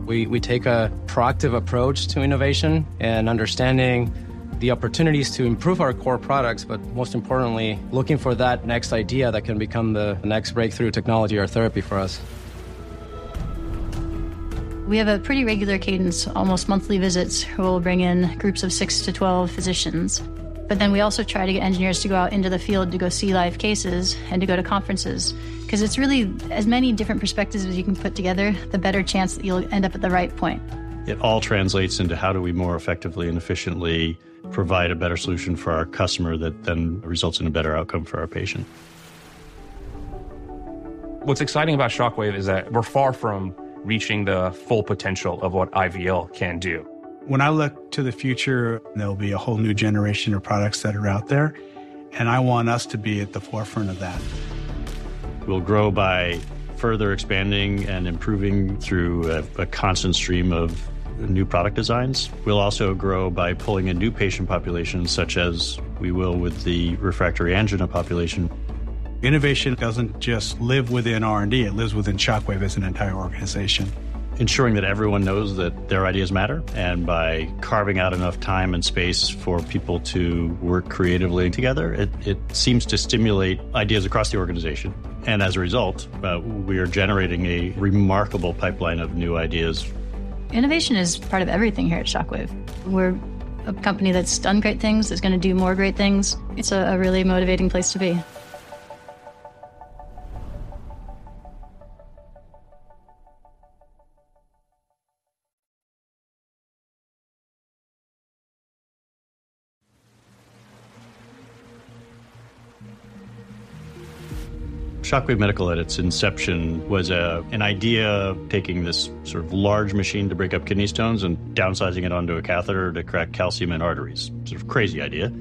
We take a proactive approach to innovation and understanding the opportunities to improve our core products, but most importantly, looking for that next idea that can become the next breakthrough technology or therapy for us. We have a pretty regular cadence, almost monthly visits, where we'll bring in groups of 6-12 physicians. But then we also try to get engineers to go out into the field to go see live cases and to go to conferences, 'cause it's really as many different perspectives as you can put together, the better chance that you'll end up at the right point. It all translates into how do we more effectively and efficiently provide a better solution for our customer that then results in a better outcome for our patient. What's exciting about Shockwave is that we're far from reaching the full potential of what IVL can do. When I look to the future, there'll be a whole new generation of products that are out there, and I want us to be at the forefront of that. We'll grow by further expanding and improving through a constant stream of new product designs. We'll also grow by pulling in new patient populations, such as we will with the refractory angina population. Innovation doesn't just live within R&D, it lives within Shockwave as an entire organization. Ensuring that everyone knows that their ideas matter, and by carving out enough time and space for people to work creatively together, it seems to stimulate ideas across the organization. And as a result, we are generating a remarkable pipeline of new ideas. Innovation is part of everything here at Shockwave. We're a company that's done great things, that's gonna do more great things. It's a really motivating place to be. Shockwave Medical, at its inception, was an idea of taking this sort of large machine to break up kidney stones and downsizing it onto a catheter to crack calcium in arteries. Sort of crazy idea!